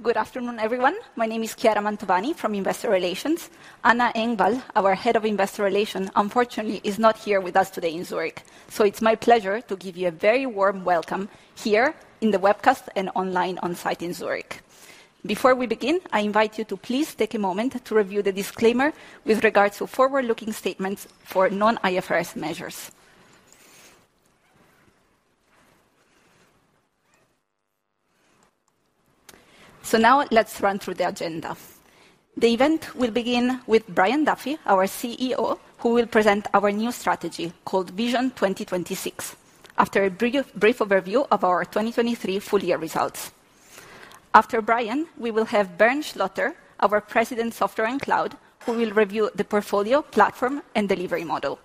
Good afternoon, everyone. My name is Chiara Mantovani from Investor Relations. Anna Engvall, our Head of Investor Relations, unfortunately is not here with us today in Zurich, so it's my pleasure to give you a very warm welcome here in the webcast and online, onsite in Zurich. Before we begin, I invite you to please take a moment to review the disclaimer with regards to forward-looking statements for non-IFRS measures. So now let's run through the agenda. The event will begin with Brian Duffy, our CEO, who will present our new strategy called Vision 2026 after a brief overview of our 2023 full-year results. After Brian, we will have Bernd Schlotter, our President of SoftwareOne Cloud, who will review the portfolio, platform, and delivery model.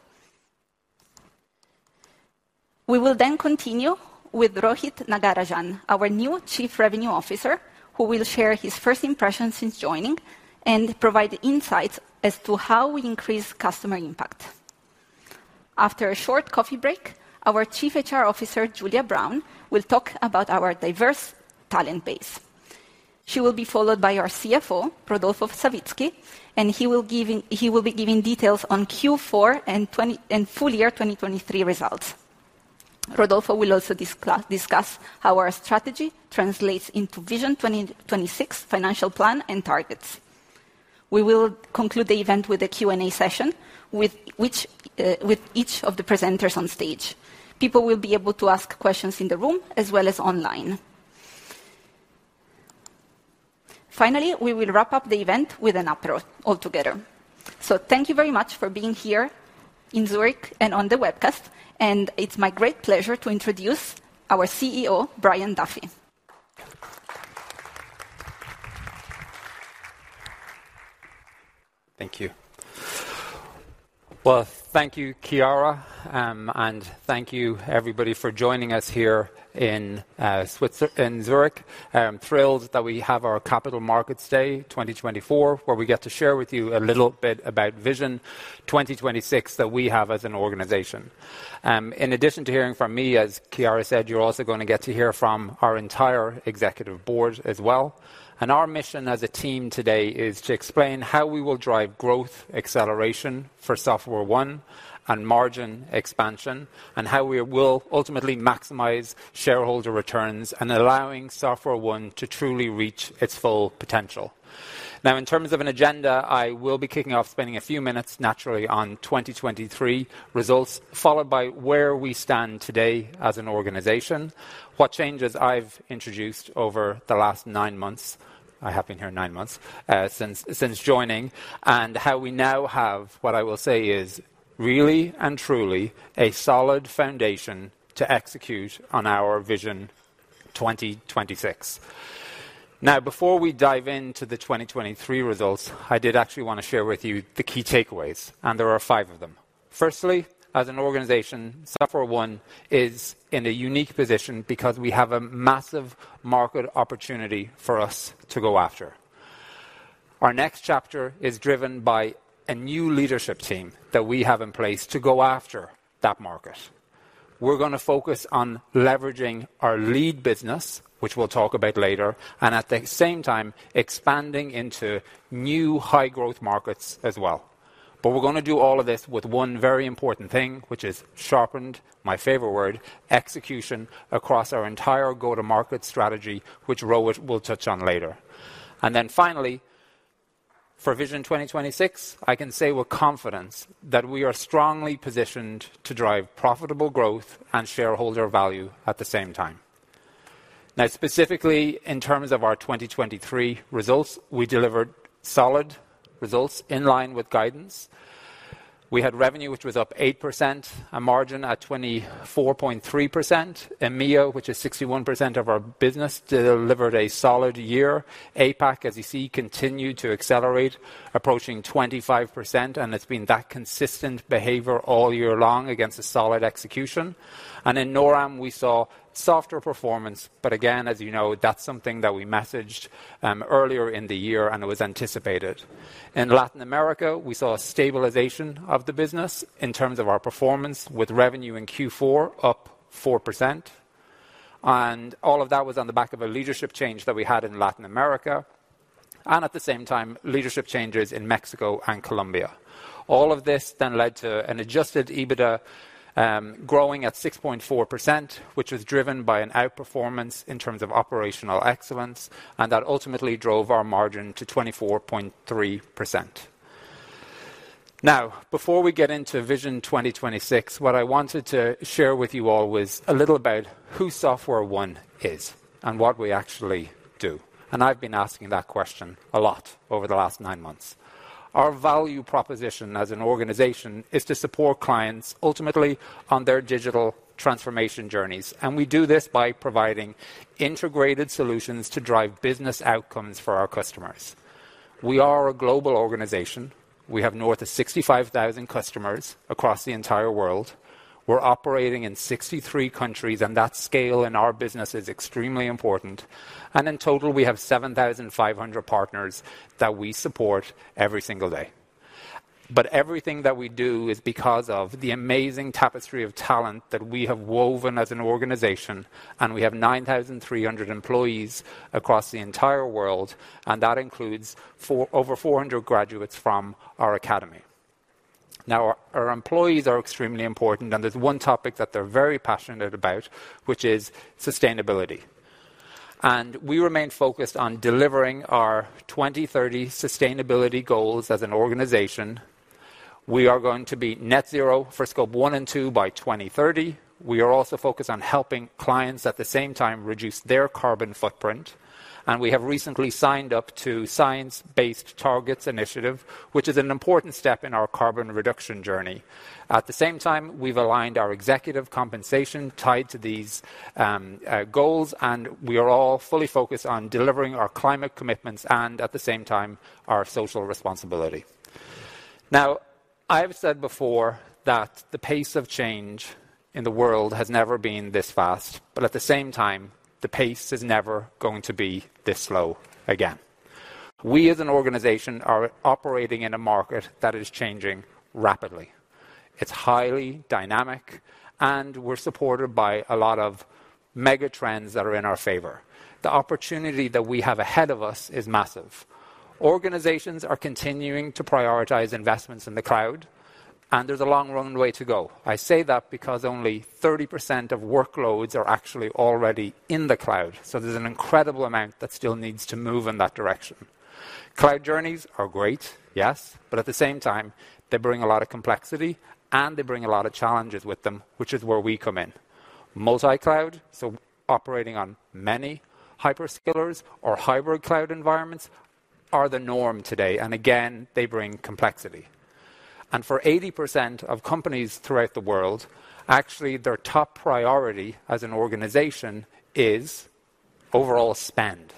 We will then continue with Rohit Nagarajan, our new Chief Revenue Officer, who will share his first impressions since joining and provide insights as to how we increase customer impact. After a short coffee break, our Chief HR Officer, Julia Braun, will talk about our diverse talent base. She will be followed by our CFO, Rodolfo Savitzky, and he will be giving details on Q4 and full-year 2023 results. Rodolfo will also discuss how our strategy translates into Vision 2026 financial plan and targets. We will conclude the event with a Q&A session with each of the presenters on stage. People will be able to ask questions in the room as well as online. Finally, we will wrap up the event with an aperitif altogether. So thank you very much for being here in Zurich and on the webcast, and it's my great pleasure to introduce our CEO, Brian Duffy. Thank you. Well, thank you, Chiara, and thank you, everybody, for joining us here in Zurich. I'm thrilled that we have our Capital Markets Day 2024, where we get to share with you a little bit about Vision 2026 that we have as an organization. In addition to hearing from me, as Chiara said, you're also going to get to hear from our entire executive board as well. Our mission as a team today is to explain how we will drive growth acceleration for SoftwareOne and margin expansion, and how we will ultimately maximize shareholder returns and allow SoftwareOne to truly reach its full potential. Now, in terms of an agenda, I will be kicking off spending a few minutes, naturally, on 2023 results, followed by where we stand today as an organization, what changes I've introduced over the last nine months, I have been here nine months since joining, and how we now have what I will say is really and truly a solid foundation to execute on our Vision 2026. Now, before we dive into the 2023 results, I did actually want to share with you the key takeaways, and there are five of them. Firstly, as an organization, SoftwareOne is in a unique position because we have a massive market opportunity for us to go after. Our next chapter is driven by a new leadership team that we have in place to go after that market. We're going to focus on leveraging our lead business, which we'll talk about later, and at the same time expanding into new high-growth markets as well. But we're going to do all of this with one very important thing, which is sharpened - my favorite word - execution across our entire go-to-market strategy, which Rohit will touch on later. And then finally, for Vision 2026, I can say with confidence that we are strongly positioned to drive profitable growth and shareholder value at the same time. Now, specifically in terms of our 2023 results, we delivered solid results in line with guidance. We had revenue, which was up 8%, a margin at 24.3%, and EMEA, which is 61% of our business, delivered a solid year. APAC, as you see, continued to accelerate, approaching 25%, and it's been that consistent behavior all year long against a solid execution. In NORAM, we saw softer performance, but again, as you know, that's something that we messaged earlier in the year and it was anticipated. In Latin America, we saw a stabilization of the business in terms of our performance, with revenue in Q4 up 4%, and all of that was on the back of a leadership change that we had in Latin America and, at the same time, leadership changes in Mexico and Colombia. All of this then led to an Adjusted EBITDA growing at 6.4%, which was driven by an outperformance in terms of operational excellence, and that ultimately drove our margin to 24.3%. Now, before we get into Vision 2026, what I wanted to share with you all was a little about who SoftwareOne is and what we actually do, and I've been asking that question a lot over the last nine months. Our value proposition as an organization is to support clients, ultimately, on their digital transformation journeys, and we do this by providing integrated solutions to drive business outcomes for our customers. We are a global organization. We have north of 65,000 customers across the entire world. We're operating in 63 countries, and that scale in our business is extremely important. In total, we have 7,500 partners that we support every single day. Everything that we do is because of the amazing tapestry of talent that we have woven as an organization, and we have 9,300 employees across the entire world, and that includes over 400 graduates from our Academy. Now, our employees are extremely important, and there's one topic that they're very passionate about, which is sustainability. We remain focused on delivering our 2030 sustainability goals as an organization. We are going to be net-zero for Scope 1 and 2 by 2030. We are also focused on helping clients, at the same time, reduce their carbon footprint, and we have recently signed up to the Science Based Targets initiative, which is an important step in our carbon reduction journey. At the same time, we've aligned our executive compensation tied to these goals, and we are all fully focused on delivering our climate commitments and, at the same time, our social responsibility. Now, I have said before that the pace of change in the world has never been this fast, but at the same time, the pace is never going to be this slow again. We, as an organization, are operating in a market that is changing rapidly. It's highly dynamic, and we're supported by a lot of megatrends that are in our favor. The opportunity that we have ahead of us is massive. Organizations are continuing to prioritize investments in the cloud, and there's a long runway to go. I say that because only 30% of workloads are actually already in the cloud, so there's an incredible amount that still needs to move in that direction. Cloud Journeys are great, yes, but at the same time, they bring a lot of complexity, and they bring a lot of challenges with them, which is where we come in. Multi-cloud, so operating on many hyperscalers or hybrid cloud environments, are the norm today, and again, they bring complexity. For 80% of companies throughout the world, actually, their top priority as an organization is overall spend,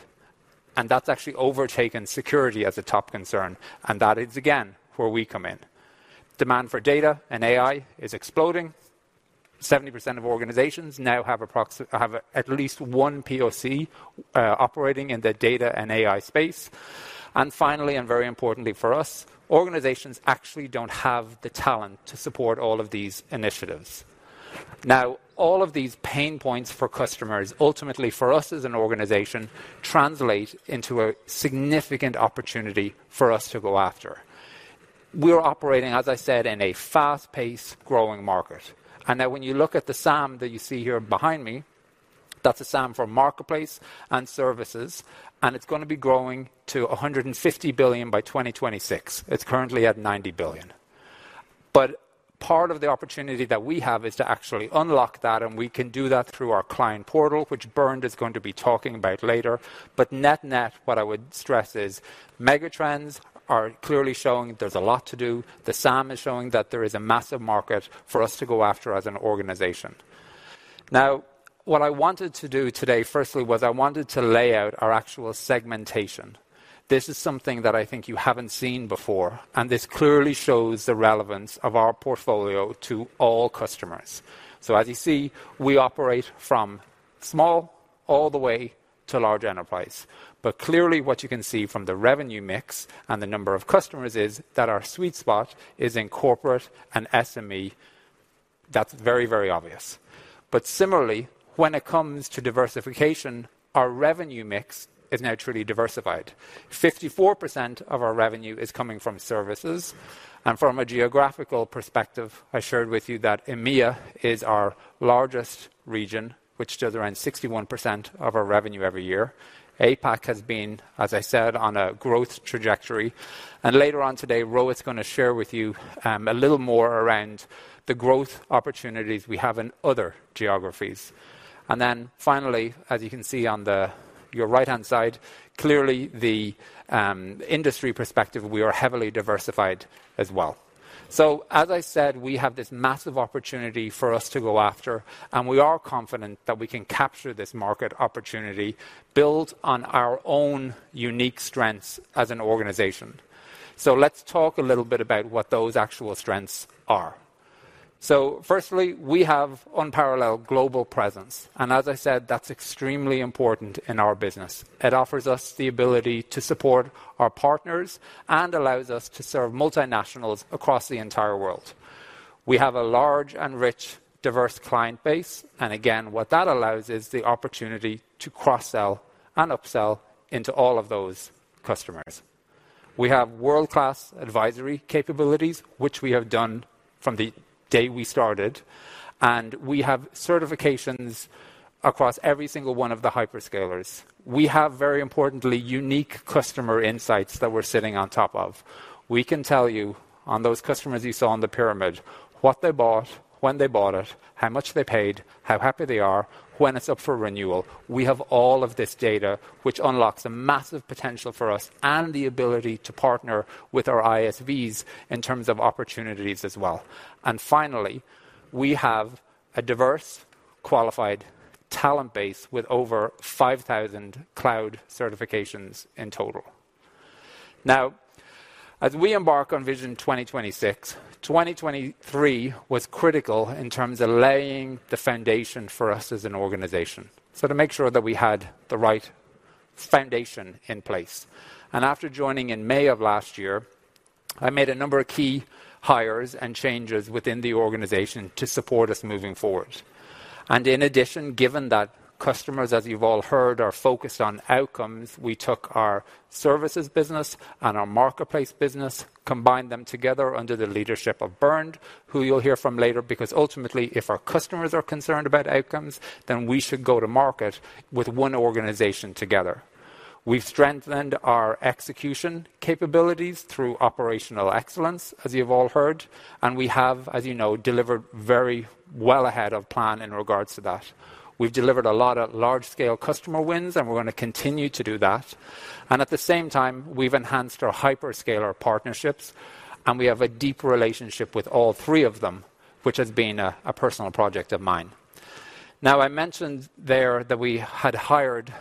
and that's actually overtaken security as a top concern, and that is, again, where we come in. Demand for data and AI is exploding. 70% of organizations now have at least one POC operating in the data and AI space. And finally, and very importantly for us, organizations actually don't have the talent to support all of these initiatives. Now, all of these pain points for customers, ultimately for us as an organization, translate into a significant opportunity for us to go after. We're operating, as I said, in a fast-paced growing market. And now, when you look at the SAM that you see here behind me, that's a SAM for Marketplace and Services, and it's going to be growing to $150 billion by 2026. It's currently at $90 billion. But part of the opportunity that we have is to actually unlock that, and we can do that through our Client Portal, which Bernd is going to be talking about later. But net-net, what I would stress is megatrends are clearly showing there's a lot to do. The SAM is showing that there is a massive market for us to go after as an organization. Now, what I wanted to do today, firstly, was I wanted to lay out our actual segmentation. This is something that I think you haven't seen before, and this clearly shows the relevance of our portfolio to all customers. So, as you see, we operate from small all the way to large enterprise, but clearly what you can see from the revenue mix and the number of customers is that our sweet spot is in Corporate and SME. That's very, very obvious. But similarly, when it comes to diversification, our revenue mix is now truly diversified. 54% of our revenue is coming from services, and from a geographical perspective, I shared with you that EMEA is our largest region, which does around 61% of our revenue every year. APAC has been, as I said, on a growth trajectory, and later on today, Rohit's going to share with you a little more around the growth opportunities we have in other geographies. And then finally, as you can see on your right-hand side, clearly the industry perspective, we are heavily diversified as well. So, as I said, we have this massive opportunity for us to go after, and we are confident that we can capture this market opportunity built on our own unique strengths as an organization. So let's talk a little bit about what those actual strengths are. So firstly, we have unparalleled global presence, and as I said, that's extremely important in our business. It offers us the ability to support our partners and allows us to serve multinationals across the entire world. We have a large and rich, diverse client base, and again, what that allows is the opportunity to cross-sell and upsell into all of those customers. We have world-class advisory capabilities, which we have done from the day we started, and we have certifications across every single one of the hyperscalers. We have, very importantly, unique customer insights that we're sitting on top of. We can tell you on those customers you saw on the pyramid what they bought, when they bought it, how much they paid, how happy they are, when it's up for renewal. We have all of this data, which unlocks a massive potential for us and the ability to partner with our ISVs in terms of opportunities as well. Finally, we have a diverse, qualified talent base with over 5,000 cloud certifications in total. Now, as we embark on Vision 2026, 2023 was critical in terms of laying the foundation for us as an organization, so to make sure that we had the right foundation in place. After joining in May of last year, I made a number of key hires and changes within the organization to support us moving forward. In addition, given that customers, as you've all heard, are focused on outcomes, we took our services business and our Marketplace business, combined them together under the leadership of Bernd, who you'll hear from later, because ultimately, if our customers are concerned about outcomes, then we should go to market with one organization together. We've strengthened our execution capabilities through operational excellence, as you've all heard, and we have, as you know, delivered very well ahead of plan in regards to that. We've delivered a lot of large-scale customer wins, and we're going to continue to do that. And at the same time, we've enhanced our hyperscaler partnerships, and we have a deep relationship with all three of them, which has been a personal project of mine. Now, I mentioned there that we had hired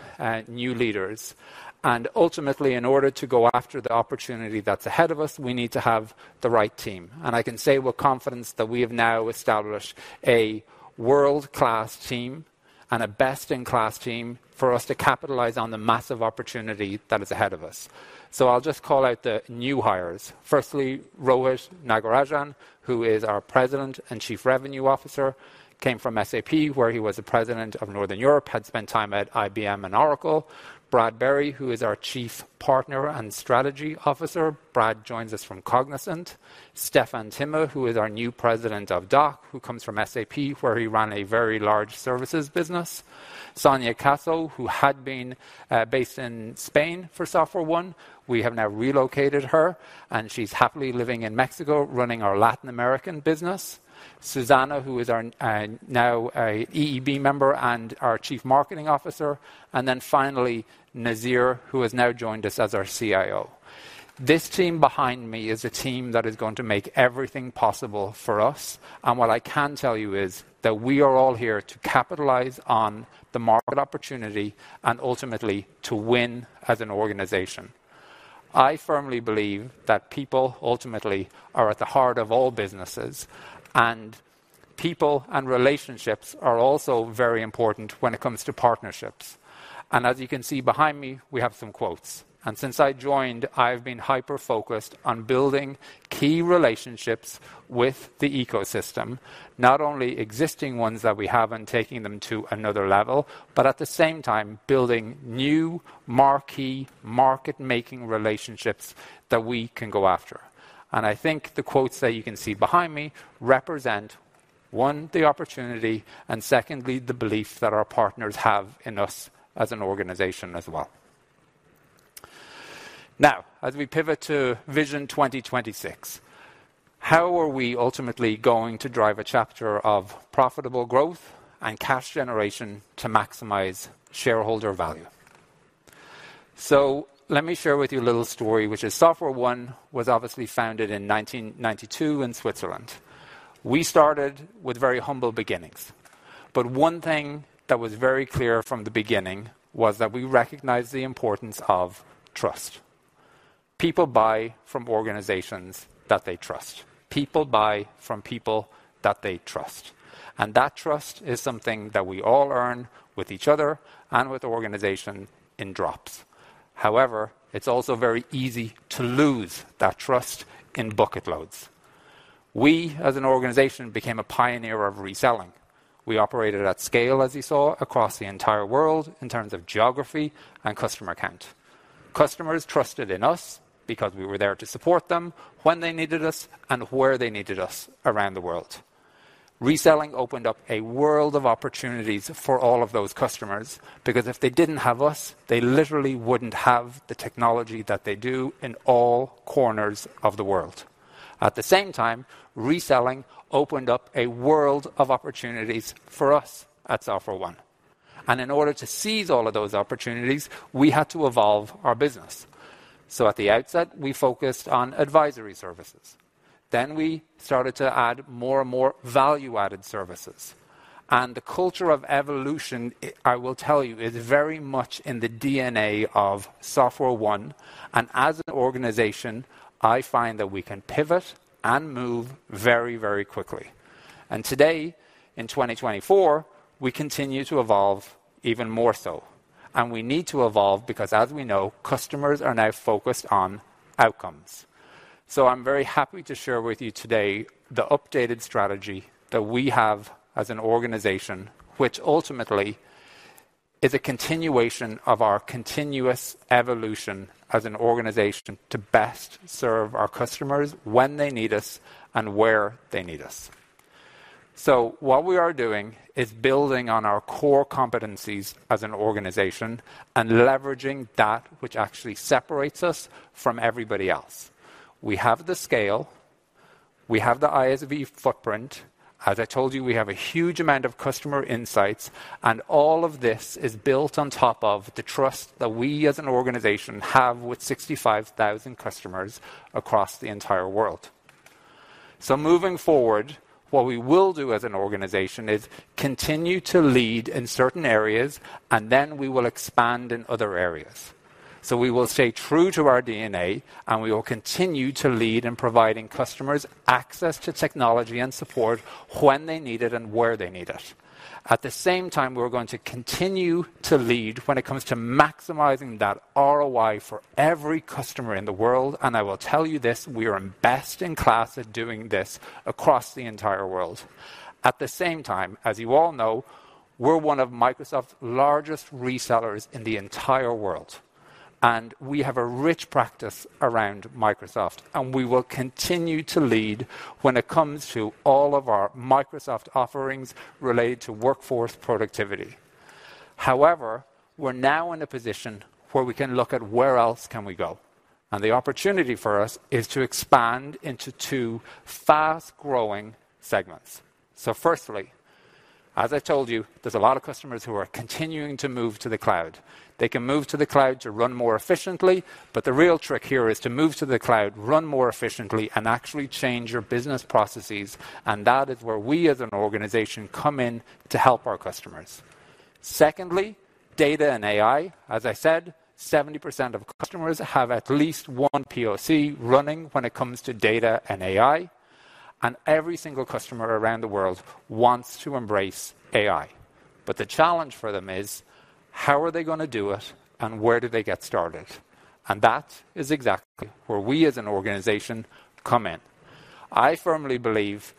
new leaders, and ultimately, in order to go after the opportunity that's ahead of us, we need to have the right team. And I can say with confidence that we have now established a world-class team and a best-in-class team for us to capitalize on the massive opportunity that is ahead of us. So I'll just call out the new hires. Firstly, Rohit Nagarajan, who is our President and Chief Revenue Officer, came from SAP, where he was the President of Northern Europe, had spent time at IBM and Oracle. Brad Berry, who is our Chief Partner and Strategy Officer, Brad joins us from Cognizant. Stefan Thiel, who is our new President of DACH, who comes from SAP, where he ran a very large services business. Sonia Caso, who had been based in Spain for SoftwareOne, we have now relocated her, and she's happily living in Mexico, running our Latin American business. Susanna, who is now an EEB member and our Chief Marketing Officer, and then finally, Nazeer, who has now joined us as our CIO. This team behind me is a team that is going to make everything possible for us, and what I can tell you is that we are all here to capitalize on the market opportunity and ultimately to win as an organization. I firmly believe that people ultimately are at the heart of all businesses, and people and relationships are also very important when it comes to partnerships. As you can see behind me, we have some quotes, and since I joined, I have been hyper-focused on building key relationships with the ecosystem, not only existing ones that we have and taking them to another level, but at the same time, building new marquee market-making relationships that we can go after. I think the quotes that you can see behind me represent, one, the opportunity, and secondly, the belief that our partners have in us as an organization as well. Now, as we pivot to Vision 2026, how are we ultimately going to drive a chapter of profitable growth and cash generation to maximize shareholder value? Let me share with you a little story, which is: SoftwareOne was obviously founded in 1992 in Switzerland. We started with very humble beginnings, but one thing that was very clear from the beginning was that we recognize the importance of trust. People buy from organizations that they trust. People buy from people that they trust, and that trust is something that we all earn with each other and with the organization in drops. However, it's also very easy to lose that trust in bucket loads. We, as an organization, became a pioneer of reselling. We operated at scale, as you saw, across the entire world in terms of geography and customer count. Customers trusted in us because we were there to support them when they needed us and where they needed us around the world. Reselling opened up a world of opportunities for all of those customers because if they didn't have us, they literally wouldn't have the technology that they do in all corners of the world. At the same time, reselling opened up a world of opportunities for us at SoftwareOne, and in order to seize all of those opportunities, we had to evolve our business. So at the outset, we focused on advisory services. Then we started to add more and more value-added services, and the culture of evolution, I will tell you, is very much in the DNA of SoftwareOne. As an organization, I find that we can pivot and move very, very quickly, and today, in 2024, we continue to evolve even more so, and we need to evolve because, as we know, customers are now focused on outcomes. I'm very happy to share with you today the updated strategy that we have as an organization, which ultimately is a continuation of our continuous evolution as an organization to best serve our customers when they need us and where they need us. What we are doing is building on our core competencies as an organization and leveraging that which actually separates us from everybody else. We have the scale, we have the ISV footprint. As I told you, we have a huge amount of customer insights, and all of this is built on top of the trust that we, as an organization, have with 65,000 customers across the entire world. Moving forward, what we will do as an organization is continue to lead in certain areas, and then we will expand in other areas. We will stay true to our DNA, and we will continue to lead in providing customers access to technology and support when they need it and where they need it. At the same time, we're going to continue to lead when it comes to maximizing that ROI for every customer in the world, and I will tell you this: we are best in class at doing this across the entire world. At the same time, as you all know, we're one of Microsoft's largest resellers in the entire world, and we have a rich practice around Microsoft, and we will continue to lead when it comes to all of our Microsoft offerings related to workforce productivity. However, we're now in a position where we can look at where else can we go, and the opportunity for us is to expand into two fast-growing segments. So firstly, as I told you, there's a lot of customers who are continuing to move to the cloud. They can move to the cloud to run more efficiently, but the real trick here is to move to the cloud, run more efficiently, and actually change your business processes, and that is where we, as an organization, come in to help our customers. Secondly, data and AI: as I said, 70% of customers have at least one POC running when it comes to data and AI, and every single customer around the world wants to embrace AI, but the challenge for them is: how are they going to do it, and where do they get started? And that is exactly where we, as an organization, come in. I firmly believe,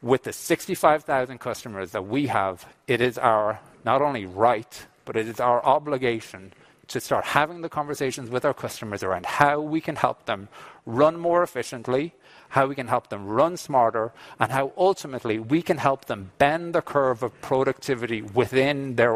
with the 65,000 customers that we have, it is not only our right, but it is our obligation to start having the conversations with our customers around how we can help them run more efficiently, how we can help them run smarter, and how ultimately we can help them bend the curve of productivity within their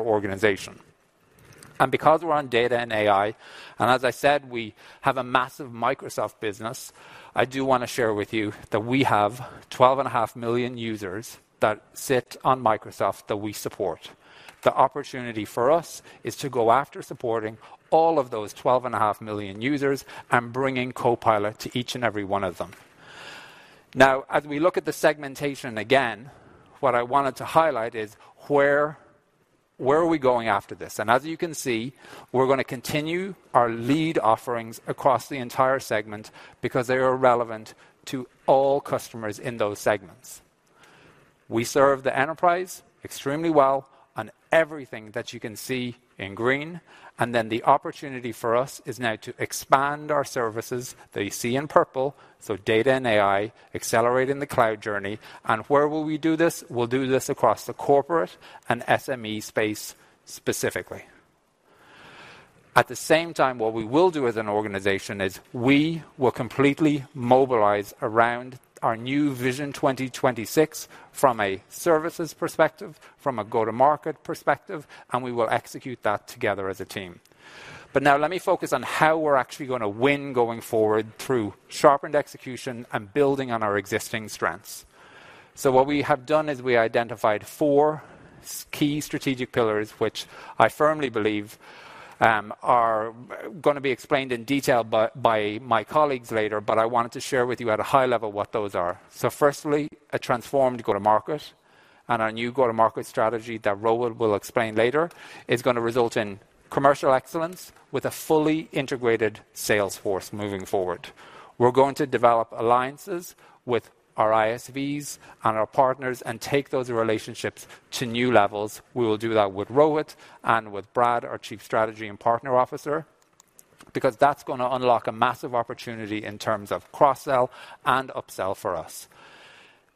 organization. Because we're on data and AI, and as I said, we have a massive Microsoft business, I do want to share with you that we have 12.5 million users that sit on Microsoft that we support. The opportunity for us is to go after supporting all of those 12.5 million users and bringing Copilot to each and every one of them. Now, as we look at the segmentation again, what I wanted to highlight is: where are we going after this? As you can see, we're going to continue our lead offerings across the entire segment because they are relevant to all customers in those segments. We serve the enterprise extremely well on everything that you can see in green, and then the opportunity for us is now to expand our services that you see in purple, so data and AI, accelerating the cloud journey. Where will we do this? We'll do this across the corporate and SME space specifically. At the same time, what we will do as an organization is we will completely mobilize around our new Vision 2026 from a services perspective, from a go-to-market perspective, and we will execute that together as a team. Now let me focus on how we're actually going to win going forward through sharpened execution and building on our existing strengths. What we have done is we identified four key strategic pillars, which I firmly believe are going to be explained in detail by my colleagues later, but I wanted to share with you at a high level what those are. Firstly, a transformed go-to-market and our new go-to-market strategy that Rohit will explain later is going to result in commercial excellence with a fully integrated sales force moving forward. We're going to develop alliances with our ISVs and our partners and take those relationships to new levels. We will do that with Rohit and with Brad, our Chief Strategy and Partner Officer, because that's going to unlock a massive opportunity in terms of cross-sell and upsell for us.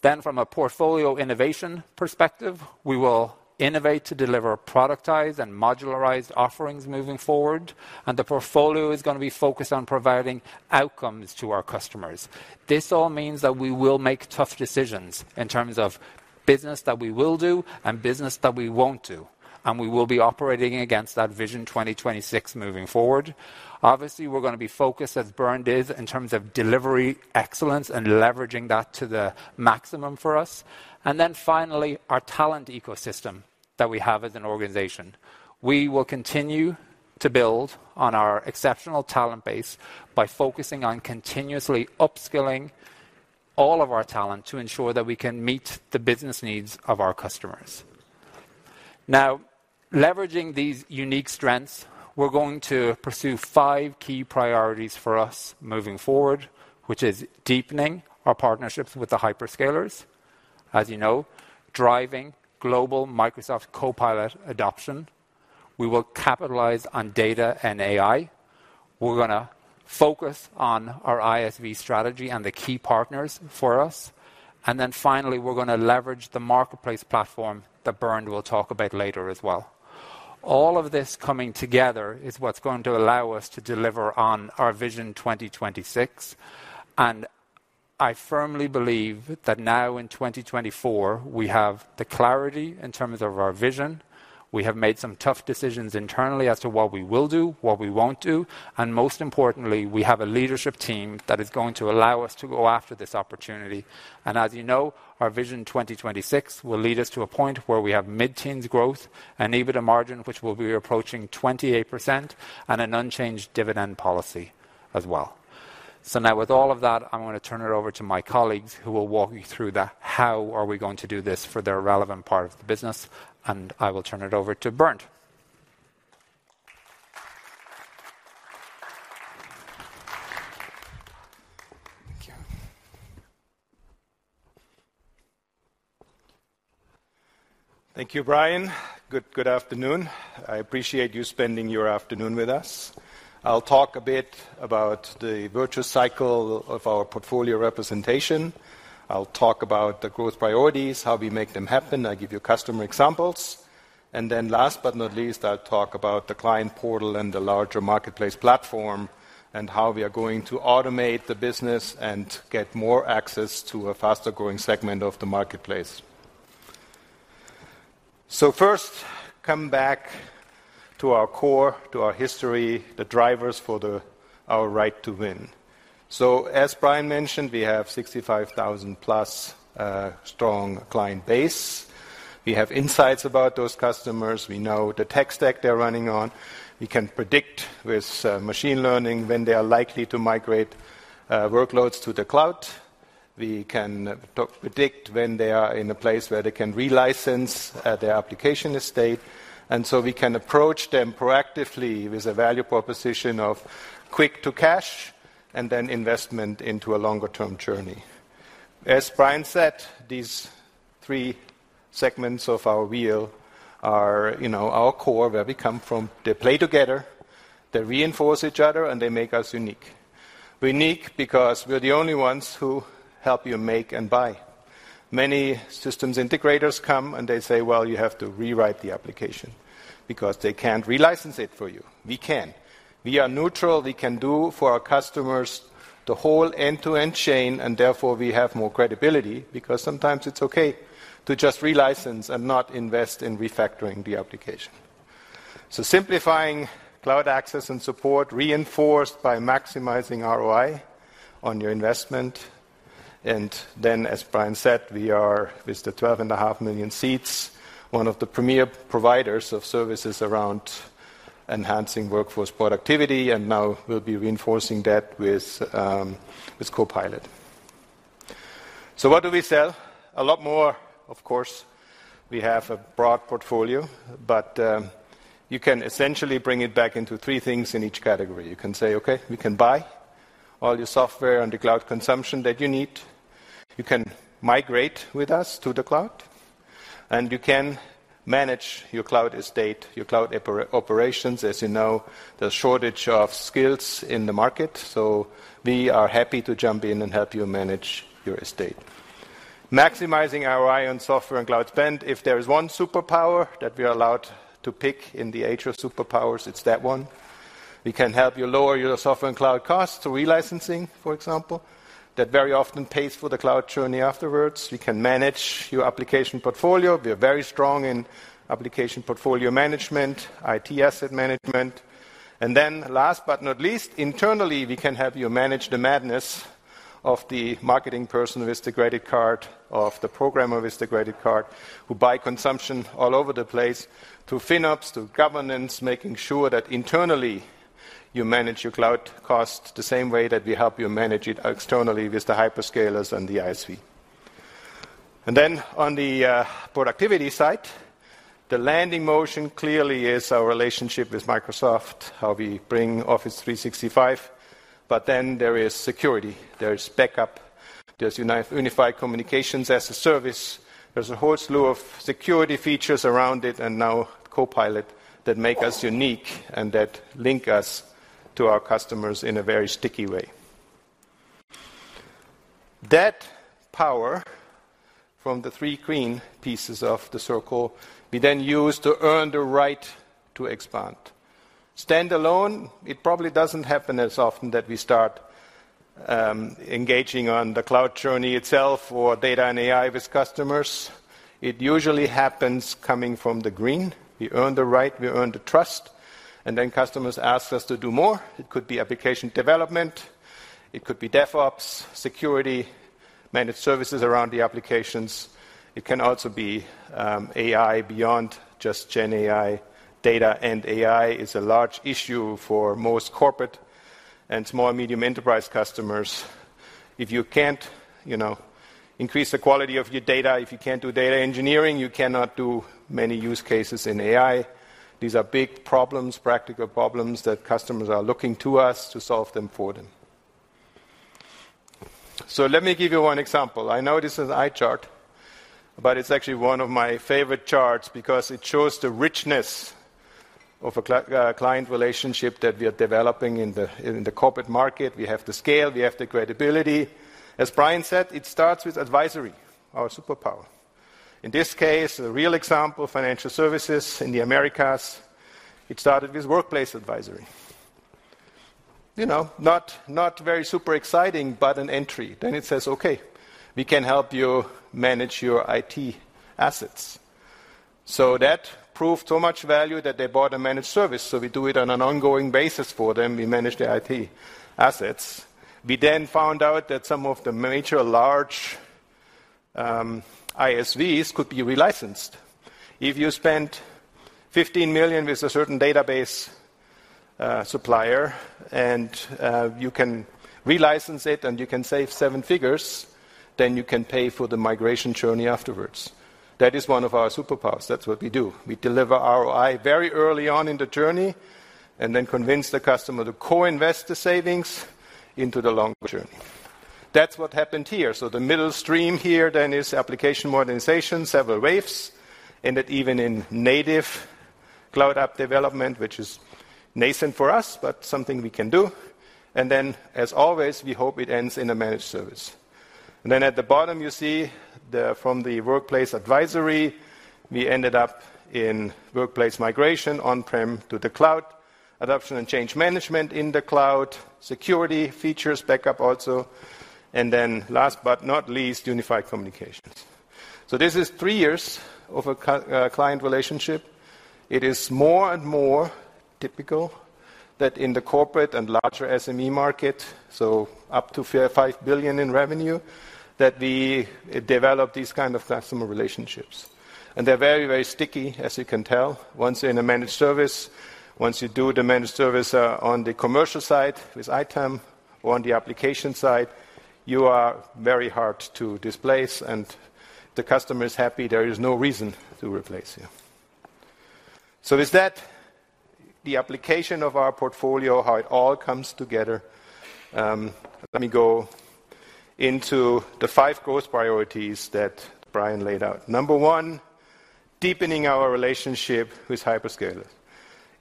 Then, from a portfolio innovation perspective, we will innovate to deliver productized and modularized offerings moving forward, and the portfolio is going to be focused on providing outcomes to our customers. This all means that we will make tough decisions in terms of business that we will do and business that we won't do, and we will be operating against that Vision 2026 moving forward. Obviously, we're going to be focused as Bernd is in terms of delivery excellence and leveraging that to the maximum for us. And then finally, our talent ecosystem that we have as an organization: we will continue to build on our exceptional talent base by focusing on continuously upskilling all of our talent to ensure that we can meet the business needs of our customers. Now, leveraging these unique strengths, we're going to pursue five key priorities for us moving forward, which are deepening our partnerships with the hyperscalers (as you know), driving global Microsoft Copilot adoption, we will capitalize on data and AI, we're going to focus on our ISV strategy and the key partners for us, and then finally we're going to leverage the Marketplace Platform that Bernd will talk about later as well. All of this coming together is what's going to allow us to deliver on our Vision 2026, and I firmly believe that now in 2024 we have the clarity in terms of our vision. We have made some tough decisions internally as to what we will do, what we won't do, and most importantly, we have a leadership team that is going to allow us to go after this opportunity. And as you know, our Vision 2026 will lead us to a point where we have mid-teens growth and EBITDA margin which will be approaching 28% and an unchanged dividend policy as well. So now, with all of that, I'm going to turn it over to my colleagues who will walk you through the "how are we going to do this" for their relevant part of the business, and I will turn it over to Bernd. Thank you. Thank you, Brian. Good afternoon. I appreciate you spending your afternoon with us. I'll talk a bit about the virtuous cycle of our portfolio representation. I'll talk about the growth priorities, how we make them happen. I'll give you customer examples, and then last but not least, I'll talk about the Client Portal and the larger Marketplace Platform and how we are going to automate the business and get more access to a faster-growing segment of the Marketplace. So first, come back to our core, to our history, the drivers for our right to win. As Brian mentioned, we have 65,000+ strong client base, we have insights about those customers, we know the tech stack they're running on, we can predict with machine learning when they are likely to migrate workloads to the cloud, we can predict when they are in a place where they can relicense their application estate, and so we can approach them proactively with a value proposition of quick-to-cash and then investment into a longer-term journey. As Brian said, these three segments of our wheel are our core where we come from: they play together, they reinforce each other, and they make us unique. Unique because we're the only ones who help you make and buy. Many systems integrators come and they say, "Well, you have to rewrite the application because they can't relicense it for you." We can. We are neutral, we can do for our customers the whole end-to-end chain, and therefore we have more credibility because sometimes it's okay to just relicense and not invest in refactoring the application. So simplifying cloud access and support reinforced by maximizing ROI on your investment, and then, as Brian said, we are, with the 12.5 million seats, one of the premier providers of services around enhancing workforce productivity, and now we'll be reinforcing that with Copilot. So what do we sell? A lot more, of course. We have a broad portfolio, but you can essentially bring it back into three things in each category. You can say, "Okay, we can buy all your software and the cloud consumption that you need, you can migrate with us to the cloud, and you can manage your cloud estate, your cloud operations." As you know, there's a shortage of skills in the market, so we are happy to jump in and help you manage your estate. Maximizing ROI on software and cloud spend, if there is one superpower that we are allowed to pick in the age of superpowers, it's that one. We can help you lower your software and cloud costs through relicensing, for example, that very often pays for the cloud journey afterwards. We can manage your application portfolio. We are very strong in Application Portfolio Management, IT Asset Management, and then last but not least, internally we can help you manage the madness of the marketing person with the credit card, of the programmer with the credit card, who buy consumption all over the place through FinOps, through governance, making sure that internally you manage your cloud costs the same way that we help you manage it externally with the hyperscalers and the ISV. And then on the productivity side, the landing motion clearly is our relationship with Microsoft, how we bring Office 365, but then there is security, there is backup, there's Unified Communications as a Service, there's a whole slew of security features around it, and now Copilot that make us unique and that link us to our customers in a very sticky way. That power from the three green pieces of the circle we then use to earn the right to expand. Standalone, it probably doesn't happen as often that we start engaging on the cloud journey itself or data and AI with customers. It usually happens coming from the green: we earn the right, we earn the trust, and then customers ask us to do more. It could be application development, it could be DevOps, security, managed services around the applications, it can also be AI beyond just GenAI. Data and AI is a large issue for most corporate and small and medium enterprise customers. If you can't increase the quality of your data, if you can't do data engineering, you cannot do many use cases in AI. These are big problems, practical problems that customers are looking to us to solve them for them. Let me give you one example. I know this is an eye chart, but it's actually one of my favorite charts because it shows the richness of a client relationship that we are developing in the corporate market. We have the scale, we have the credibility. As Brian said, it starts with advisory, our superpower. In this case, a real example: financial services in the Americas. It started with workplace advisory. Not very super exciting, but an entry. Then it says, "Okay, we can help you manage your IT assets." So that proved so much value that they bought a managed service, so we do it on an ongoing basis for them, we manage their IT assets. We then found out that some of the major large ISVs could be relicensed. If you spend 15 million with a certain database supplier and you can relicense it and you can save seven figures, then you can pay for the migration journey afterwards. That is one of our superpowers, that's what we do. We deliver ROI very early on in the journey and then convince the customer to co-invest the savings into the longer journey. That's what happened here. So the middle stream here then is application modernization, several waves, ended even in native cloud app development, which is nascent for us but something we can do, and then as always we hope it ends in a managed service. And then at the bottom you see from the workplace advisory we ended up in workplace migration, on-prem to the cloud, adoption and change management in the cloud, security features, backup also, and then last but not least Unified Communications. This is 3 years of a client relationship. It is more and more typical that in the corporate and larger SME market, so up to 5 billion in revenue, that we develop these kinds of customer relationships. They're very, very sticky, as you can tell. Once you're in a managed service, once you do the managed service on the commercial side with ITAM or on the application side, you are very hard to displace and the customer is happy there is no reason to replace you. So with that, the application of our portfolio, how it all comes together, let me go into the 5 growth priorities that Brian laid out. Number 1: deepening our relationship with hyperscalers.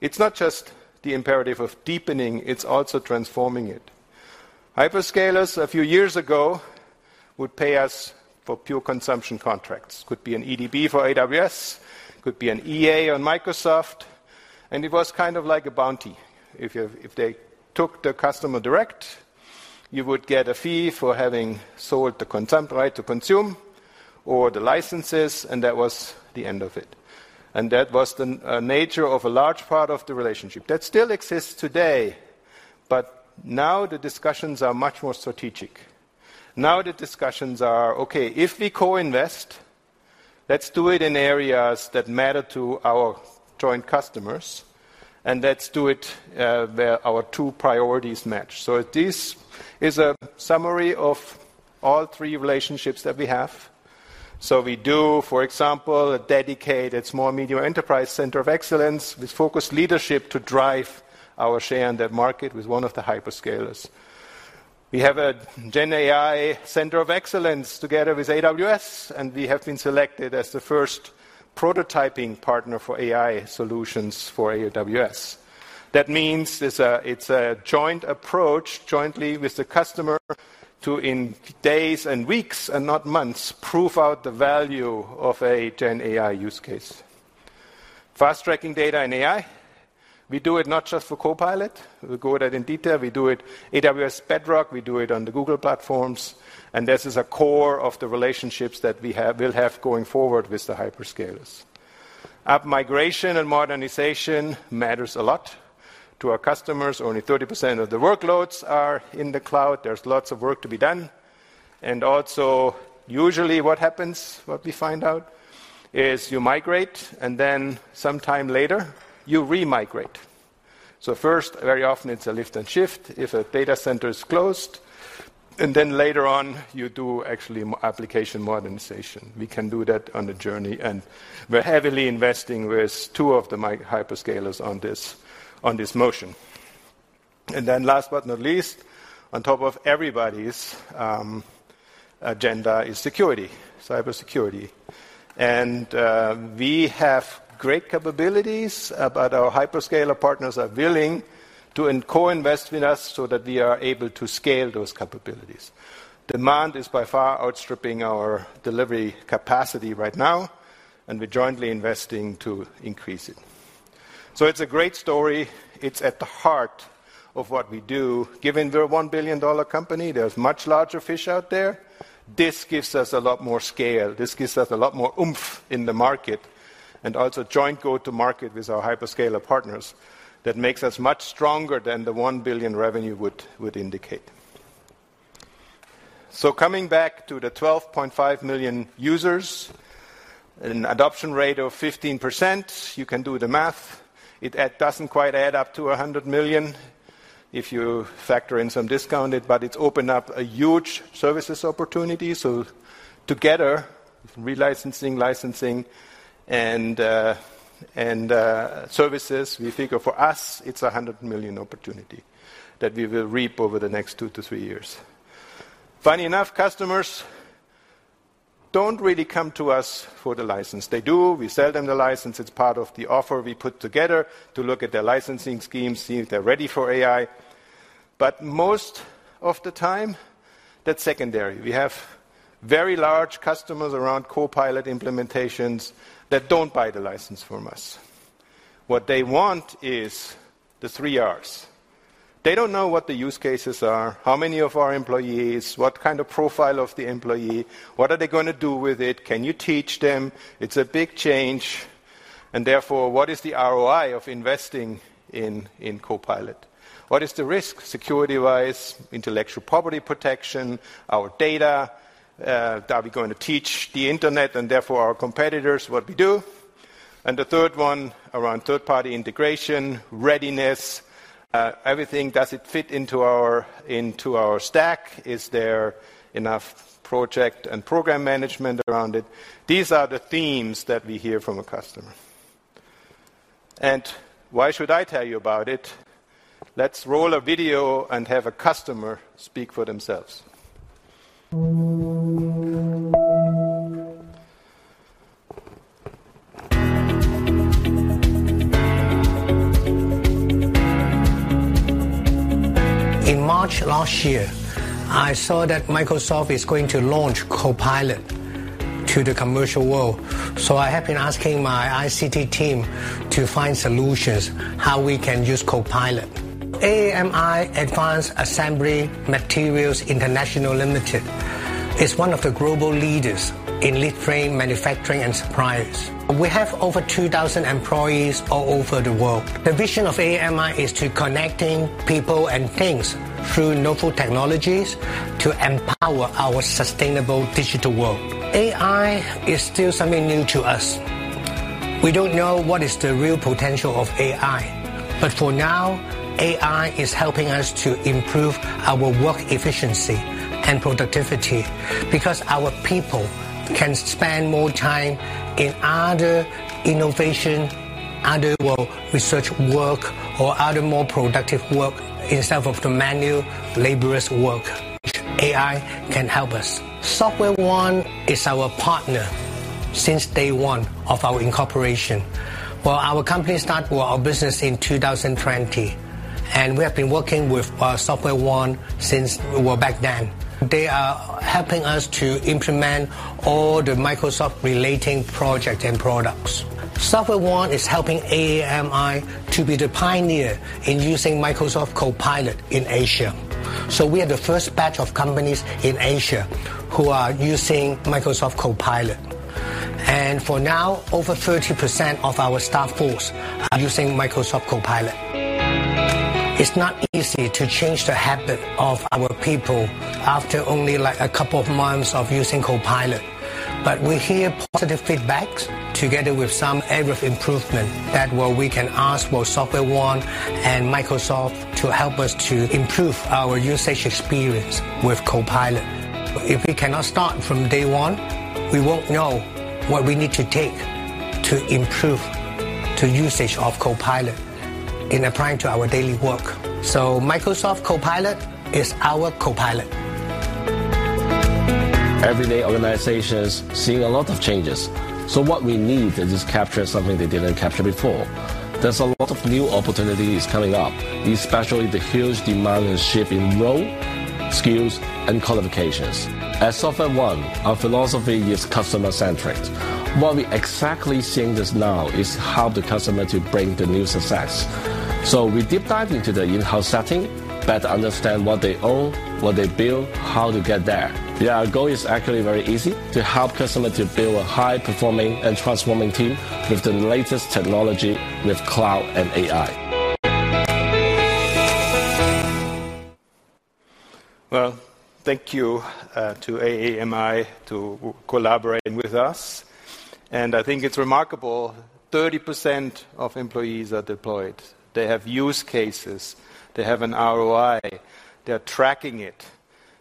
It's not just the imperative of deepening, it's also transforming it. Hyperscalers, a few years ago, would pay us for pure consumption contracts. Could be an EDP for AWS, could be an EA on Microsoft, and it was kind of like a bounty. If they took the customer direct, you would get a fee for having sold the right to consume or the licenses, and that was the end of it. And that was the nature of a large part of the relationship. That still exists today, but now the discussions are much more strategic. Now the discussions are, "Okay, if we co-invest, let's do it in areas that matter to our joint customers, and let's do it where our two priorities match." So this is a summary of all three relationships that we have. So we do, for example, a dedicated small and medium enterprise center of excellence with focused leadership to drive our share in that market with one of the hyperscalers. We have a GenAI center of excellence together with AWS, and we have been selected as the first prototyping partner for AI solutions for AWS. That means it's a joint approach, jointly with the customer, to, in days and weeks and not months, prove out the value of a GenAI use case. Fast-tracking data and AI: we do it not just for Copilot, we go at it in detail, we do it AWS Bedrock, we do it on the Google platforms, and this is a core of the relationships that we will have going forward with the hyperscalers. App migration and modernization matters a lot to our customers. Only 30% of the workloads are in the cloud, there's lots of work to be done, and also usually what happens, what we find out, is you migrate and then some time later you re-migrate. So first, very often it's a lift and shift if a data center is closed, and then later on you do actually application modernization. We can do that on the journey, and we're heavily investing with two of the hyperscalers on this motion. And then last but not least, on top of everybody's agenda is security, cybersecurity, and we have great capabilities, but our hyperscaler partners are willing to co-invest with us so that we are able to scale those capabilities. Demand is by far outstripping our delivery capacity right now, and we're jointly investing to increase it. So it's a great story. It's at the heart of what we do. Given we're a $1 billion company, there's much larger fish out there. This gives us a lot more scale, this gives us a lot more oomph in the market, and also joint go-to-market with our hyperscaler partners that makes us much stronger than the $1 billion revenue would indicate. So coming back to the 12.5 million users, an adoption rate of 15%. You can do the math. It doesn't quite add up to 100 million if you factor in some discounted, but it's opened up a huge services opportunity. So together, relicensing, licensing, and services, we figure for us it's a $100 million opportunity that we will reap over the next two to three years. Funny enough, customers don't really come to us for the license. They do, we sell them the license, it's part of the offer we put together to look at their licensing schemes, see if they're ready for AI, but most of the time that's secondary. We have very large customers around Copilot implementations that don't buy the license from us. What they want is the three Rs. They don't know what the use cases are, how many of our employees, what kind of profile of the employee, what are they going to do with it, can you teach them. It's a big change, and therefore what is the ROI of investing in Copilot? What is the risk security-wise, intellectual property protection, our data? Are we going to teach the internet and therefore our competitors what we do? And the third one, around third-party integration, readiness, everything, does it fit into our stack? Is there enough project and program management around it? These are the themes that we hear from a customer. And why should I tell you about it? Let's roll a video and have a customer speak for themselves. In March last year, I saw that Microsoft is going to launch Copilot to the commercial world, so I have been asking my ICT team to find solutions, how we can use Copilot. AAMI, Advanced Assembly Materials International Limited, is one of the global leaders in lead frame manufacturing and suppliers. We have over 2,000 employees all over the world. The vision of AAMI is to connect people and things through novel technologies to empower our sustainable digital world. AI is still something new to us. We don't know what is the real potential of AI, but for now AI is helping us to improve our work efficiency and productivity because our people can spend more time in other innovation, other research work, or other more productive work instead of the manual, laborious work. AI can help us. SoftwareOne is our partner since day one of our incorporation. Well, our company started our business in 2020, and we have been working with SoftwareOne since back then. They are helping us to implement all the Microsoft-related projects and products. SoftwareOne is helping AAMI to be the pioneer in using Microsoft Copilot in Asia. So we are the first batch of companies in Asia who are using Microsoft Copilot, and for now over 30% of our staff force are using Microsoft Copilot. It's not easy to change the habit of our people after only a couple of months of using Copilot, but we hear positive feedback together with some area of improvement that we can ask SoftwareOne and Microsoft to help us to improve our usage experience with Copilot. If we cannot start from day one, we won't know what we need to take to improve the usage of Copilot in applying to our daily work. Microsoft Copilot is our Copilot. day organizations are seeing a lot of changes, so what we need is to capture something they didn't capture before. There's a lot of new opportunities coming up, especially the huge demand and shift in role, skills, and qualifications. At SoftwareOne, our philosophy is customer-centric. What we're exactly seeing just now is help the customer to bring the new success. So we deep dive into the in-house setting, better understand what they own, what they build, how to get there. Yeah, our goal is actually very easy: to help customers to build a high-performing and transforming team with the latest technology, with cloud and AI. Well, thank you to AAMI for collaborating with us, and I think it's remarkable 30% of employees are deployed. They have use cases, they have an ROI, they're tracking it.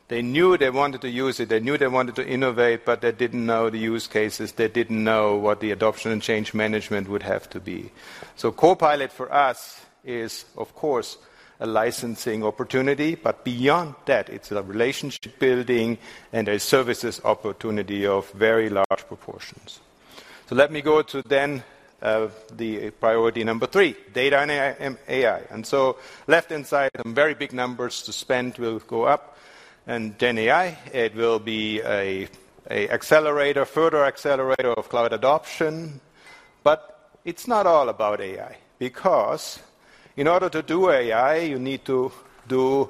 They knew they wanted to use it, they knew they wanted to innovate, but they didn't know the use cases, they didn't know what the adoption and change management would have to be. So Copilot for us is, of course, a licensing opportunity, but beyond that it's a relationship building and a services opportunity of very large proportions. So let me go to then the priority number three: data and AI. And so left-hand side some very big numbers to spend will go up, and GenAI it will be an accelerator, further accelerator of cloud adoption, but it's not all about AI because in order to do AI you need to do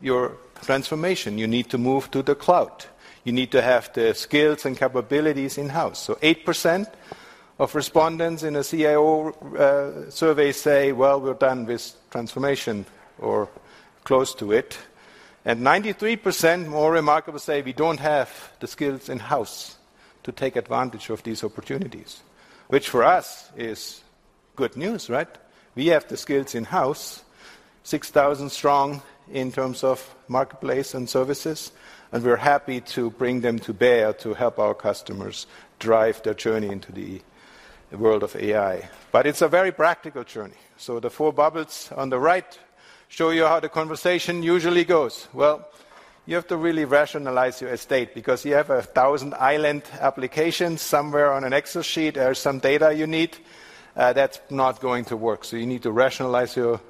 your transformation, you need to move to the cloud, you need to have the skills and capabilities in-house. So 8% of respondents in a CIO survey say, "Well, we're done with transformation," or close to it, and 93% more remarkable say, "We don't have the skills in-house to take advantage of these opportunities," which for us is good news, right? We have the skills in-house, 6,000 strong in terms of Marketplace and services, and we're happy to bring them to bear to help our customers drive their journey into the world of AI. But it's a very practical journey. So the four bubbles on the right show you how the conversation usually goes. Well, you have to really rationalize your estate because you have 1,000 island applications somewhere on an Excel sheet, there's some data you need, that's not going to work, so you need to rationalize your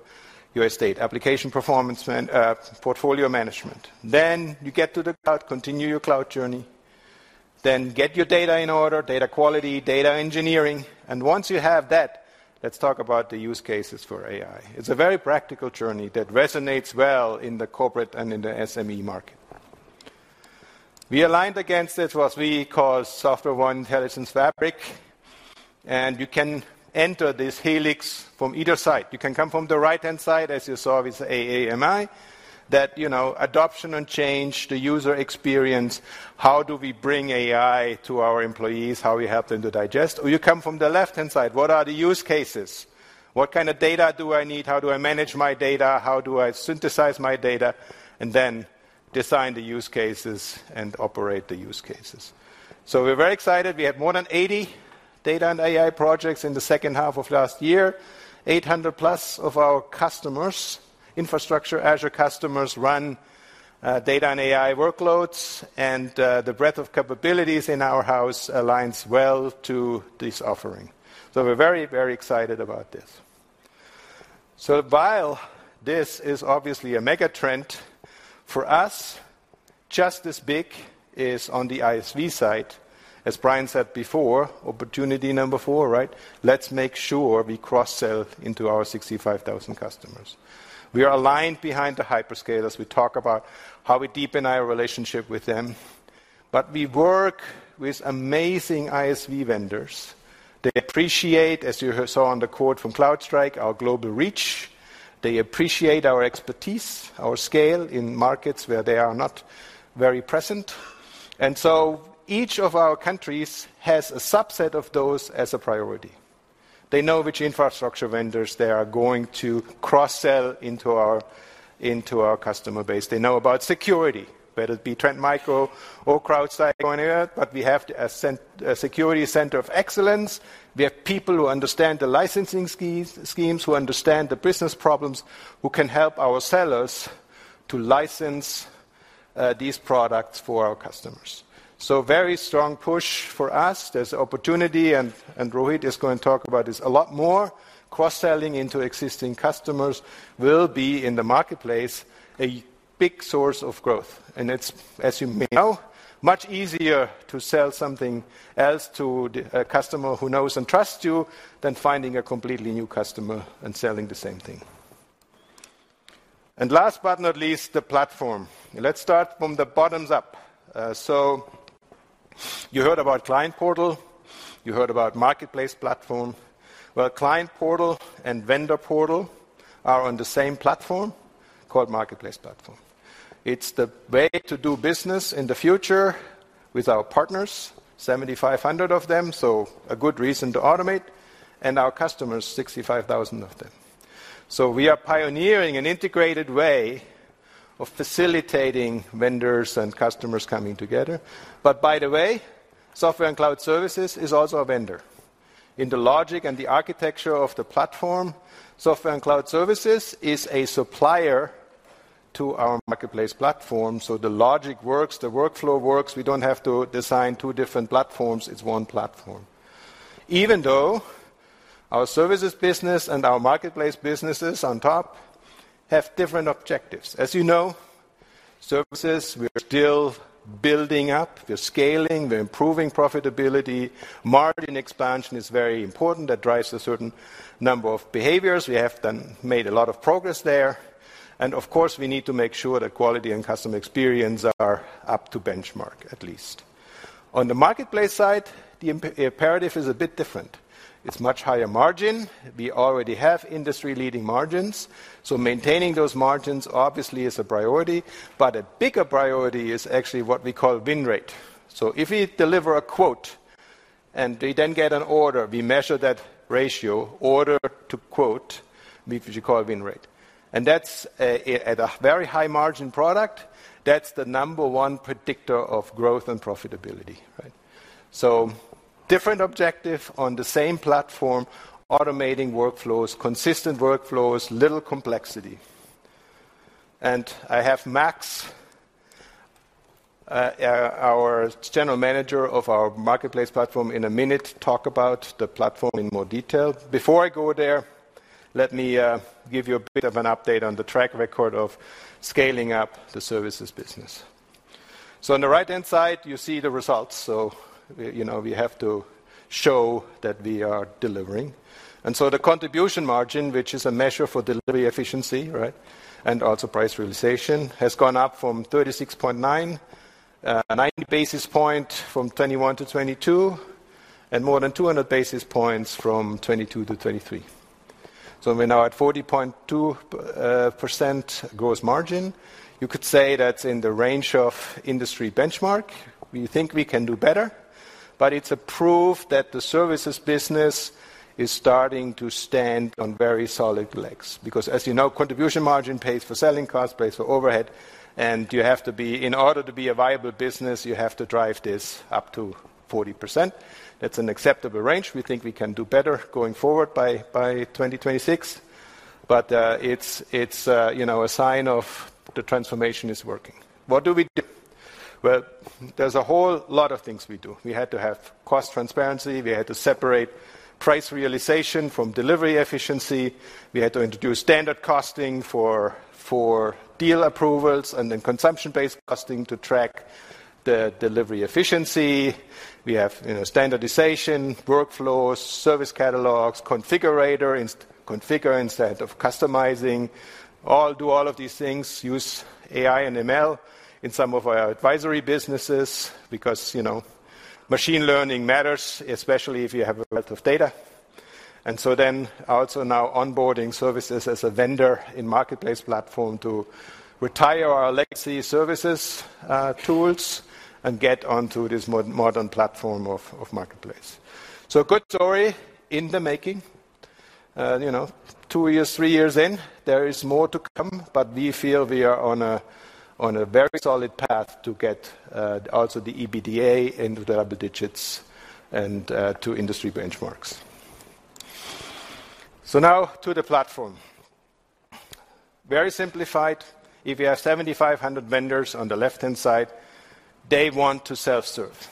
estate, application performance, portfolio management. Then you get to the cloud, continue your cloud journey, then get your data in order, data quality, data engineering, and once you have that, let's talk about the use cases for AI. It's a very practical journey that resonates well in the corporate and in the SME market. We aligned against it what we call SoftwareOne Intelligence Fabric, and you can enter this helix from either side. You can come from the right-hand side, as you saw with AAMI, that adoption and change, the user experience, how do we bring AI to our employees, how we help them to digest, or you come from the left-hand side, what are the use cases, what kind of data do I need, how do I manage my data, how do I synthesize my data, and then design the use cases and operate the use cases. So we're very excited. We had more than 80 data and AI projects in the second half of last year, 800+ of our customers, infrastructure Azure customers run data and AI workloads, and the breadth of capabilities in our house aligns well to this offering. So we're very, very excited about this. So while this is obviously a mega trend, for us just as big is on the ISV side, as Brian said before, opportunity number 4, right? Let's make sure we cross-sell into our 65,000 customers. We are aligned behind the hyperscalers, we talk about how we deepen our relationship with them, but we work with amazing ISV vendors. They appreciate, as you saw on the quote from CrowdStrike, our global reach, they appreciate our expertise, our scale in markets where they are not very present, and so each of our countries has a subset of those as a priority. They know which infrastructure vendors they are going to cross-sell into our customer base. They know about security, whether it be Trend Micro or CrowdStrike or anywhere, but we have a security center of excellence, we have people who understand the licensing schemes, who understand the business problems, who can help our sellers to license these products for our customers. So very strong push for us, there's opportunity, and Rohit is going to talk about this a lot more, cross-selling into existing customers will be in the Marketplace a big source of growth, and it's, as you may know, much easier to sell something else to a customer who knows and trusts you than finding a completely new customer and selling the same thing. Last but not least, the platform. Let's start from the bottoms up. So you heard about Client Portal, you heard about Marketplace Platform. Well, Client Portal and Vendor Portal are on the same platform called Marketplace Platform. It's the way to do business in the future with our partners, 7,500 of them, so a good reason to automate, and our customers, 65,000 of them. So we are pioneering an integrated way of facilitating vendors and customers coming together, but by the way, Software and Cloud Services is also a vendor. In the logic and the architecture of the platform, Software and Cloud Services is a supplier to our Marketplace Platform, so the logic works, the workflow works, we don't have to design two different platforms, it's one platform. Even though our services business and our Marketplace businesses on top have different objectives. As you know, services we're still building up, we're scaling, we're improving profitability, margin expansion is very important, that drives a certain number of behaviors, we have made a lot of progress there, and of course we need to make sure that quality and customer experience are up to benchmark at least. On the Marketplace side, the imperative is a bit different. It's much higher margin, we already have industry-leading margins, so maintaining those margins obviously is a priority, but a bigger priority is actually what we call Win Rate. So if we deliver a quote and we then get an order, we measure that ratio, order to quote, which we call Win Rate, and that's at a very high margin product, that's the number one predictor of growth and profitability, right? So different objective on the same platform, automating workflows, consistent workflows, little complexity. I have Max, our general manager of our Marketplace Platform, in a minute talk about the platform in more detail. Before I go there, let me give you a bit of an update on the track record of scaling up the services business. So on the right-hand side you see the results, so we have to show that we are delivering, and so the contribution margin, which is a measure for delivery efficiency, right, and also price realization, has gone up from 36.9, 90 basis points from 2021 to 2022, and more than 200 basis points from 2022 to 2023. So we're now at 40.2% gross margin. You could say that's in the range of industry benchmark. We think we can do better, but it's a proof that the services business is starting to stand on very solid legs because, as you know, contribution margin pays for selling costs, pays for overhead, and you have to be, in order to be a viable business, you have to drive this up to 40%. That's an acceptable range. We think we can do better going forward by 2026, but it's a sign of the transformation is working. What do we do? Well, there's a whole lot of things we do. We had to have cost transparency, we had to separate price realization from delivery efficiency, we had to introduce standard costing for deal approvals, and then consumption-based costing to track the delivery efficiency. We have standardization, workflows, service catalogs, configurator instead of customizing, do all of these things, use AI and ML in some of our advisory businesses because machine learning matters, especially if you have a wealth of data, and so then also now onboarding services as a vendor in Marketplace Platform to retire our legacy services tools and get onto this modern platform of Marketplace. So good story in the making. Two years, three years in, there is more to come, but we feel we are on a very solid path to get also the EBITDA into the double digits and to industry benchmarks. So now to the platform. Very simplified, if you have 7,500 vendors on the left-hand side, they want to self-serve.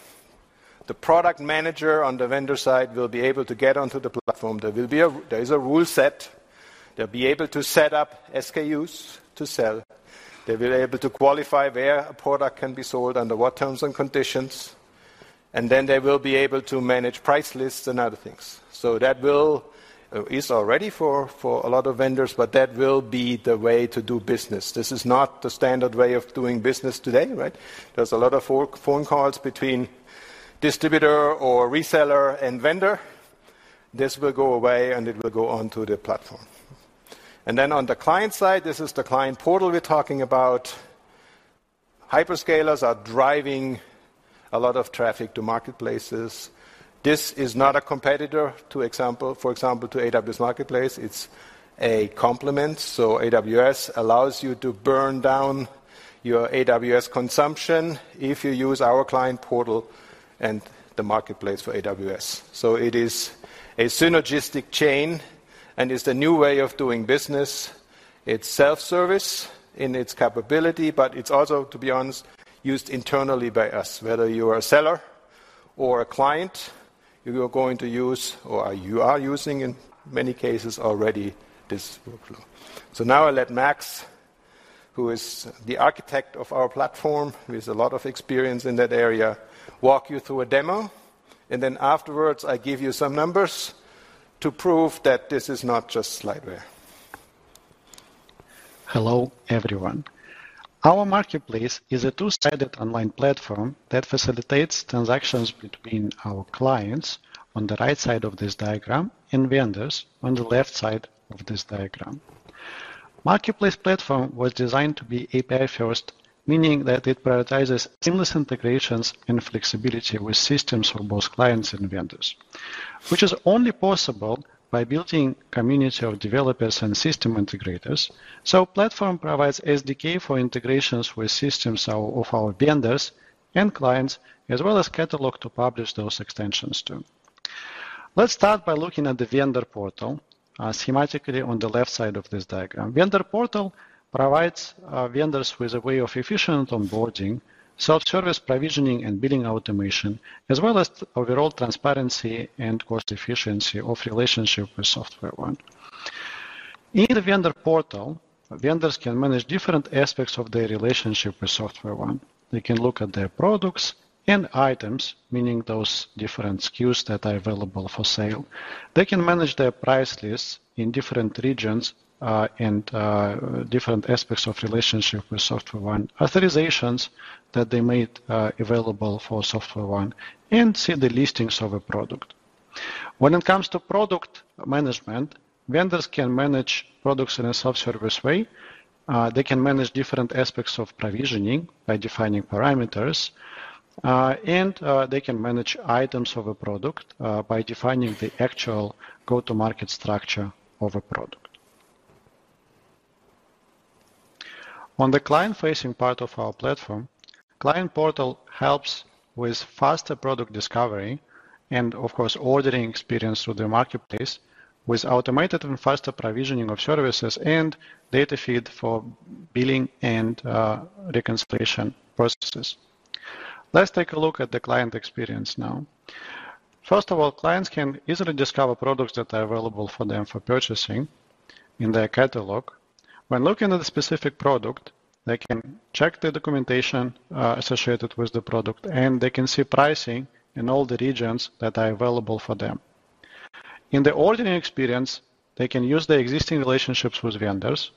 The product manager on the vendor side will be able to get onto the platform, there is a rule set, they'll be able to set up SKUs to sell, they'll be able to qualify where a product can be sold under what terms and conditions, and then they will be able to manage price lists and other things. So that is already for a lot of vendors, but that will be the way to do business. This is not the standard way of doing business today, right? There's a lot of phone calls between distributor or reseller and vendor, this will go away and it will go onto the platform. And then on the client side, this is the Client Portal we're talking about, hyperscalers are driving a lot of traffic to Marketplaces. This is not a competitor, for example, to AWS Marketplace; it's a complement, so AWS allows you to burn down your AWS consumption if you use our Client Portal and the Marketplace for AWS. So it is a synergistic chain and it's the new way of doing business. It's self-service in its capability, but it's also, to be honest, used internally by us, whether you're a seller or a client, you're going to use, or you are using in many cases already this workflow. So now I'll let Max, who is the architect of our platform, with a lot of experience in that area, walk you through a demo, and then afterwards I give you some numbers to prove that this is not just slideware. Hello everyone. Our Marketplace is a two-sided online platform that facilitates transactions between our clients on the right side of this diagram and vendors on the left side of this diagram. Marketplace Platform was designed to be API-first, meaning that it prioritizes seamless integrations and flexibility with systems for both clients and vendors, which is only possible by building a community of developers and system integrators, so the platform provides SDK for integrations with systems of our vendors and clients, as well as a catalog to publish those extensions to. Let's start by looking at the Vendor Portal schematically on the left side of this diagram. Vendor Portal provides vendors with a way of efficient onboarding, self-service provisioning, and billing automation, as well as overall transparency and cost efficiency of relationship with SoftwareOne. In the Vendor Portal, vendors can manage different aspects of their relationship with SoftwareOne. They can look at their products and items, meaning those different SKUs that are available for sale. They can manage their price lists in different regions and different aspects of relationship with SoftwareOne, authorizations that they made available for SoftwareOne, and see the listings of a product. When it comes to product management, vendors can manage products in a self-service way, they can manage different aspects of provisioning by defining parameters, and they can manage items of a product by defining the actual go-to-market structure of a product. On the client-facing part of our platform, the Client Portal helps with faster product discovery and, of course, ordering experience through the Marketplace with automated and faster provisioning of services and data feed for billing and reconciliation processes. Let's take a look at the client experience now. First of all, clients can easily discover products that are available for them for purchasing in their catalog. When looking at a specific product, they can check the documentation associated with the product and they can see pricing in all the regions that are available for them. In the ordering experience, they can use the existing relationships with vendors,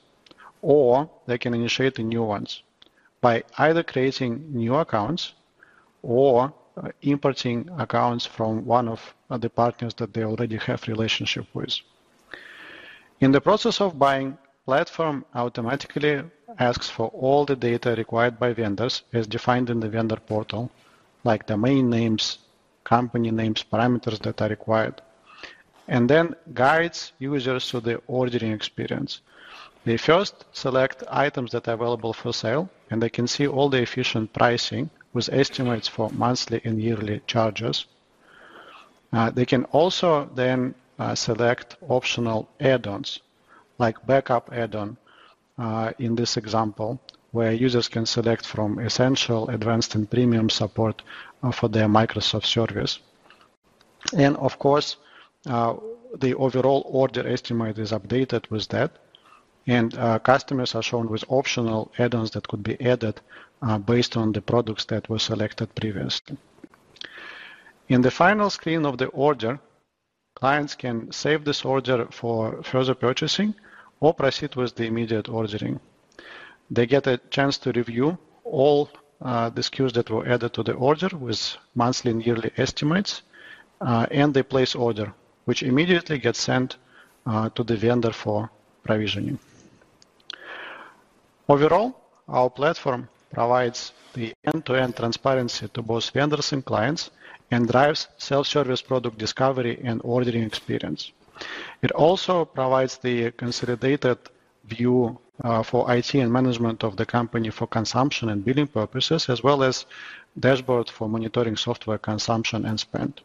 or they can initiate new ones by either creating new accounts or importing accounts from one of the partners that they already have a relationship with. In the process of buying, the platform automatically asks for all the data required by vendors as defined in the Vendor Portal, like domain names, company names, parameters that are required, and then guides users through the ordering experience. They first select items that are available for sale, and they can see all the efficient pricing with estimates for monthly and yearly charges. They can also then select optional add-ons, like a backup add-on in this example, where users can select from essential, advanced, and premium support for their Microsoft service, and of course, the overall order estimate is updated with that, and customers are shown with optional add-ons that could be added based on the products that were selected previously. In the final screen of the order, clients can save this order for further purchasing or proceed with the immediate ordering. They get a chance to review all the SKUs that were added to the order with monthly and yearly estimates, and they place an order, which immediately gets sent to the vendor for provisioning. Overall, our platform provides the end-to-end transparency to both vendors and clients and drives self-service product discovery and ordering experience. It also provides the consolidated view for IT and management of the company for consumption and billing purposes, as well as a dashboard for monitoring software consumption and spend.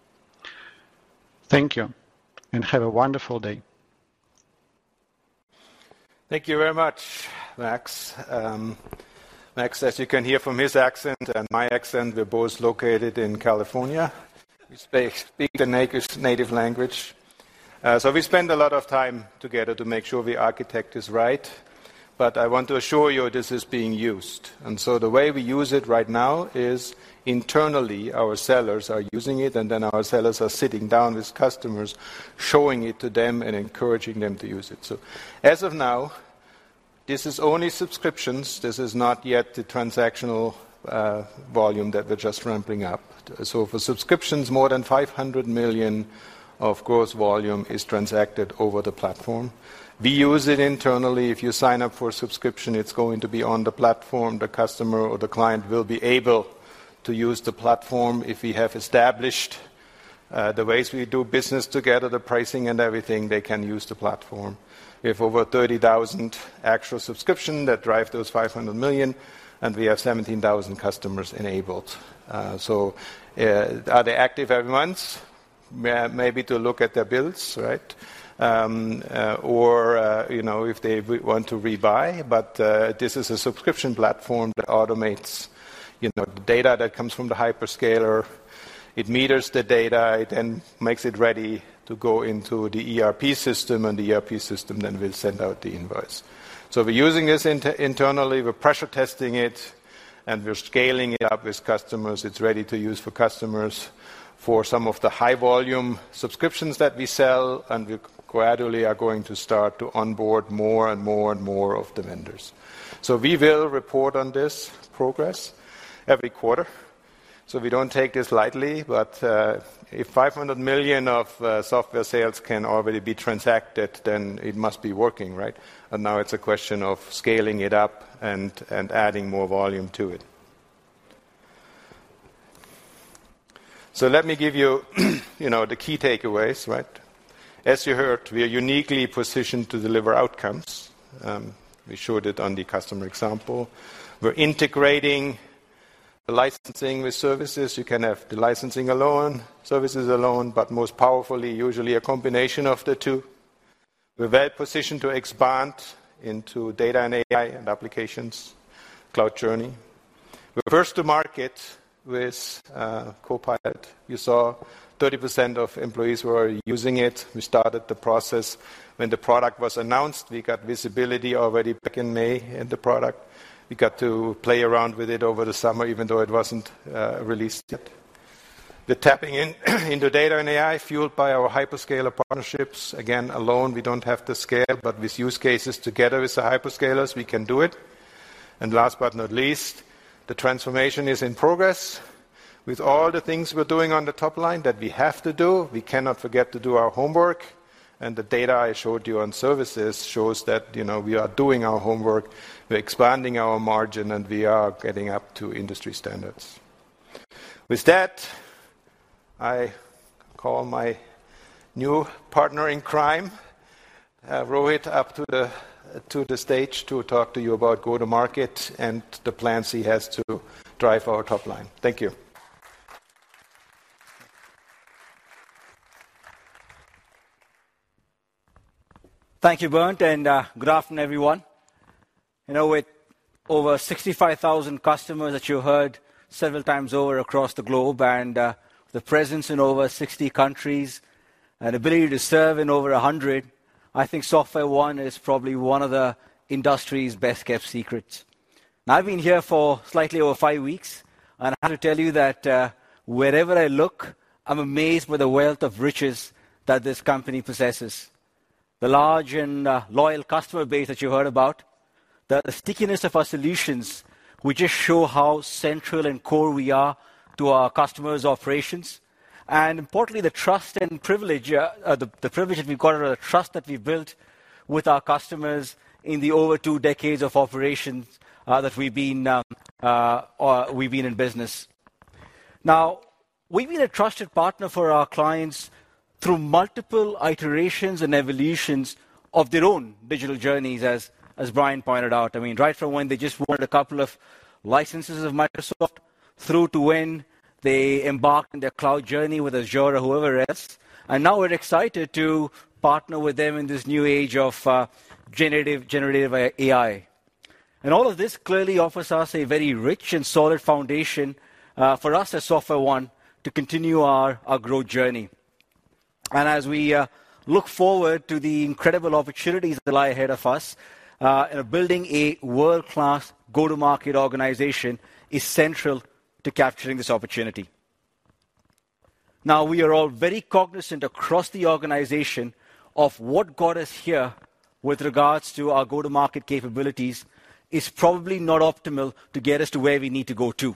Thank you, and have a wonderful day. Thank you very much, Max. Max, as you can hear from his accent and my accent, we're both located in California. We speak the native language, so we spend a lot of time together to make sure the architect is right, but I want to assure you this is being used, and so the way we use it right now is internally our sellers are using it, and then our sellers are sitting down with customers, showing it to them, and encouraging them to use it. As of now, this is only subscriptions, this is not yet the transactional volume that we're just ramping up. For subscriptions, more than 500 million of gross volume is transacted over the platform. We use it internally, if you sign up for a subscription, it's going to be on the platform, the customer or the client will be able to use the platform. If we have established the ways we do business together, the pricing and everything, they can use the platform. We have over 30,000 actual subscriptions that drive those 500 million, and we have 17,000 customers enabled. So are they active every month? Maybe to look at their bills, right, or if they want to rebuy, but this is a subscription platform that automates the data that comes from the hyperscaler, it meters the data, it then makes it ready to go into the ERP system, and the ERP system then will send out the invoice. So we're using this internally, we're pressure testing it, and we're scaling it up with customers, it's ready to use for customers for some of the high-volume subscriptions that we sell, and we gradually are going to start to onboard more and more and more of the vendors. So we will report on this progress every quarter, so we don't take this lightly, but if 500 million of software sales can already be transacted, then it must be working, right, and now it's a question of scaling it up and adding more volume to it. So let me give you the key takeaways, right. As you heard, we are uniquely positioned to deliver outcomes. We showed it on the customer example. We're integrating licensing with services, you can have the licensing alone, services alone, but most powerfully, usually a combination of the two. We're well positioned to expand into data and AI and applications, cloud journey. We're first to market with Copilot. You saw 30% of employees were already using it; we started the process. When the product was announced, we got visibility already back in May in the product; we got to play around with it over the summer even though it wasn't released yet. We're tapping into data and AI fueled by our hyperscaler partnerships. Again, alone we don't have to scale, but with use cases together with the hyperscalers we can do it, and last but not least, the transformation is in progress. With all the things we're doing on the top line that we have to do, we cannot forget to do our homework, and the data I showed you on services shows that we are doing our homework, we're expanding our margin, and we are getting up to industry standards. With that, I call my new partner in crime, Rohit, up to the stage to talk to you about go-to-market and the plans he has to drive our top line. Thank you. Thank you, Bernd, and good afternoon everyone. With over 65,000 customers that you heard several times over across the globe, and the presence in over 60 countries, and the ability to serve in over 100, I think SoftwareOne is probably one of the industry's best-kept secrets. Now I've been here for slightly over 5 weeks, and I have to tell you that wherever I look, I'm amazed by the wealth of riches that this company possesses. The large and loyal customer base that you heard about, the stickiness of our solutions, which just show how central and core we are to our customers' operations, and importantly, the trust and privilege that we've got or the trust that we've built with our customers in the over 2 decades of operations that we've been in business. Now, we've been a trusted partner for our clients through multiple iterations and evolutions of their own digital journeys, as Brian pointed out. I mean, right from when they just wanted a couple of licenses of Microsoft, through to when they embarked on their cloud journey with Azure or whoever else, and now we're excited to partner with them in this new age of generative AI. And all of this clearly offers us a very rich and solid foundation for us at SoftwareOne to continue our growth journey. And as we look forward to the incredible opportunities that lie ahead of us, building a world-class go-to-market organization is central to capturing this opportunity. Now, we are all very cognizant across the organization of what got us here with regards to our go-to-market capabilities is probably not optimal to get us to where we need to go to.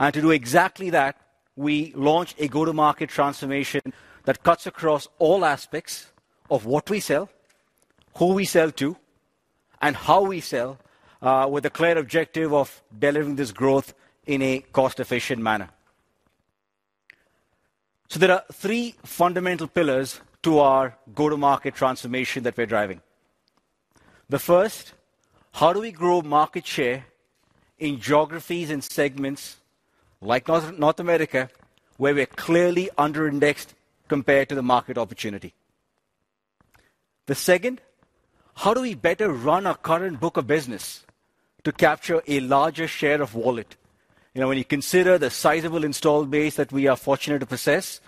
To do exactly that, we launched a go-to-market transformation that cuts across all aspects of what we sell, who we sell to, and how we sell, with a clear objective of delivering this growth in a cost-efficient manner. There are three fundamental pillars to our go-to-market transformation that we're driving. The first, how do we grow market share in geographies and segments like North America, where we're clearly under-indexed compared to the market opportunity? The second, how do we better run our current book of business to capture a larger share of wallet, when you consider the sizable installed base that we are fortunate to possess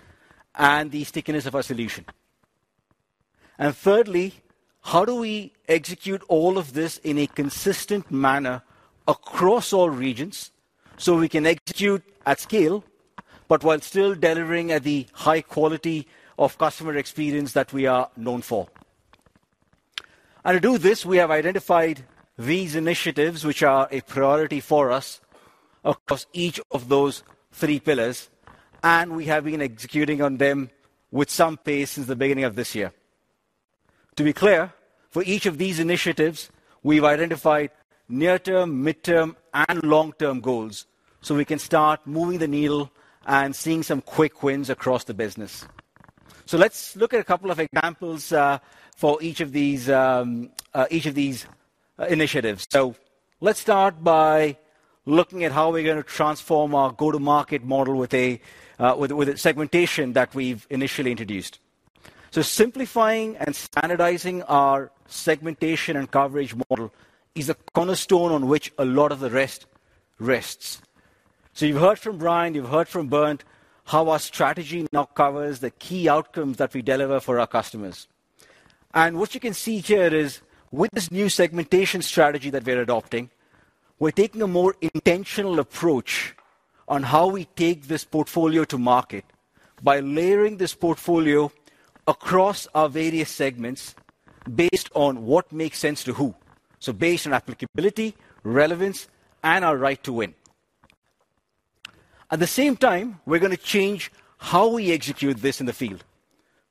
and the stickiness of our solution? And thirdly, how do we execute all of this in a consistent manner across all regions so we can execute at scale, but while still delivering at the high quality of customer experience that we are known for? And to do this, we have identified these initiatives, which are a priority for us across each of those three pillars, and we have been executing on them with some pace since the beginning of this year. To be clear, for each of these initiatives, we've identified near-term, mid-term, and long-term goals so we can start moving the needle and seeing some quick wins across the business. So let's look at a couple of examples for each of these initiatives. So let's start by looking at how we're going to transform our Go-to-Market model with the segmentation that we've initially introduced. So simplifying and standardizing our segmentation and coverage model is a cornerstone on which a lot of the rest rests. So you've heard from Brian, you've heard from Bernd, how our strategy now covers the key outcomes that we deliver for our customers. And what you can see here is, with this new segmentation strategy that we're adopting, we're taking a more intentional approach on how we take this portfolio to market by layering this portfolio across our various segments based on what makes sense to who, so based on applicability, relevance, and our right to win. At the same time, we're going to change how we execute this in the field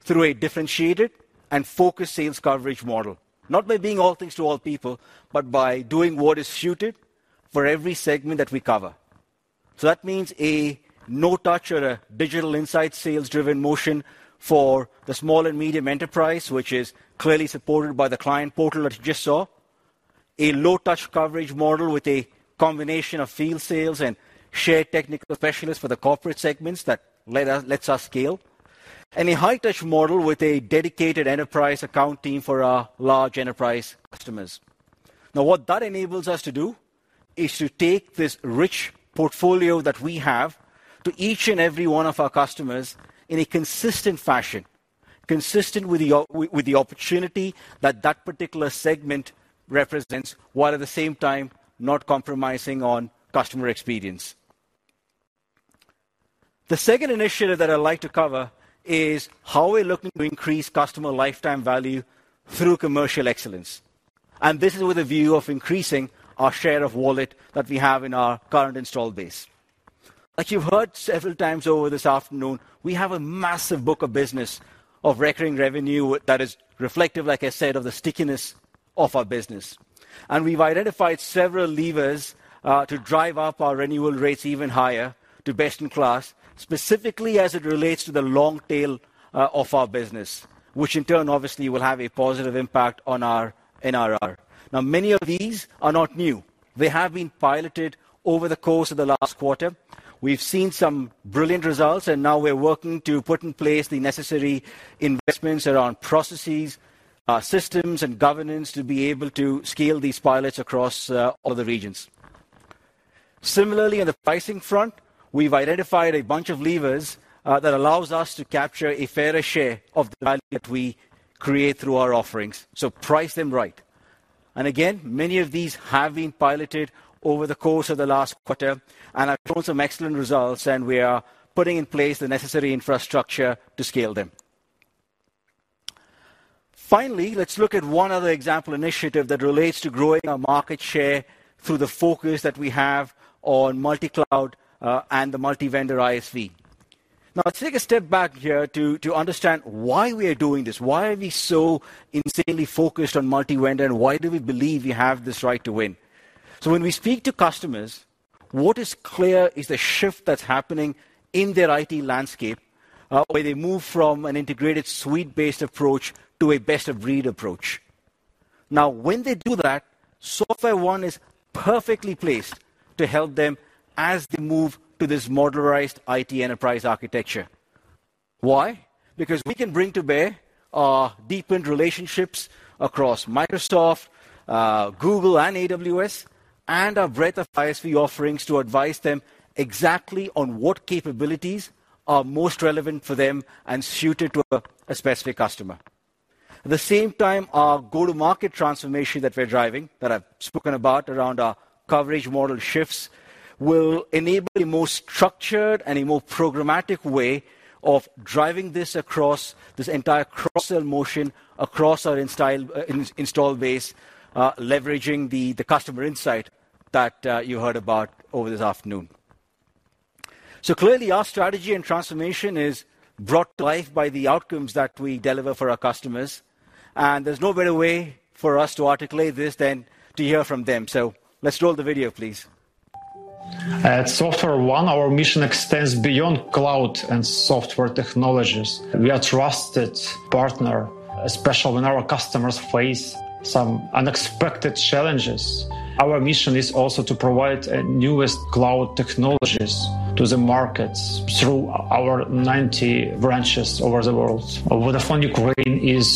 through a differentiated and focused sales coverage model, not by being all things to all people, but by doing what is suited for every segment that we cover. So that means a no-touch or a digital insights sales-driven motion for the small and medium enterprise, which is clearly supported by the Client Portal that you just saw, a low-touch coverage model with a combination of field sales and shared technical specialists for the corporate segments that lets us scale, and a high-touch model with a dedicated enterprise account team for our large enterprise customers. Now, what that enables us to do is to take this rich portfolio that we have to each and every one of our customers in a consistent fashion, consistent with the opportunity that that particular segment represents, while at the same time not compromising on customer experience. The second initiative that I'd like to cover is how we're looking to increase customer lifetime value through commercial excellence, and this is with a view of increasing our share of wallet that we have in our current installed base. As you've heard several times over this afternoon, we have a massive book of business of recurring revenue that is reflective, like I said, of the stickiness of our business, and we've identified several levers to drive up our renewal rates even higher to best-in-class, specifically as it relates to the long tail of our business, which in turn obviously will have a positive impact on our NRR. Now, many of these are not new, they have been piloted over the course of the last quarter. We've seen some brilliant results, and now we're working to put in place the necessary investments around processes, systems, and governance to be able to scale these pilots across all the regions. Similarly, on the pricing front, we've identified a bunch of levers that allow us to capture a fairer share of the value that we create through our offerings, so price them right. And again, many of these have been piloted over the course of the last quarter, and I've shown some excellent results, and we are putting in place the necessary infrastructure to scale them. Finally, let's look at one other example initiative that relates to growing our market share through the focus that we have on multi-cloud and the multi-vendor ISV. Now, let's take a step back here to understand why we are doing this, why are we so insanely focused on multi-vendor, and why do we believe we have this right to win. So when we speak to customers, what is clear is the shift that's happening in their IT landscape, where they move from an integrated suite-based approach to a best-of-breed approach. Now, when they do that, SoftwareOne is perfectly placed to help them as they move to this modularized IT enterprise architecture. Why? Because we can bring to bear our deep, end-to-end relationships across Microsoft, Google, and AWS, and our breadth of ISV offerings to advise them exactly on what capabilities are most relevant for them and suited to a specific customer. At the same time, our go-to-market transformation that we're driving, that I've spoken about around our coverage model shifts, will enable a more structured and a more programmatic way of driving this across this entire cross-sell motion across our installed base, leveraging the customer insight that you heard about over this afternoon. Clearly, our strategy and transformation is brought to life by the outcomes that we deliver for our customers, and there's no better way for us to articulate this than to hear from them. Let's roll the video, please. At SoftwareOne, our mission extends beyond cloud and software technologies. We are a trusted partner, especially when our customers face some unexpected challenges. Our mission is also to provide the newest cloud technologies to the markets through our 90 branches over the world. Vodafone Ukraine is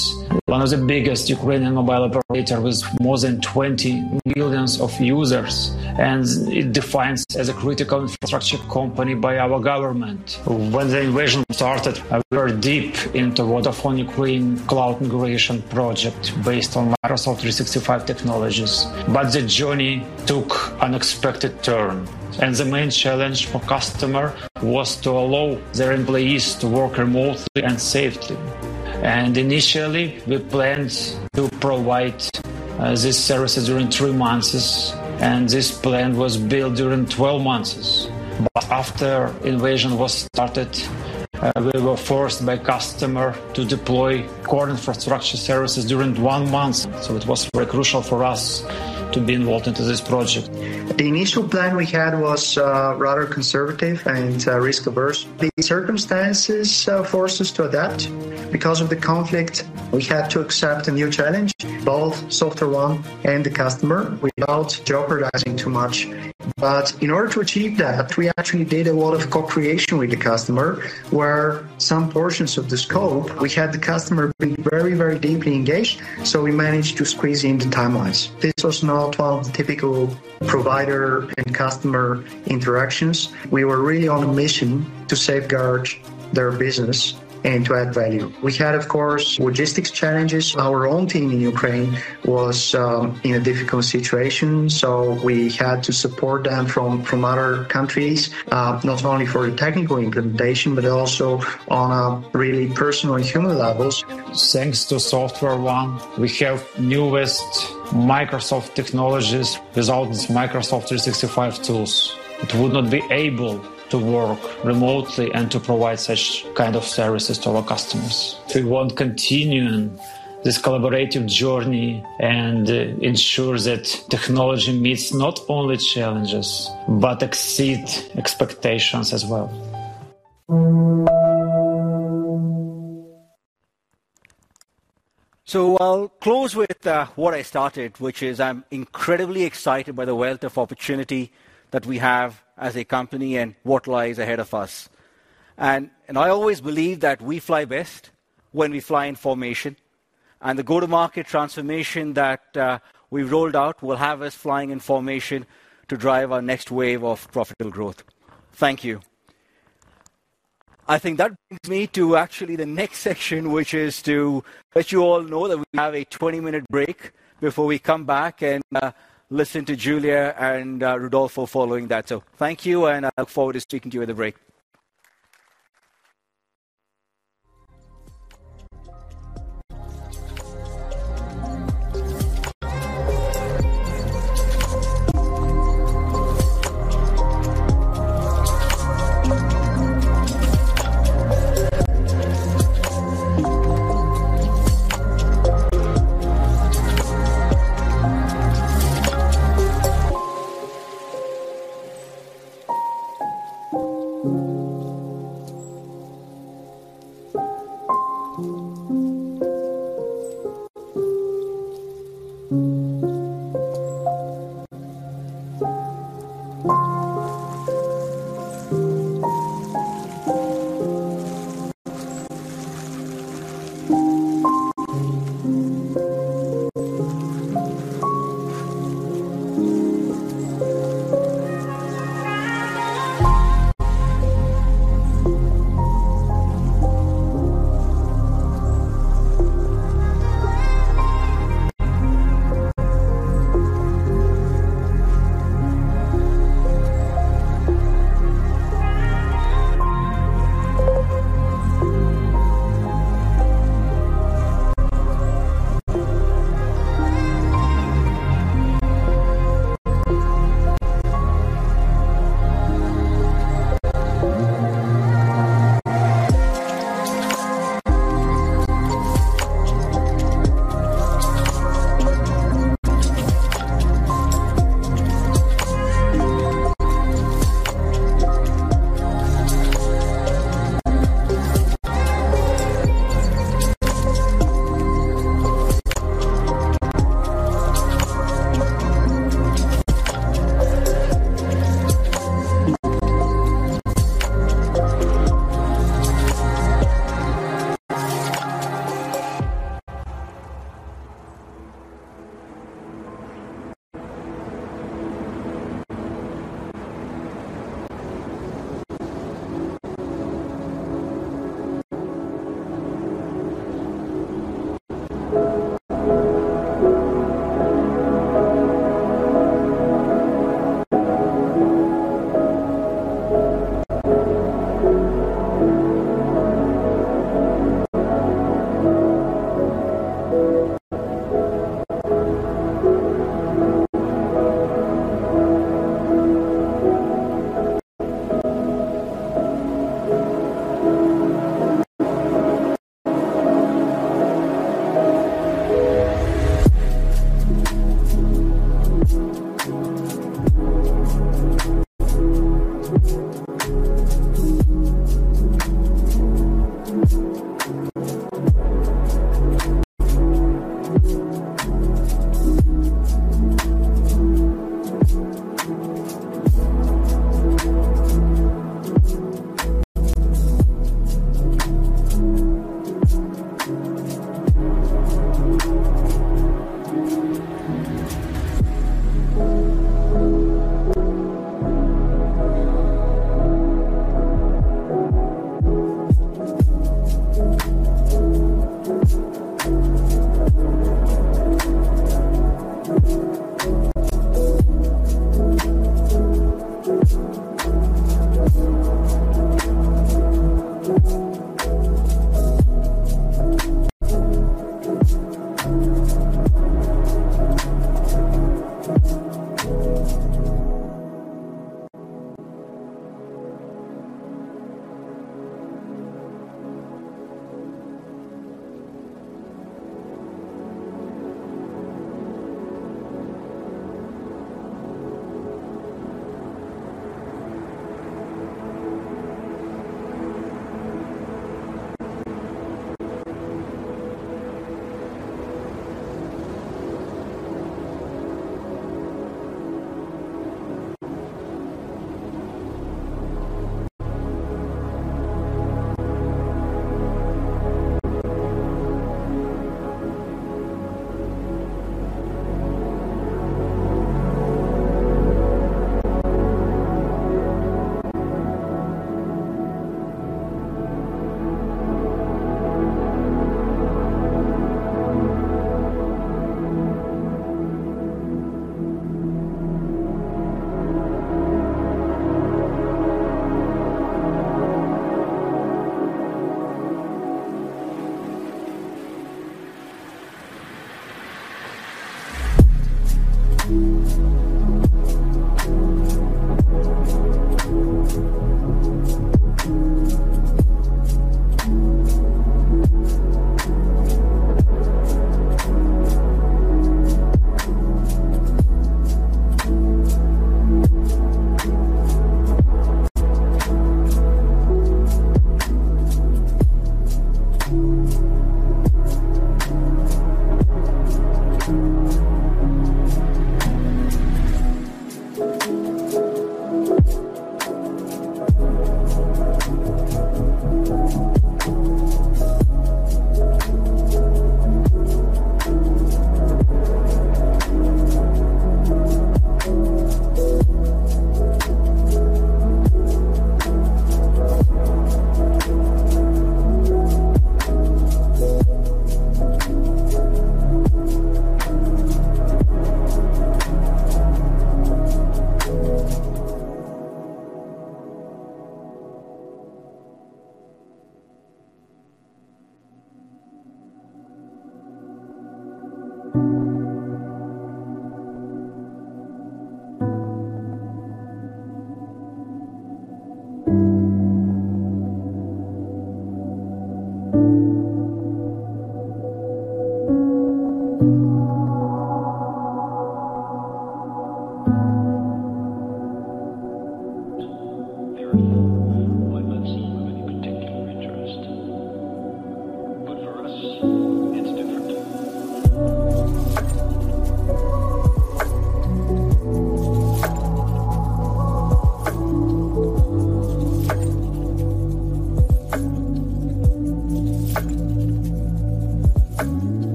one of the biggest Ukrainian mobile operators with more than 20 million users, and it defines us as a critical infrastructure company by our government. When the invasion started, we were deep into Vodafone Ukraine's cloud migration project based on Microsoft 365 technologies, but the journey took an unexpected turn, and the main challenge for customers was to allow their employees to work remotely and safely. Initially, we planned to provide these services during 3 months, and this plan was built during 12 months, but after the invasion was started, we were forced by the customer to deploy core infrastructure services during 1 month, so it was very crucial for us to be involved in this project. The initial plan we had was rather conservative and risk-averse. The circumstances forced us to adapt. Because of the conflict, we had to accept a new challenge, both SoftwareOne and the customer, without jeopardizing too much. But in order to achieve that, we actually did a lot of co-creation with the customer, where some portions of the scope we had the customer be very, very deeply engaged, so we managed to squeeze in the timelines. This was not one of the typical provider and customer interactions. We were really on a mission to safeguard their business and to add value. We had, of course, logistics challenges. Our own team in Ukraine was in a difficult situation, so we had to support them from other countries, not only for the technical implementation, but also on a really personal and human levels. Thanks to SoftwareOne, we have the newest Microsoft technologies. Without these Microsoft 365 tools, it would not be able to work remotely and to provide such kinds of services to our customers. We want to continue this collaborative journey and ensure that technology meets not only challenges, but exceeds expectations as well. So I'll close with what I started, which is I'm incredibly excited by the wealth of opportunity that we have as a company and what lies ahead of us. And I always believe that we fly best when we fly in formation, and the go-to-market transformation that we've rolled out will have us flying in formation to drive our next wave of profitable growth. Thank you. I think that brings me to actually the next section, which is to let you all know that we have a 20-minute break before we come back and listen to Julia and Rodolfo following that. So thank you, and I look forward to speaking to you at the break.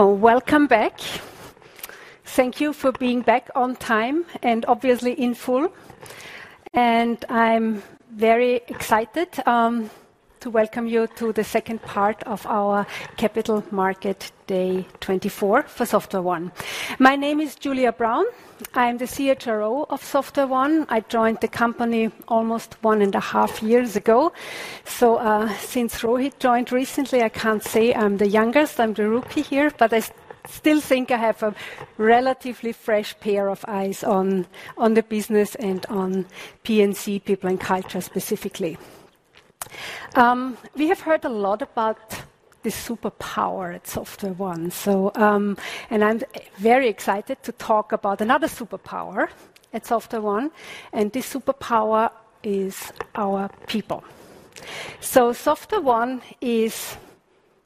There isn't one moment of any particular interest, but for us, it's different. Welcome back. Thank you for being back on time and obviously in full. I'm very excited to welcome you to the second part of our Capital Markets Day 2024 for SoftwareOne. My name is Julia Braun. I'm the CHRO of SoftwareOne. I joined the company almost one and a half years ago. Since Rohit joined recently, I can't say I'm the youngest. I'm the rookie here, but I still think I have a relatively fresh pair of eyes on the business and on P&C, People and Culture specifically. We have heard a lot about the superpower at SoftwareOne, and I'm very excited to talk about another superpower at SoftwareOne, and this superpower is our people. So SoftwareOne is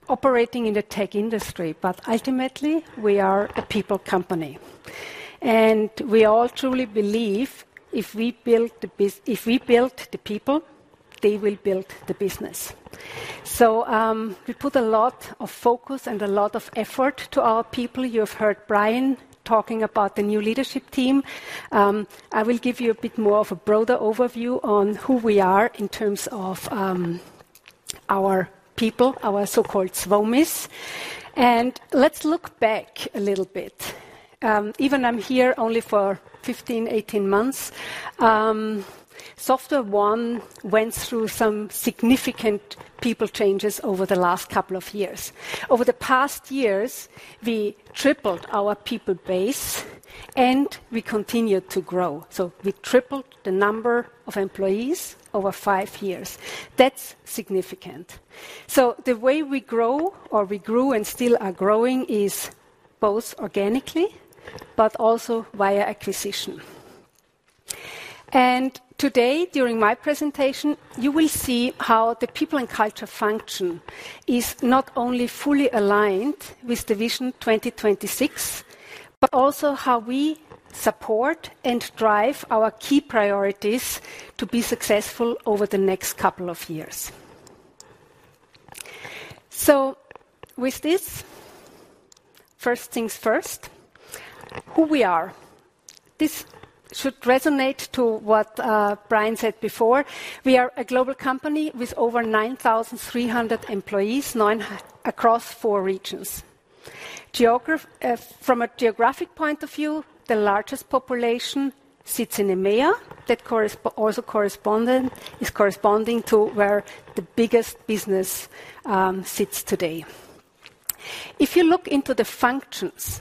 operating in the tech industry, but ultimately we are a people company, and we all truly believe if we build the people, they will build the business. So, we put a lot of focus and a lot of effort to our people. You have heard Brian talking about the new leadership team. I will give you a bit more of a broader overview on who we are in terms of our people, our so-called Swomies. And let's look back a little bit. Even I'm here only for 15, 18 months. SoftwareOne went through some significant people changes over the last couple of years. Over the past years, we tripled our people base, and we continued to grow. So we tripled the number of employees over five years. That's significant. So the way we grow, or we grew and still are growing, is both organically but also via acquisition. And today, during my presentation, you will see how the People and Culture function is not only fully aligned with the Vision 2026, but also how we support and drive our key priorities to be successful over the next couple of years. So with this, first things first, who we are. This should resonate to what Brian said before. We are a global company with over 9,300 employees, nine across four regions. Geographically, from a geographic point of view, the largest population sits in EMEA, that also corresponds is corresponding to where the biggest business sits today. If you look into the functions,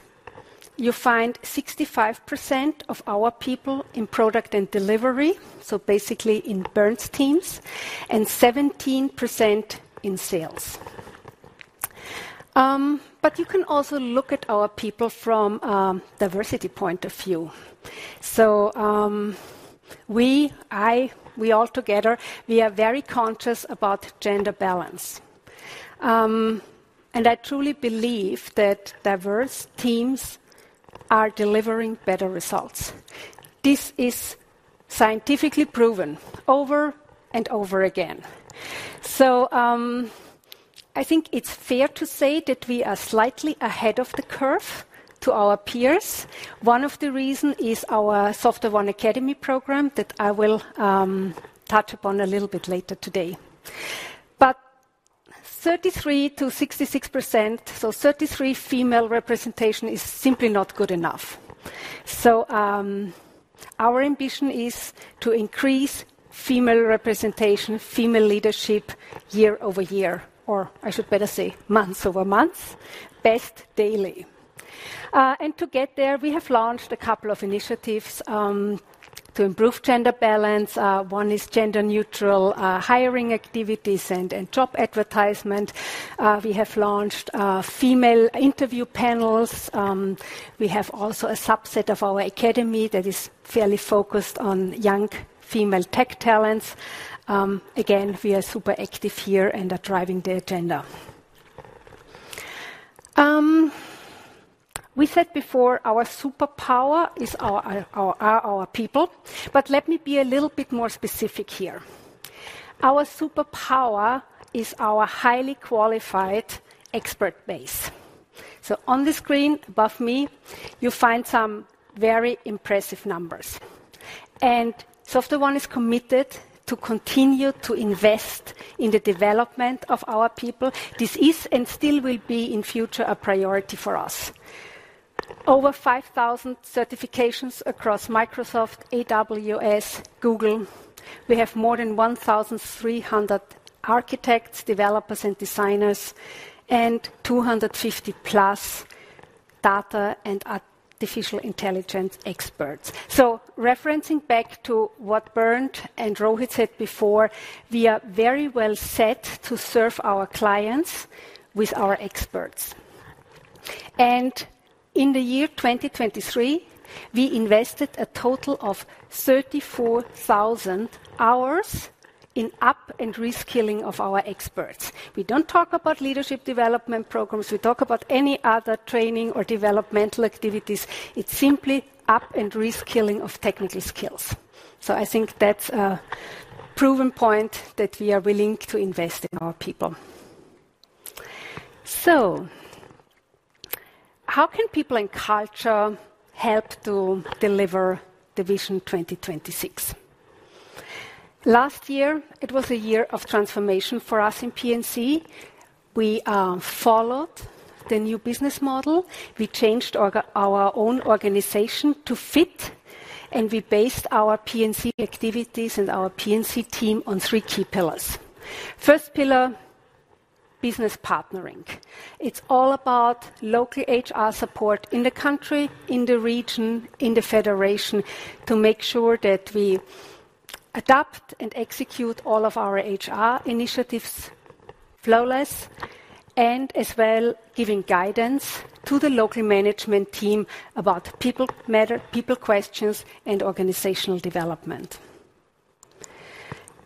you find 65% of our people in product and delivery, so basically in business teams, and 17% in sales. But you can also look at our people from a diversity point of view. So, we, I, we altogether, we are very conscious about gender balance. And I truly believe that diverse teams are delivering better results. This is scientifically proven over and over again. So, I think it's fair to say that we are slightly ahead of the curve to our peers. One of the reasons is our SoftwareOne Academy program that I will touch upon a little bit later today. But 33%/66%, so 33% female representation is simply not good enough. So, our ambition is to increase female representation, female leadership year-over-year, or I should better say month-over-month, best daily. And to get there, we have launched a couple of initiatives to improve gender balance. One is gender-neutral hiring activities and job advertisement. We have launched female interview panels. We have also a subset of our Academy that is fairly focused on young female tech talents. Again, we are super active here and are driving the agenda. We said before our superpower is our people, but let me be a little bit more specific here. Our superpower is our highly qualified expert base. So on the screen above me, you find some very impressive numbers. SoftwareOne is committed to continue to invest in the development of our people. This is and still will be in future a priority for us. Over 5,000 certifications across Microsoft, AWS, Google. We have more than 1,300 architects, developers, and designers, and 250+ data and artificial intelligence experts. So referencing back to what Bernd and Rohit said before, we are very well set to serve our clients with our experts. In the year 2023, we invested a total of 34,000 hours in up-and-reskilling of our experts. We don't talk about leadership development programs. We talk about any other training or developmental activities. It's simply up-and-reskilling of technical skills. I think that's a proven point that we are willing to invest in our people. How can People and Culture help to deliver the Vision 2026? Last year, it was a year of transformation for us in P&C. We followed the new business model. We changed our own organization to fit, and we based our P&C activities and our P&C team on three key pillars. First pillar, business partnering. It's all about local HR support in the country, in the region, in the federation to make sure that we adopt and execute all of our HR initiatives flawless, and as well giving guidance to the local management team about people matter, people questions, and organizational development.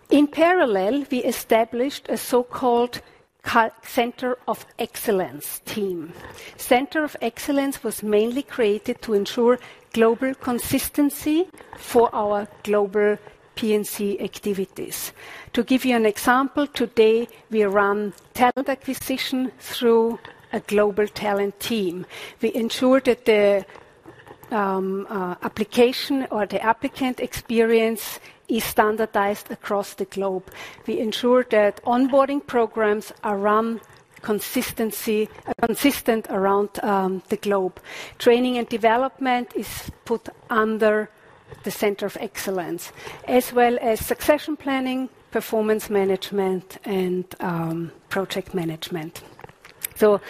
In parallel, we established a so-called Center of Excellence team. Center of Excellence was mainly created to ensure global consistency for our global P&C activities. To give you an example, today we run talent acquisition through a global talent team. We ensure that the application or the applicant experience is standardized across the globe. We ensure that onboarding programs are run consistently around the globe. Training and development is put under the Center of Excellence, as well as succession planning, performance management, and project management. So,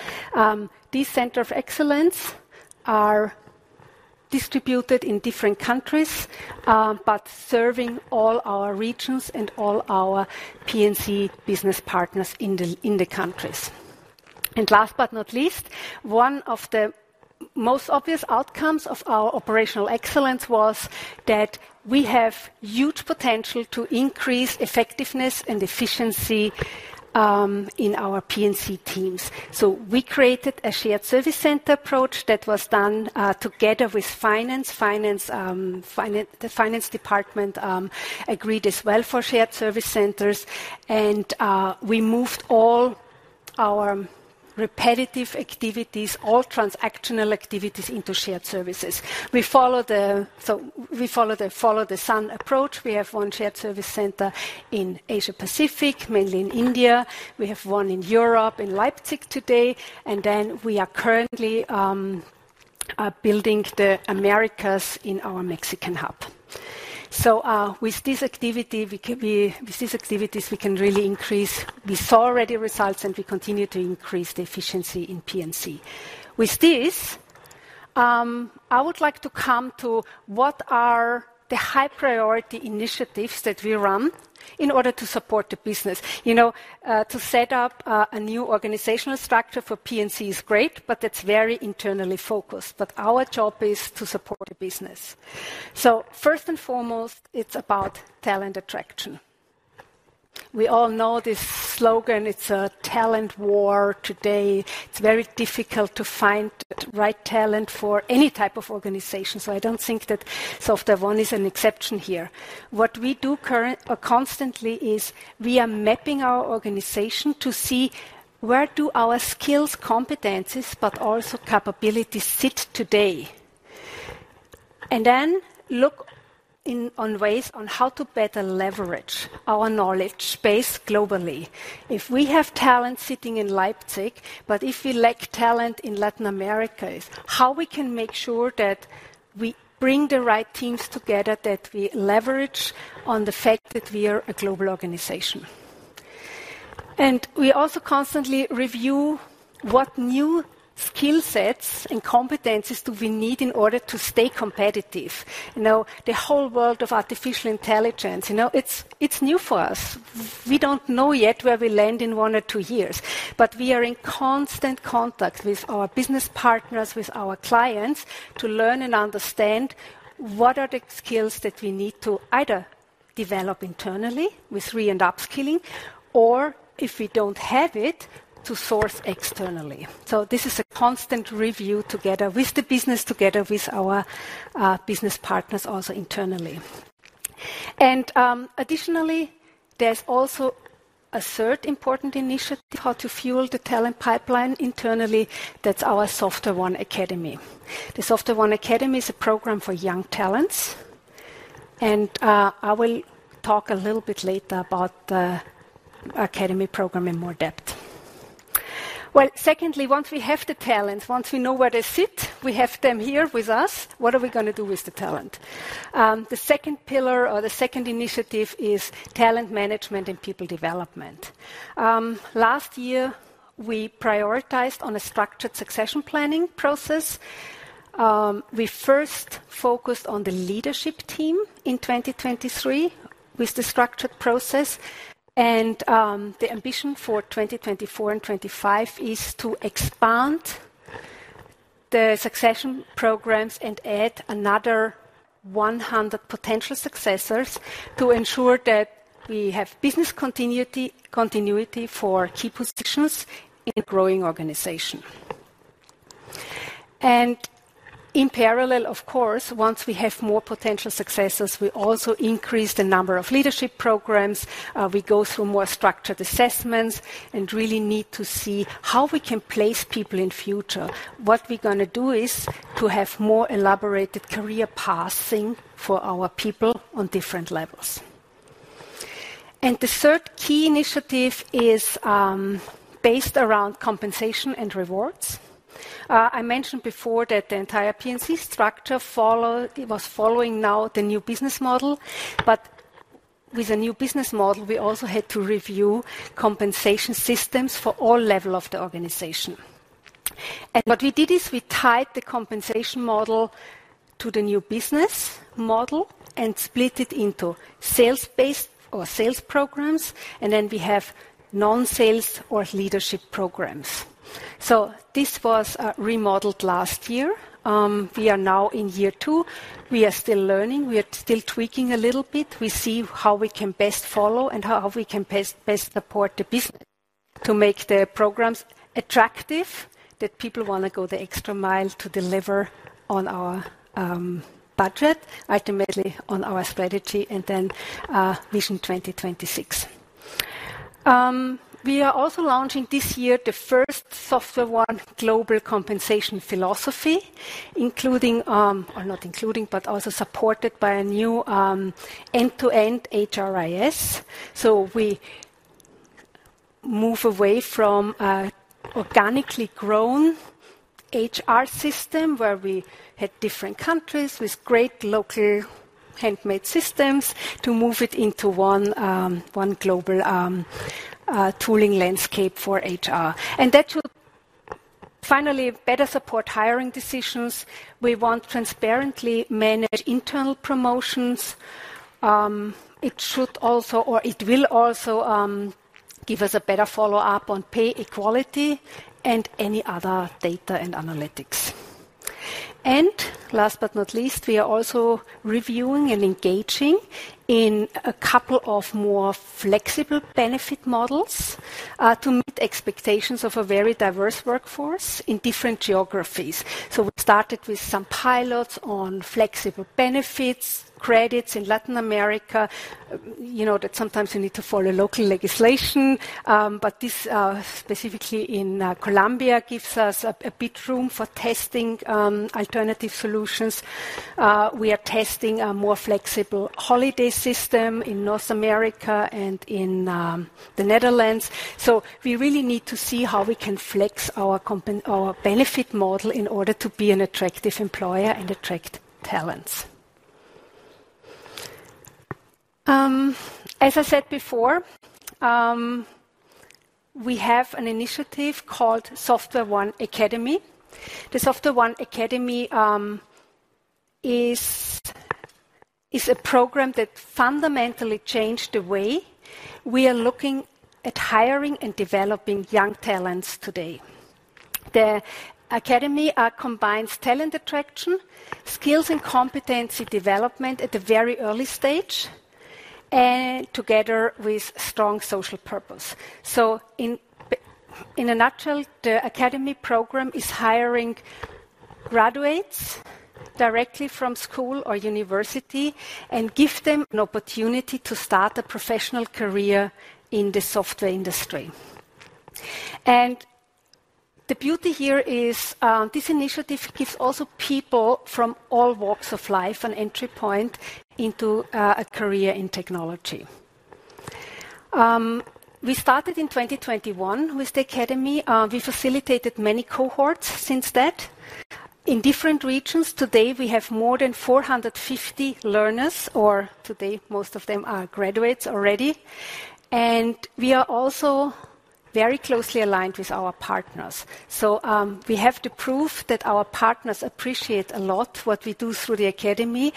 these Centers of Excellence are distributed in different countries, but serving all our regions and all our P&C business partners in the countries. And last but not least, one of the most obvious outcomes of our operational excellence was that we have huge potential to increase effectiveness and efficiency in our P&C teams. So we created a shared service center approach that was done together with finance. Finance, the finance department, agreed as well for shared service centers. And we moved all our repetitive activities, all transactional activities, into shared services. We follow the sun approach. We have one shared service center in Asia-Pacific, mainly in India. We have one in Europe, in Leipzig today. And then we are currently building the Americas in our Mexican hub. So, with these activities, we can really increase. We saw already results, and we continue to increase the efficiency in P&C. With this, I would like to come to what are the high-priority initiatives that we run in order to support the business. You know, to set up a new organizational structure for P&C is great, but that's very internally focused. But our job is to support the business. So first and foremost, it's about talent attraction. We all know this slogan. It's a talent war today. It's very difficult to find the right talent for any type of organization. So I don't think that SoftwareOne is an exception here. What we do currently or constantly is we are mapping our organization to see where do our skills, competencies, but also capabilities sit today, and then look in on ways on how to better leverage our knowledge base globally. If we have talent sitting in Leipzig, but if we lack talent in Latin America, how we can make sure that we bring the right teams together, that we leverage on the fact that we are a global organization. We also constantly review what new skill sets and competencies do we need in order to stay competitive. You know, the whole world of artificial intelligence, you know, it's new for us. We don't know yet where we land in one or two years, but we are in constant contact with our business partners, with our clients, to learn and understand what are the skills that we need to either develop internally with re- and upskilling, or if we don't have it, to source externally. So this is a constant review together with the business, together with our business partners also internally. And, additionally, there's also a third important initiative, how to fuel the talent pipeline internally. That's our SoftwareOne Academy. The SoftwareOne Academy is a program for young talents, and I will talk a little bit later about the Academy program in more depth. Well, secondly, once we have the talents, once we know where they sit, we have them here with us. What are we going to do with the talent? The second pillar or the second initiative is talent management and people development. Last year, we prioritized on a structured succession planning process. We first focused on the leadership team in 2023 with the structured process. The ambition for 2024 and 2025 is to expand the succession programs and add another 100 potential successors to ensure that we have business continuity continuity for key positions in a growing organization. In parallel, of course, once we have more potential successors, we also increase the number of leadership programs. We go through more structured assessments and really need to see how we can place people in the future. What we're going to do is to have more elaborated career paths for our people on different levels. The third key initiative is, based around compensation and rewards. I mentioned before that the entire P&C structure followed it. It was following now the new business model. But with the new business model, we also had to review compensation systems for all levels of the organization. And what we did is we tied the compensation model to the new business model and split it into sales-based or sales programs. And then we have non-sales or leadership programs. So this was remodeled last year. We are now in year two. We are still learning. We are still tweaking a little bit. We see how we can best follow and how we can best best support the business to make the programs attractive, that people want to go the extra mile to deliver on our budget, ultimately on our strategy, and then Vision 2026. We are also launching this year the first SoftwareOne global compensation philosophy, including, or not including, but also supported by a new, end-to-end HRIS. So we move away from an organically grown HR system where we had different countries with great local handmade systems to move it into one, one global, tooling landscape for HR. And that should finally better support hiring decisions. We want transparently managed internal promotions. It should also or it will also give us a better follow-up on pay equality and any other data and analytics. And last but not least, we are also reviewing and engaging in a couple of more flexible benefit models, to meet expectations of a very diverse workforce in different geographies. So we started with some pilots on flexible benefits, credits in Latin America, you know, that sometimes you need to follow local legislation. But this, specifically in Colombia, gives us a bit room for testing alternative solutions. We are testing a more flexible holiday system in North America and in the Netherlands. So we really need to see how we can flex our compensation, our benefit model in order to be an attractive employer and attract talents. As I said before, we have an initiative called SoftwareOne Academy. The SoftwareOne Academy is a program that fundamentally changed the way we are looking at hiring and developing young talents today. The Academy combines talent attraction, skills, and competency development at a very early stage, and together with strong social purpose. So in a nutshell, the Academy program is hiring graduates directly from school or university and gives them an opportunity to start a professional career in the software industry. The beauty here is, this initiative gives also people from all walks of life an entry point into a career in technology. We started in 2021 with the Academy. We facilitated many cohorts since then in different regions. Today, we have more than 450 learners, or today, most of them are graduates already. We are also very closely aligned with our partners. We have to prove that our partners appreciate a lot what we do through the Academy.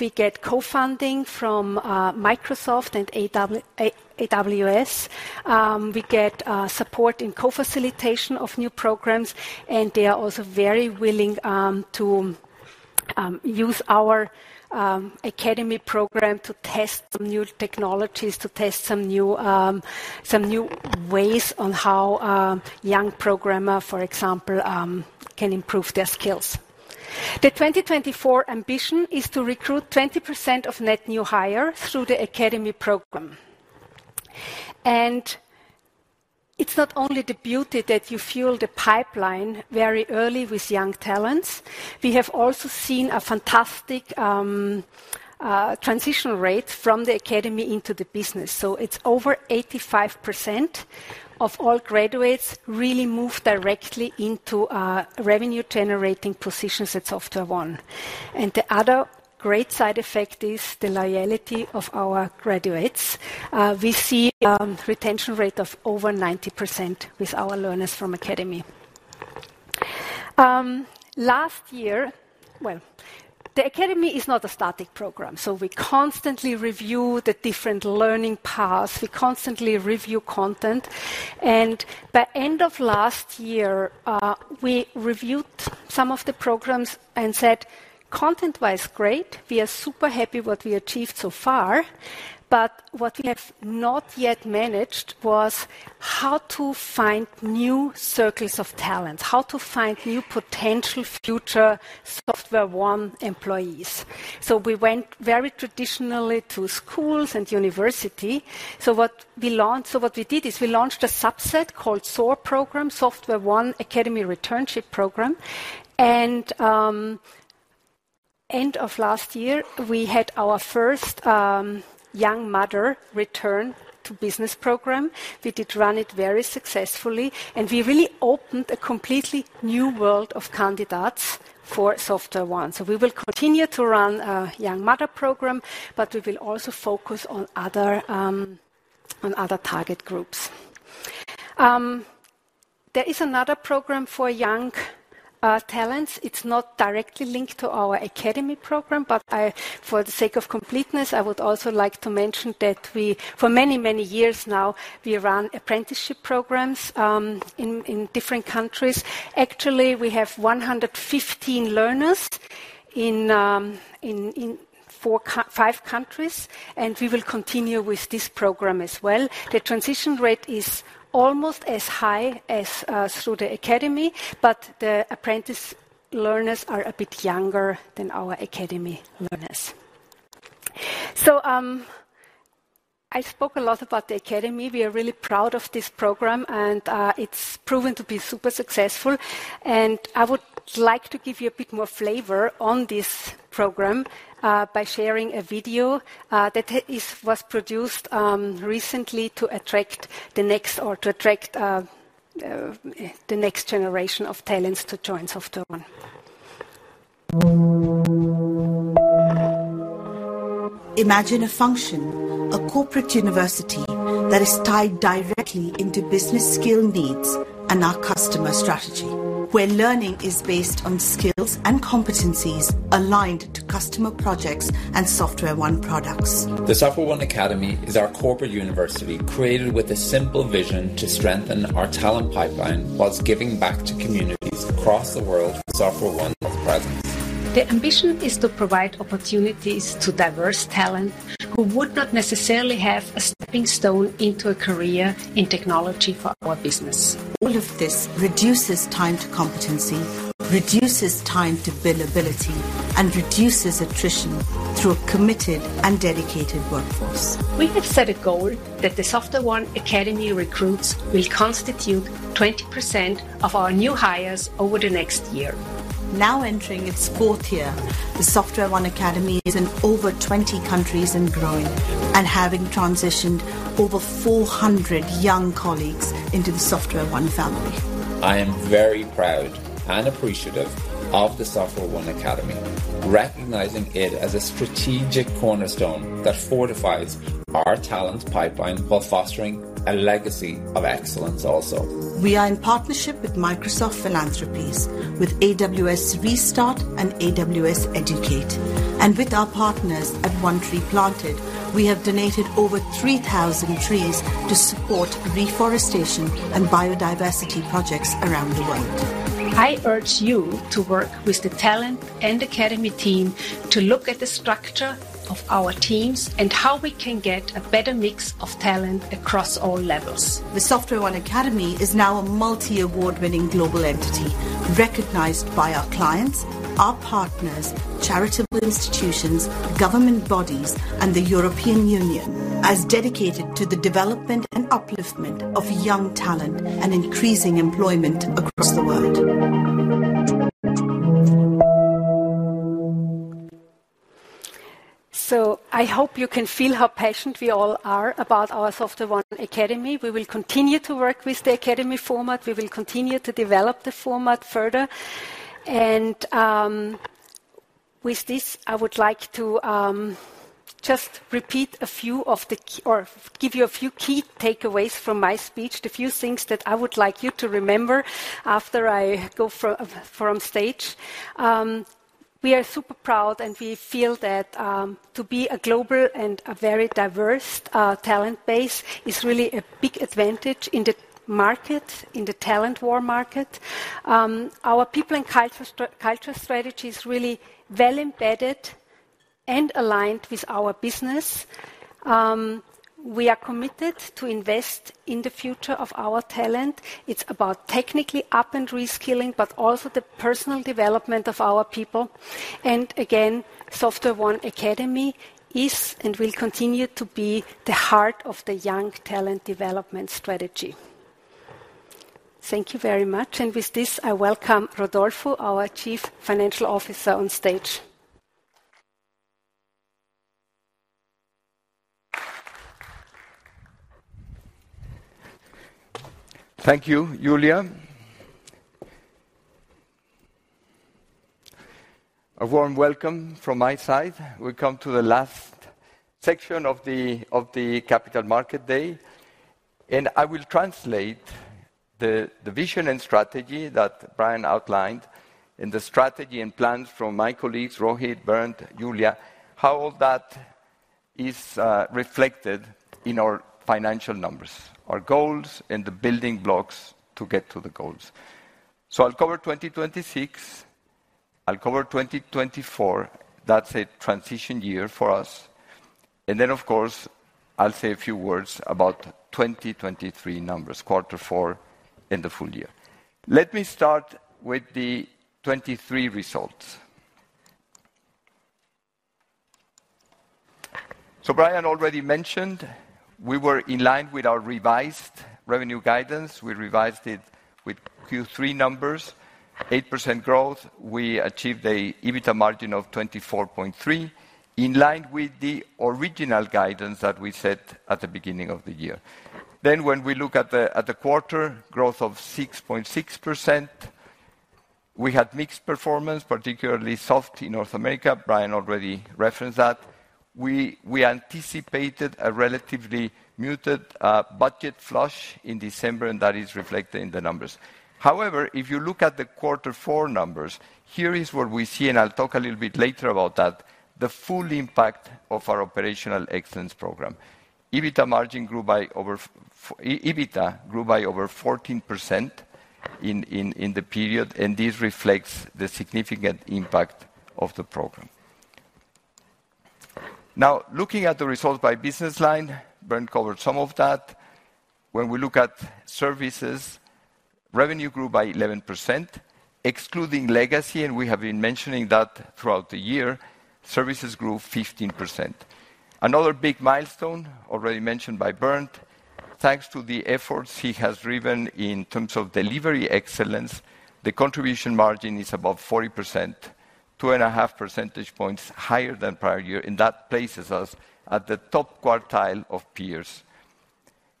We get co-funding from Microsoft and AWS. We get support in co-facilitation of new programs. They are also very willing to use our Academy program to test some new technologies, to test some new ways on how young programmers, for example, can improve their skills. The 2024 ambition is to recruit 20% of net new hires through the Academy program. And it's not only the beauty that you fuel the pipeline very early with young talents. We have also seen a fantastic transition rate from the Academy into the business. So it's over 85% of all graduates really move directly into revenue-generating positions at SoftwareOne. And the other great side effect is the loyalty of our graduates. We see a retention rate of over 90% with our learners from Academy. Last year, well, the Academy is not a static program. So we constantly review the different learning paths. We constantly review content. And by end of last year, we reviewed some of the programs and said, "Content-wise, great. We are super happy with what we achieved so far. But what we have not yet managed was how to find new circles of talent, how to find new potential future SoftwareOne employees." So we went very traditionally to schools and university. So what we did is we launched a subset called SOAR program, SoftwareOne Academy Returnship Program. End of last year, we had our first young mother return to business program. We did run it very successfully. And we really opened a completely new world of candidates for SoftwareOne. So we will continue to run a young mother program, but we will also focus on other target groups. There is another program for young talents. It's not directly linked to our Academy program. But for the sake of completeness, I would also like to mention that we for many, many years now run apprenticeship programs in different countries. Actually, we have 115 learners in four or five countries. And we will continue with this program as well. The transition rate is almost as high as through the Academy, but the apprentice learners are a bit younger than our Academy learners. So, I spoke a lot about the Academy. We are really proud of this program. It's proven to be super successful. I would like to give you a bit more flavor on this program, by sharing a video that was produced recently to attract the next generation of talents to join SoftwareOne. Imagine a function, a corporate university that is tied directly into business skill needs and our customer strategy, where learning is based on skills and competencies aligned to customer projects and SoftwareOne products. The SoftwareOne Academy is our corporate university created with a simple vision to strengthen our talent pipeline while giving back to communities across the world with SoftwareOne's presence. The ambition is to provide opportunities to diverse talent who would not necessarily have a stepping stone into a career in technology for our business. All of this reduces time to competency, reduces time to build ability, and reduces attrition through a committed and dedicated workforce. We have set a goal that the SoftwareOne Academy recruits will constitute 20% of our new hires over the next year. Now entering its fourth year, the SoftwareOne Academy is in over 20 countries and growing and having transitioned over 400 young colleagues into the SoftwareOne family. I am very proud and appreciative of the SoftwareOne Academy, recognizing it as a strategic cornerstone that fortifies our talent pipeline while fostering a legacy of excellence also. We are in partnership with Microsoft Philanthropies, with AWS re/Start and AWS Educate. With our partners at One Tree Planted, we have donated over 3,000 trees to support reforestation and biodiversity projects around the world. I urge you to work with the talent and Academy team to look at the structure of our teams and how we can get a better mix of talent across all levels. The SoftwareOne Academy is now a multi-award-winning global entity recognized by our clients, our partners, charitable institutions, government bodies, and the European Union as dedicated to the development and upliftment of young talent and increasing employment across the world. I hope you can feel how passionate we all are about our SoftwareOne Academy. We will continue to work with the Academy format. We will continue to develop the format further. With this, I would like to just repeat a few of the key or give you a few key takeaways from my speech, the few things that I would like you to remember after I go from, from stage. We are super proud, and we feel that to be a global and a very diverse talent base is really a big advantage in the market, in the talent war market. Our People and Culture strategy is really well embedded and aligned with our business. We are committed to invest in the future of our talent. It's about technically up-and-reskilling but also the personal development of our people. And again, SoftwareOne Academy is and will continue to be the heart of the young talent development strategy. Thank you very much. And with this, I welcome Rodolfo, our Chief Financial Officer, on stage. Thank you, Julia. A warm welcome from my side. We come to the last section of the Capital Markets Day. I will translate the vision and strategy that Brian outlined and the strategy and plans from my colleagues Rohit, Bernd, Julia, how all that is reflected in our financial numbers, our goals, and the building blocks to get to the goals. I'll cover 2026. I'll cover 2024. That's a transition year for us. Then, of course, I'll say a few words about 2023 numbers, quarter four, and the full year. Let me start with the 2023 results. Brian already mentioned, we were in line with our revised revenue guidance. We revised it with Q3 numbers, 8% growth. We achieved an EBITDA margin of 24.3%, in line with the original guidance that we set at the beginning of the year. Then when we look at the quarter growth of 6.6%, we had mixed performance, particularly soft in North America. Brian already referenced that. We anticipated a relatively muted, budget flush in December, and that is reflected in the numbers. However, if you look at the quarter four numbers, here is what we see, and I'll talk a little bit later about that, the full impact of our operational excellence program. EBITDA margin grew by over EBITDA grew by over 14% in the period. And this reflects the significant impact of the program. Now, looking at the results by business line, Bernd covered some of that. When we look at services, revenue grew by 11%. Excluding legacy, and we have been mentioning that throughout the year, services grew 15%. Another big milestone, already mentioned by Bernd, thanks to the efforts he has driven in terms of delivery excellence, the contribution margin is above 40%, 2.5 percentage points higher than prior year. And that places us at the top quartile of peers.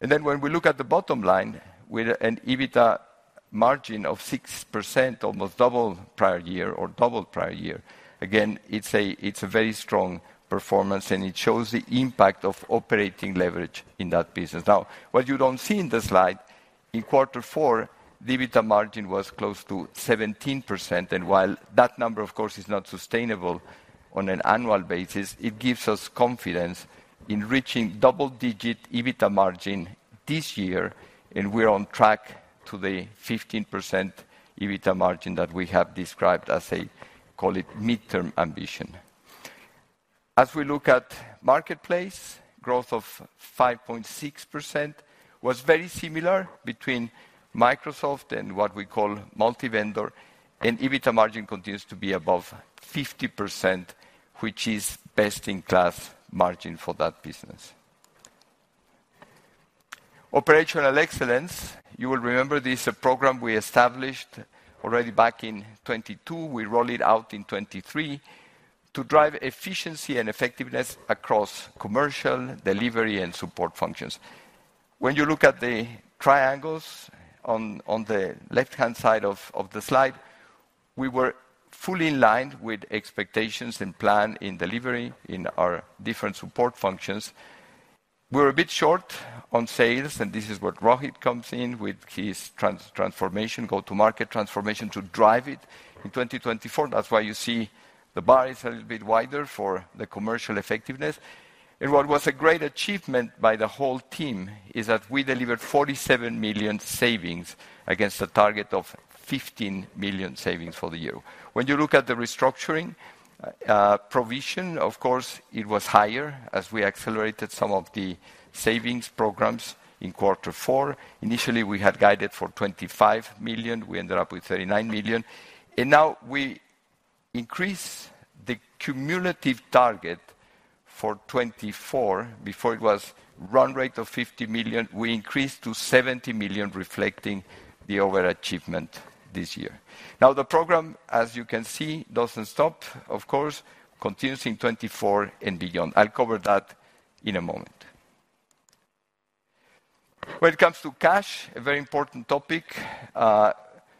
And then when we look at the bottom line, with an EBITDA margin of 6%, almost double prior year or double prior year, again, it's a very strong performance. And it shows the impact of operating leverage in that business. Now, what you don't see in the slide, in quarter four, the EBITDA margin was close to 17%. And while that number, of course, is not sustainable on an annual basis, it gives us confidence in reaching double-digit EBITDA margin this year. And we're on track to the 15% EBITDA margin that we have described as a call it midterm ambition. As we look at Marketplace, growth of 5.6% was very similar between Microsoft and what we call multi-vendor. EBITDA margin continues to be above 50%, which is best-in-class margin for that business. Operational excellence, you will remember, this is a program we established already back in 2022. We rolled it out in 2023 to drive efficiency and effectiveness across commercial, delivery, and support functions. When you look at the triangles on the left-hand side of the slide, we were fully in line with expectations and plan in delivery in our different support functions. We were a bit short on sales. This is what Rohit comes in with his transformation, go-to-market transformation to drive it in 2024. That's why you see the bar is a little bit wider for the commercial effectiveness. What was a great achievement by the whole team is that we delivered 47 million savings against the target of 15 million savings for the year. When you look at the restructuring provision, of course, it was higher as we accelerated some of the savings programs in quarter four. Initially, we had guided for 25 million. We ended up with 39 million. And now we increase the cumulative target for 2024. Before it was a run rate of 50 million, we increased to 70 million, reflecting the overachievement this year. Now, the program, as you can see, doesn't stop, of course, continues in 2024 and beyond. I'll cover that in a moment. When it comes to cash, a very important topic,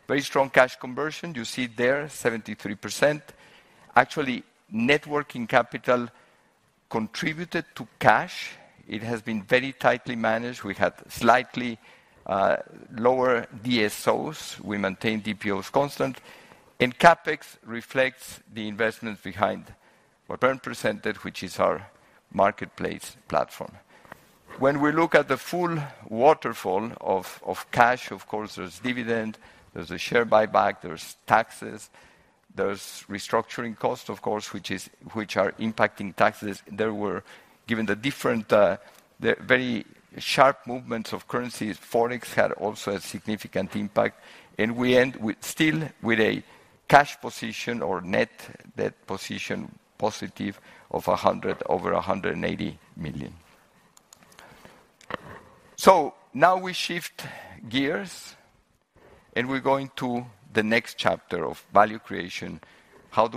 very strong cash conversion. You see there, 73%. Actually, net working capital contributed to cash. It has been very tightly managed. We had slightly lower DSOs. We maintained DPOs constant. CapEx reflects the investments behind what Bernd presented, which is our Marketplace Platform. When we look at the full waterfall of cash, of course, there's dividend, there's a share buyback, there's taxes, there's restructuring cost, of course, which are impacting taxes. There were, given the different, the very sharp movements of currencies, Forex had also a significant impact. And we end with still with a cash position or net debt position positive of over 180 million. So now we shift gears. We're going to the next chapter of value creation. How do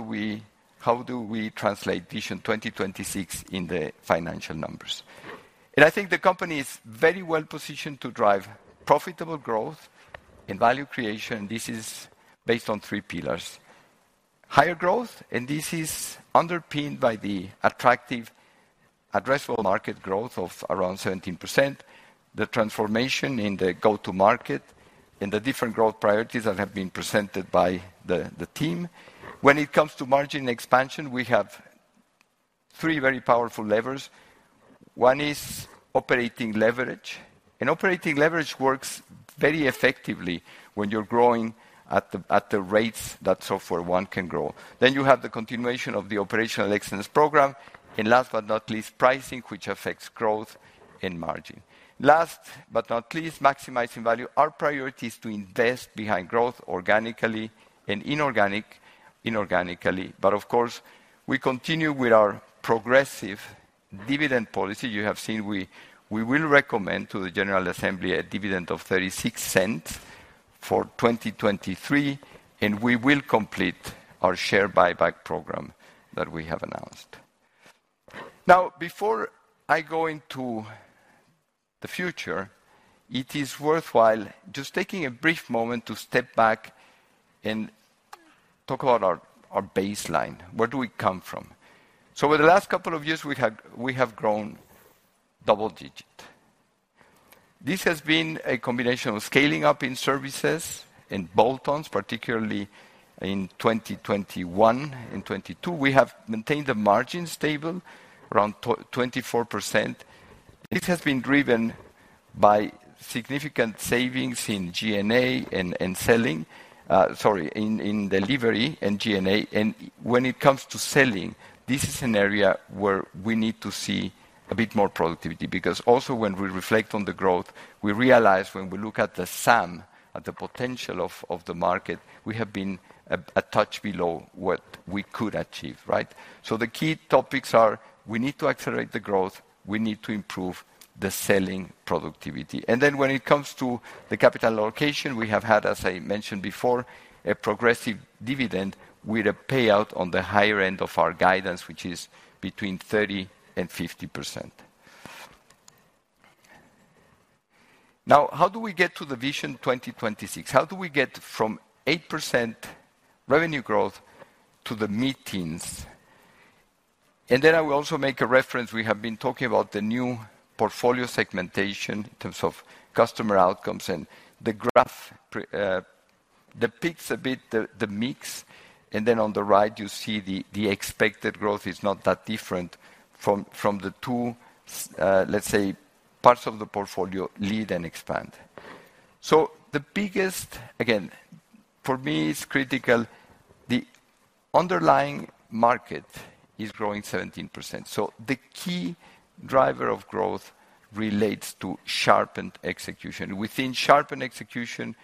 we translate Vision 2026 in the financial numbers? And I think the company is very well positioned to drive profitable growth and value creation. This is based on three pillars. Higher growth. This is underpinned by the attractive addressable market growth of around 17%, the transformation in the go-to-market, and the different growth priorities that have been presented by the team. When it comes to margin expansion, we have three very powerful levers. One is operating leverage. Operating leverage works very effectively when you're growing at the rates that SoftwareOne can grow. Then you have the continuation of the operational excellence program. Last but not least, pricing, which affects growth and margin. Last but not least, maximizing value. Our priority is to invest behind growth organically and inorganically. But of course, we continue with our progressive dividend policy. You have seen we will recommend to the General Assembly a dividend of 0.36 for 2023. We will complete our share buyback program that we have announced. Now, before I go into the future, it is worthwhile just taking a brief moment to step back and talk about our baseline. Where do we come from? So over the last couple of years, we have grown double-digit. This has been a combination of scaling up in services and bolt-ons, particularly in 2021 and 2022. We have maintained the margin stable around 24%. This has been driven by significant savings in G&A and selling—sorry, in delivery and G&A. And when it comes to selling, this is an area where we need to see a bit more productivity. Because also when we reflect on the growth, we realize when we look at the SAM, at the potential of the market, we have been a touch below what we could achieve, right? So the key topics are we need to accelerate the growth. We need to improve the selling productivity. Then when it comes to the capital allocation, we have had, as I mentioned before, a progressive dividend with a payout on the higher end of our guidance, which is between 30% and 50%. Now, how do we get to the Vision 2026? How do we get from 8% revenue growth to the meetings? Then I will also make a reference. We have been talking about the new portfolio segmentation in terms of customer outcomes. The graph depicts a bit the mix. Then on the right, you see the expected growth is not that different from the two, let's say, parts of the portfolio Lead and Expand. So the biggest, again, for me, it's critical. The underlying market is growing 17%. So the key driver of growth relates to sharpened execution. Within sharpened execution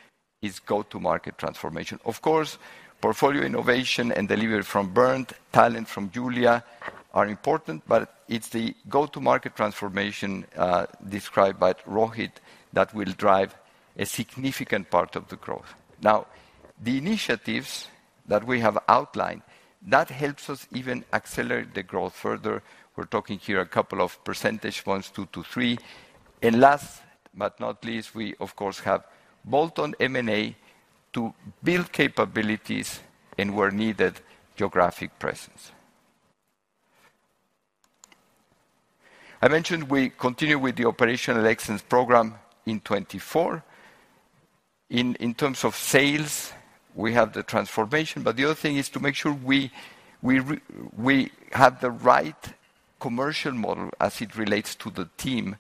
is go-to-market transformation. Of course, portfolio innovation and delivery from Bernd, talent from Julia are important, but it's the go-to-market transformation, described by Rohit, that will drive a significant part of the growth. Now, the initiatives that we have outlined, that helps us even accelerate the growth further. We're talking here a couple of percentage points, 2-3. And last but not least, we, of course, have bolt-on M&A to build capabilities and where needed, geographic presence. I mentioned we continue with the operational excellence program in 2024. In terms of sales, we have the transformation. But the other thing is to make sure we have the right commercial model as it relates to the team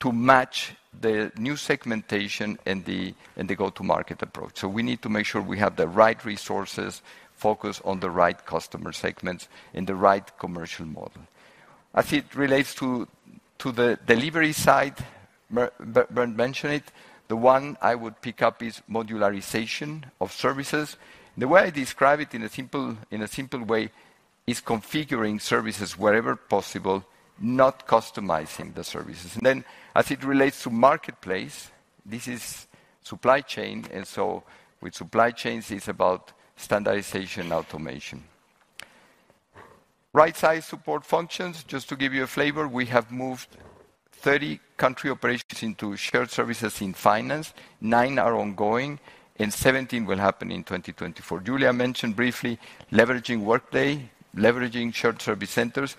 to match the new segmentation and the go-to-market approach. So we need to make sure we have the right resources, focus on the right customer segments, and the right commercial model. As it relates to the delivery side, Bernd mentioned it, the one I would pick up is modularization of services. The way I describe it in a simple way is configuring services wherever possible, not customizing the services. And then as it relates to Marketplace, this is supply chain. And so with supply chains, it's about standardization and automation. Right-sized support functions, just to give you a flavor, we have moved 30 country operations into shared services in finance. Nine are ongoing, and 17 will happen in 2024. Julia mentioned briefly leveraging Workday, leveraging shared service centers.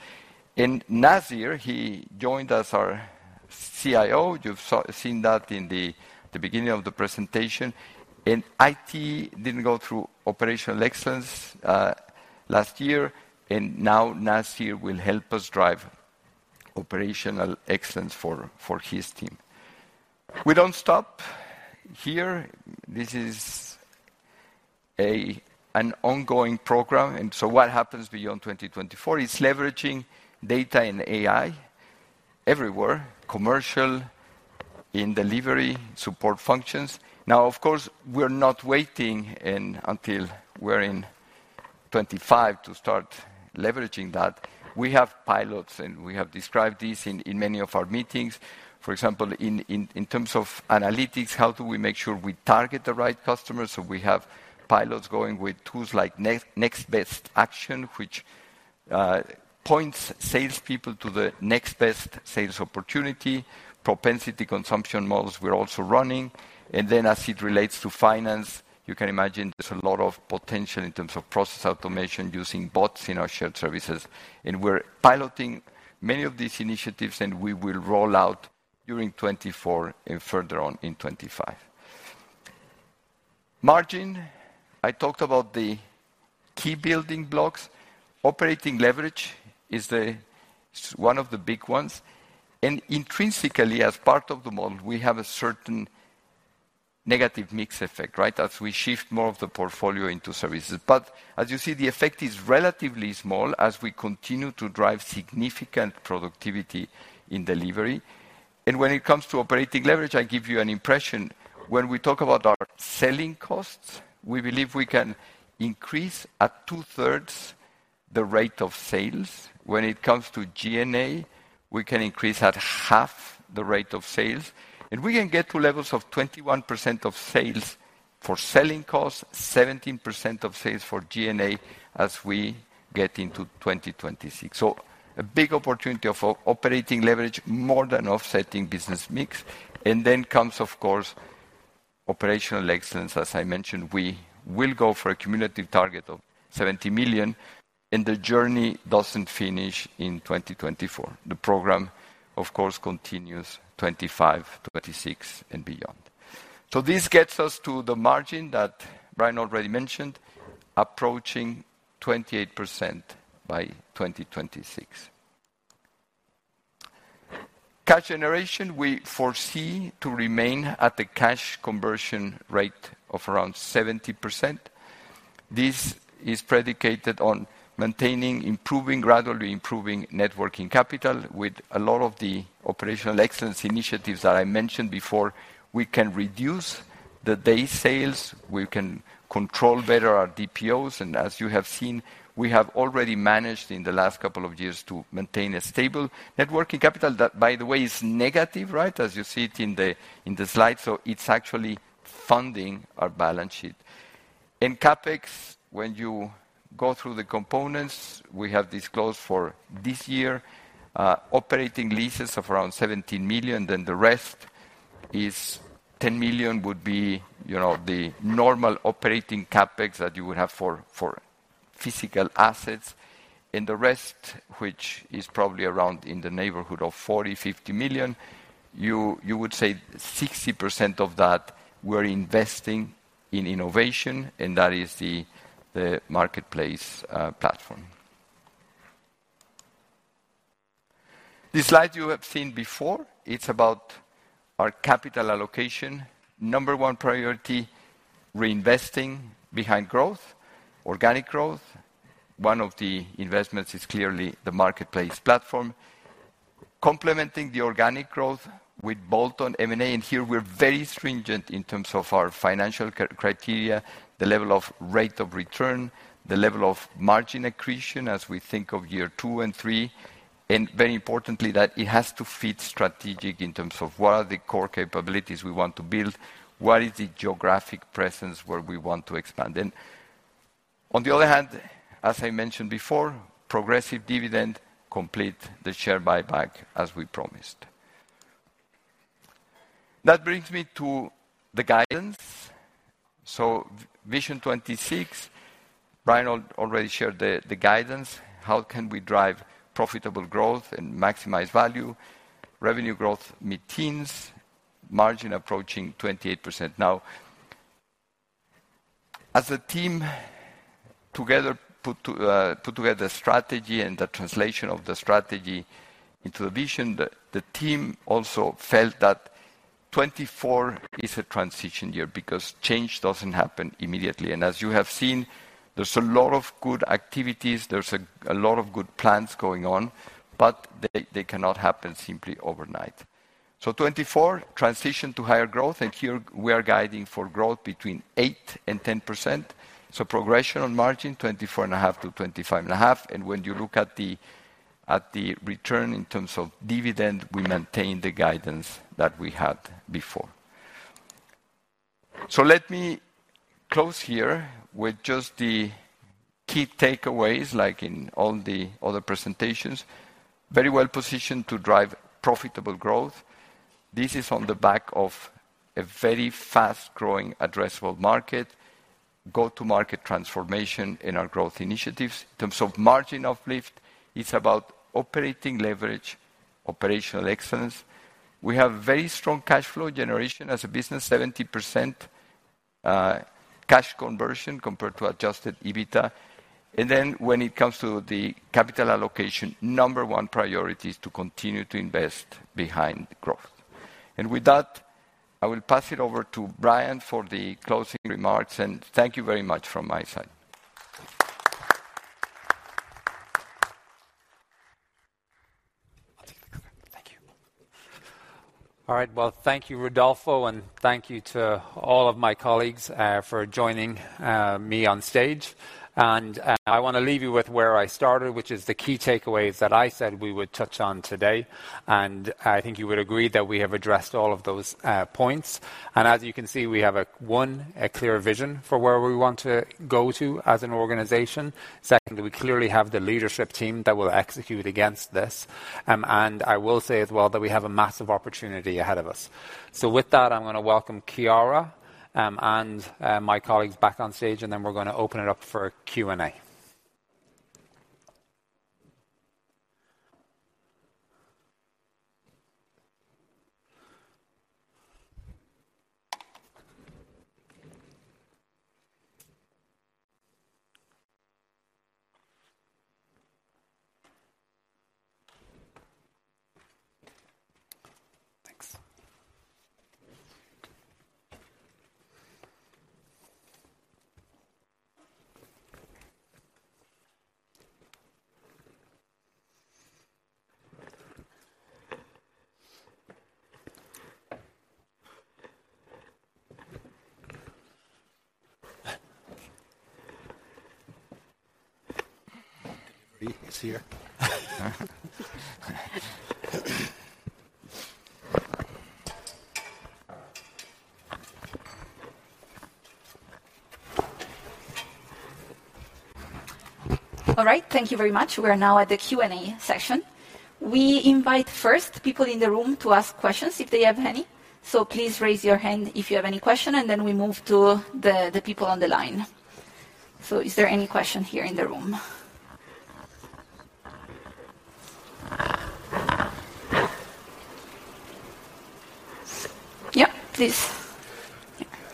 And Nazeer, he joined as our CIO. You've seen that in the beginning of the presentation. And IT didn't go through operational excellence last year. And now Nazeer will help us drive operational excellence for his team. We don't stop here. This is an ongoing program. And so what happens beyond 2024? It's leveraging data and AI everywhere, commercial, in delivery support functions. Now, of course, we're not waiting until we're in 2025 to start leveraging that. We have pilots, and we have described these in many of our meetings. For example, in terms of analytics, how do we make sure we target the right customers? So we have pilots going with tools like Next Best Action, which points salespeople to the next best sales opportunity. Propensity Consumption Models we're also running. And then as it relates to finance, you can imagine there's a lot of potential in terms of process automation using bots in our shared services. And we're piloting many of these initiatives, and we will roll out during 2024 and further on in 2025. Margin, I talked about the key building blocks. Operating leverage is one of the big ones. Intrinsically, as part of the model, we have a certain negative mix effect, right, as we shift more of the portfolio into services. But as you see, the effect is relatively small as we continue to drive significant productivity in delivery. When it comes to operating leverage, I give you an impression. When we talk about our selling costs, we believe we can increase at 2/3 the rate of sales. When it comes to G&A, we can increase at 1/2 the rate of sales. We can get to levels of 21% of sales for selling costs, 17% of sales for G&A as we get into 2026. So a big opportunity of operating leverage, more than offsetting business mix. Then comes, of course, operational excellence. As I mentioned, we will go for a cumulative target of 70 million. The journey doesn't finish in 2024. The program, of course, continues 2025, 2026, and beyond. So this gets us to the margin that Brian already mentioned, approaching 28% by 2026. Cash generation, we foresee to remain at the cash conversion rate of around 70%. This is predicated on maintaining, improving, gradually improving net working capital. With a lot of the operational excellence initiatives that I mentioned before, we can reduce the DSO. We can control better our DPOs. And as you have seen, we have already managed in the last couple of years to maintain a stable net working capital that, by the way, is negative, right, as you see it in the in the slide. So it's actually funding our balance sheet. And CapEx, when you go through the components, we have disclosed for this year, operating leases of around 17 million. Then the rest is 10 million would be, you know, the normal operating CapEx that you would have for physical assets. And the rest, which is probably around in the neighborhood of 40 million-50 million, you would say 60% of that we're investing in innovation. And that is the Marketplace Platform. The slide you have seen before, it's about our capital allocation. Number one priority, reinvesting behind growth, organic growth. One of the investments is clearly the Marketplace Platform, complementing the organic growth with bolt-on M&A. And here we're very stringent in terms of our financial criteria, the level of rate of return, the level of margin accretion as we think of year two and three. And very importantly, that it has to fit strategic in terms of what are the core capabilities we want to build, what is the geographic presence where we want to expand. On the other hand, as I mentioned before, progressive dividend complete the share buyback as we promised. That brings me to the guidance. So Vision '26, Brian already shared the guidance. How can we drive profitable growth and maximize value? Revenue growth meeting 8%, margin approaching 28%. Now, as the team together put together strategy and the translation of the strategy into the vision, the team also felt that 2024 is a transition year because change doesn't happen immediately. And as you have seen, there's a lot of good activities. There's a lot of good plans going on, but they cannot happen simply overnight. So 2024 transition to higher growth. And here we are guiding for growth between 8% and 10%. So progression on margin 24.5%-25.5%. And when you look at the return in terms of dividend, we maintain the guidance that we had before. Let me close here with just the key takeaways like in all the other presentations. Very well positioned to drive profitable growth. This is on the back of a very fast-growing addressable market, go-to-market transformation in our growth initiatives. In terms of margin uplift, it's about operating leverage, operational excellence. We have very strong cash flow generation as a business, 70% cash conversion compared to Adjusted EBITDA. And then when it comes to the capital allocation, number 1 priority is to continue to invest behind growth. With that, I will pass it over to Brian for the closing remarks. And thank you very much from my side. Thank you. All right, well, thank you, Rodolfo, and thank you to all of my colleagues for joining me on stage. I want to leave you with where I started, which is the key takeaways that I said we would touch on today. I think you would agree that we have addressed all of those points. As you can see, we have one, a clear vision for where we want to go to as an organization. Secondly, we clearly have the leadership team that will execute against this. I will say as well that we have a massive opportunity ahead of us. With that, I'm going to welcome Chiara and my colleagues back on stage, and then we're going to open it up for Q&A. All right, thank you very much. We are now at the Q&A session. We invite first people in the room to ask questions if they have any. So please raise your hand if you have any question, and then we move to the people on the line. So is there any question here in the room? Yep, please.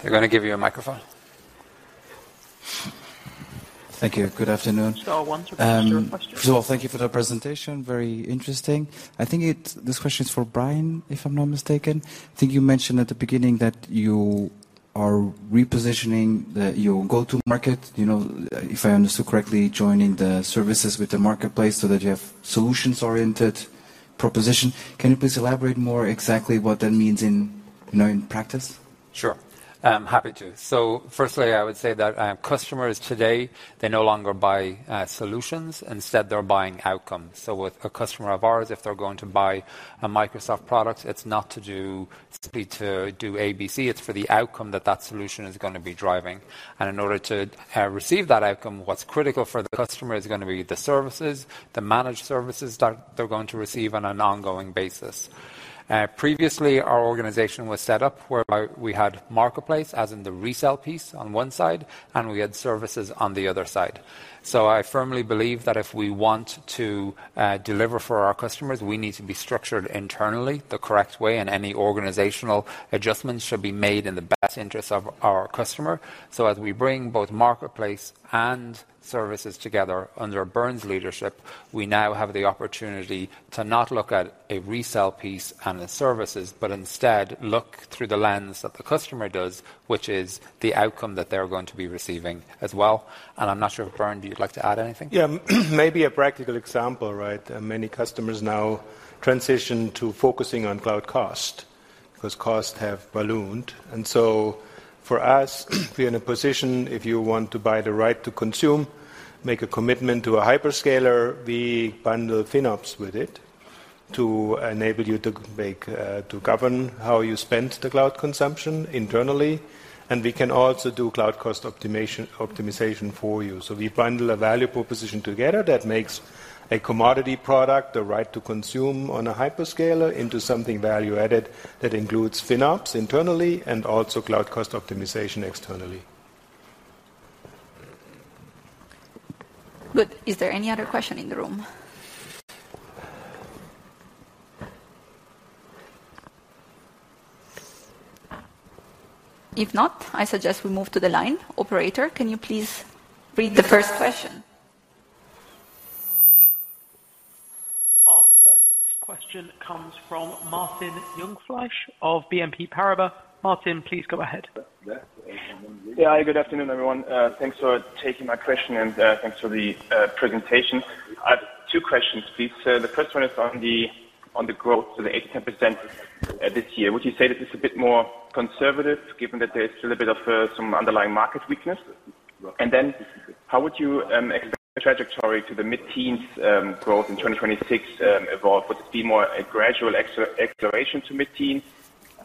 They're going to give you a microphone. Thank you. Good afternoon. So I want to answer a question. So, thank you for the presentation. Very interesting. I think this question is for Brian, if I'm not mistaken. I think you mentioned at the beginning that you are repositioning your go-to-market, you know, if I understood correctly, joining the services with the Marketplace so that you have solutions-oriented proposition. Can you please elaborate more exactly what that means in practice? Sure. Happy to. So firstly, I would say that customers today, they no longer buy solutions. Instead, they're buying outcomes. With a customer of ours, if they're going to buy a Microsoft product, it's not to do simply to do A, B, C. It's for the outcome that that solution is going to be driving. In order to receive that outcome, what's critical for the customer is going to be the services, the managed services that they're going to receive on an ongoing basis. Previously, our organization was set up whereby we had Marketplace, as in the resale piece on one side, and we had services on the other side. I firmly believe that if we want to deliver for our customers, we need to be structured internally the correct way, and any organizational adjustments should be made in the best interest of our customer. So as we bring both Marketplace and services together under Bernd's leadership, we now have the opportunity to not look at a resale piece and the services, but instead look through the lens that the customer does, which is the outcome that they're going to be receiving as well. And I'm not sure if Bernd, do you'd like to add anything? Yeah, maybe a practical example, right? Many customers now transition to focusing on cloud cost because costs have ballooned. And so for us, we're in a position, if you want to buy the right to consume, make a commitment to a hyperscaler, we bundle FinOps with it to enable you to make to govern how you spend the cloud consumption internally. And we can also do cloud cost optimization for you. So we bundle a value proposition together that makes a commodity product, the right to consume on a hyperscaler, into something value-added that includes FinOps internally and also cloud cost optimization externally. Good. Is there any other question in the room? If not, I suggest we move to the line. Operator, can you please read the first question? Our first question comes from Martin Jungfleisch of BNP Paribas. Martin, please go ahead. Yeah, good afternoon, everyone. Thanks for taking my question and thanks for the presentation. I have two questions, please. The first one is on the growth, so the 80% this year. Would you say that it's a bit more conservative given that there's still a bit of some underlying market weakness? And then how would you expect the trajectory to the mid-teens growth in 2026 evolve? Would it be more a gradual acceleration to mid-teens or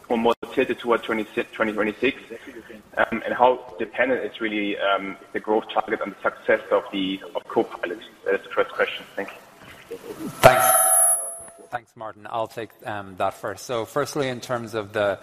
more tilted toward 2026? And how dependent is really the growth target on the success of Copilot? That is the first question. Thank you. Thanks. Thanks, Martin. I'll take that first. So firstly, in terms of the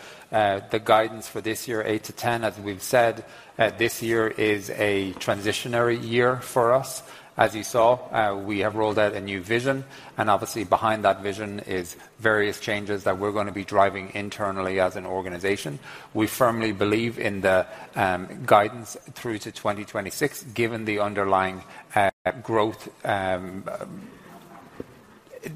guidance for this year, 8%-10%, as we've said, this year is a transitional year for us. As you saw, we have rolled out a new vision. Obviously, behind that vision is various changes that we're going to be driving internally as an organization. We firmly believe in the guidance through to 2026 given the underlying growth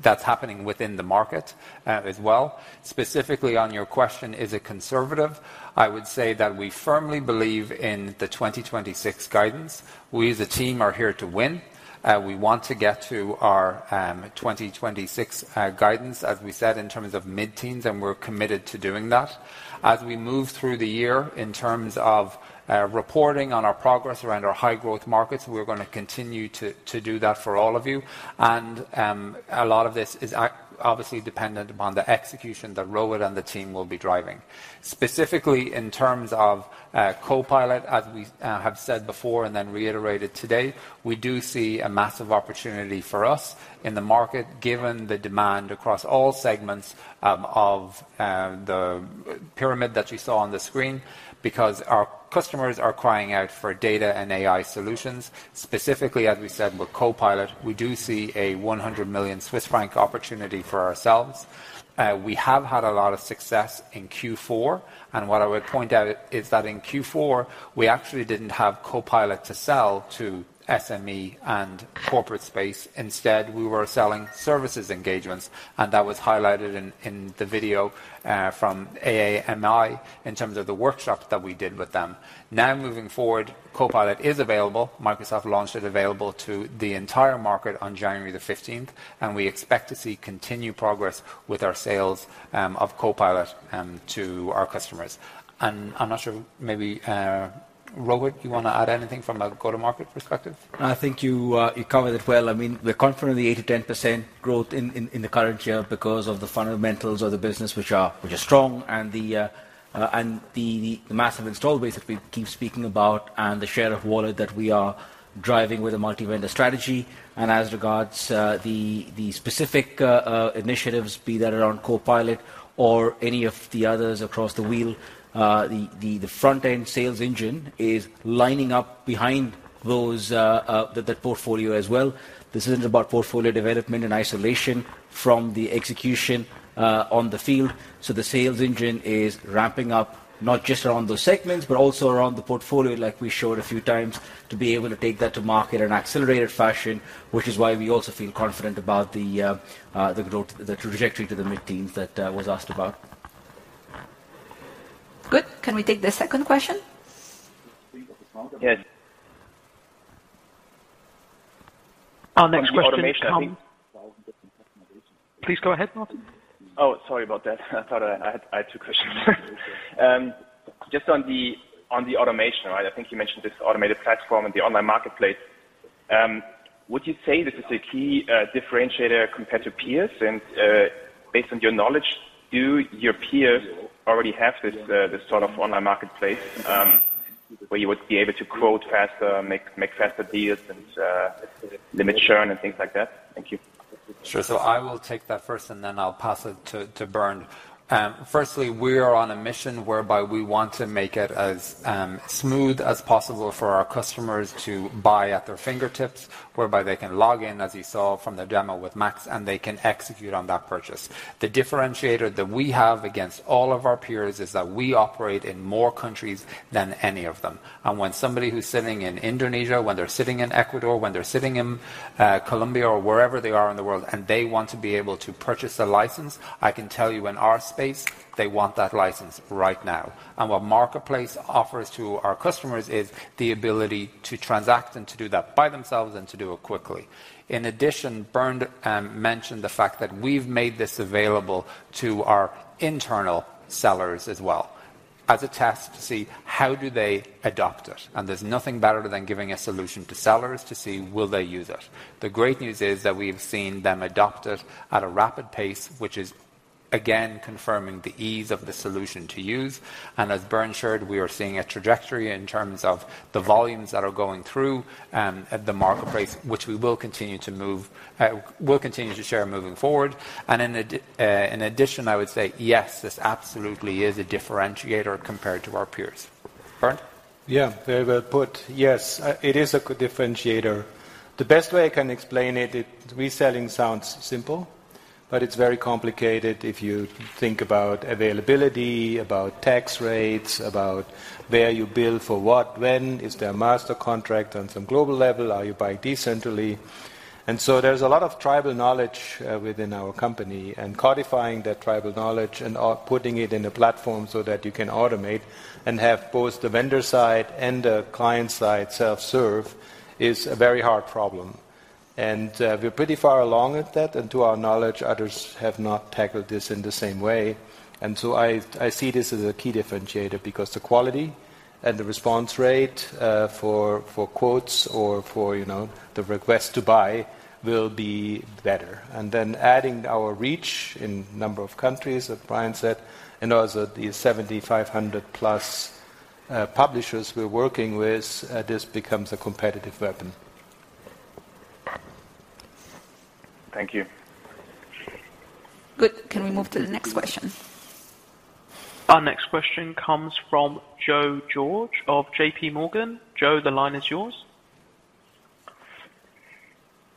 that's happening within the market as well. Specifically on your question, is it conservative? I would say that we firmly believe in the 2026 guidance. We, as a team, are here to win. We want to get to our 2026 guidance, as we said, in terms of mid-teens, and we're committed to doing that. As we move through the year in terms of reporting on our progress around our high-growth markets, we're going to continue to do that for all of you. A lot of this is obviously dependent upon the execution that Rohit and the team will be driving. Specifically in terms of Copilot, as we have said before and then reiterated today, we do see a massive opportunity for us in the market given the demand across all segments of the pyramid that you saw on the screen because our customers are crying out for data and AI solutions. Specifically, as we said with Copilot, we do see a 100 million Swiss franc opportunity for ourselves. We have had a lot of success in Q4. What I would point out is that in Q4, we actually didn't have Copilot to sell to SME and corporate space. Instead, we were selling services engagements. And that was highlighted in the video from AAMI in terms of the workshop that we did with them. Now, moving forward, Copilot is available. Microsoft launched it available to the entire market on January 15th. And we expect to see continued progress with our sales of Copilot to our customers. And I'm not sure, maybe Rohit, you want to add anything from a go-to-market perspective? I think you covered it well. I mean, we're confident in the 8%-10% growth in the current year because of the fundamentals of the business, which are strong, and the massive install base that we keep speaking about, and the share of wallet that we are driving with a multi-vendor strategy. And as regards the specific initiatives, be that around Copilot or any of the others across the wheel, the front-end sales engine is lining up behind that portfolio as well. This isn't about portfolio development in isolation from the execution on the field. So the sales engine is ramping up not just around those segments, but also around the portfolio, like we showed a few times, to be able to take that to market in an accelerated fashion, which is why we also feel confident about the trajectory to the mid-teens that was asked about. Good. Can we take the second question? Yes. Our next question is from Please go ahead, Martin. Oh, sorry about that. I thought I had two questions. Just on the automation, right? I think you mentioned this automated platform and the online Marketplace. Would you say this is a key differentiator compared to peers? Based on your knowledge, do your peers already have this sort of online Marketplace where you would be able to quote faster, make faster deals, and limit churn, and things like that? Thank you. Sure. So I will take that first, and then I'll pass it to Bernd. Firstly, we are on a mission whereby we want to make it as smooth as possible for our customers to buy at their fingertips, whereby they can log in, as you saw from the demo with Max, and they can execute on that purchase. The differentiator that we have against all of our peers is that we operate in more countries than any of them. When somebody who's sitting in Indonesia, when they're sitting in Ecuador, when they're sitting in Colombia, or wherever they are in the world, and they want to be able to purchase a license, I can tell you in our space, they want that license right now. What Marketplace offers to our customers is the ability to transact and to do that by themselves and to do it quickly. In addition, Bernd mentioned the fact that we've made this available to our internal sellers as well as a test to see how do they adopt it. There's nothing better than giving a solution to sellers to see will they use it. The great news is that we've seen them adopt it at a rapid pace, which is, again, confirming the ease of the solution to use. As Bernd shared, we are seeing a trajectory in terms of the volumes that are going through the Marketplace, which we will continue to share moving forward. In addition, I would say, yes, this absolutely is a differentiator compared to our peers. Bernd? Yeah, they've put yes. It is a differentiator. The best way I can explain it, reselling sounds simple, but it's very complicated if you think about availability, about tax rates, about where you bill for what, when, is there a master contract on some global level, are you buying decentrally. So there's a lot of tribal knowledge within our company. And codifying that tribal knowledge and putting it in a platform so that you can automate and have both the vendor side and the client side self-serve is a very hard problem. We're pretty far along at that. To our knowledge, others have not tackled this in the same way. So I see this as a key differentiator because the quality and the response rate for quotes or for the request to buy will be better. Then adding our reach in number of countries, as Brian said, and also the 7,500-plus publishers we're working with, this becomes a competitive weapon. Thank you. Good. Can we move to the next question? Our next question comes from Joe George of JP Morgan. Joe, the line is yours.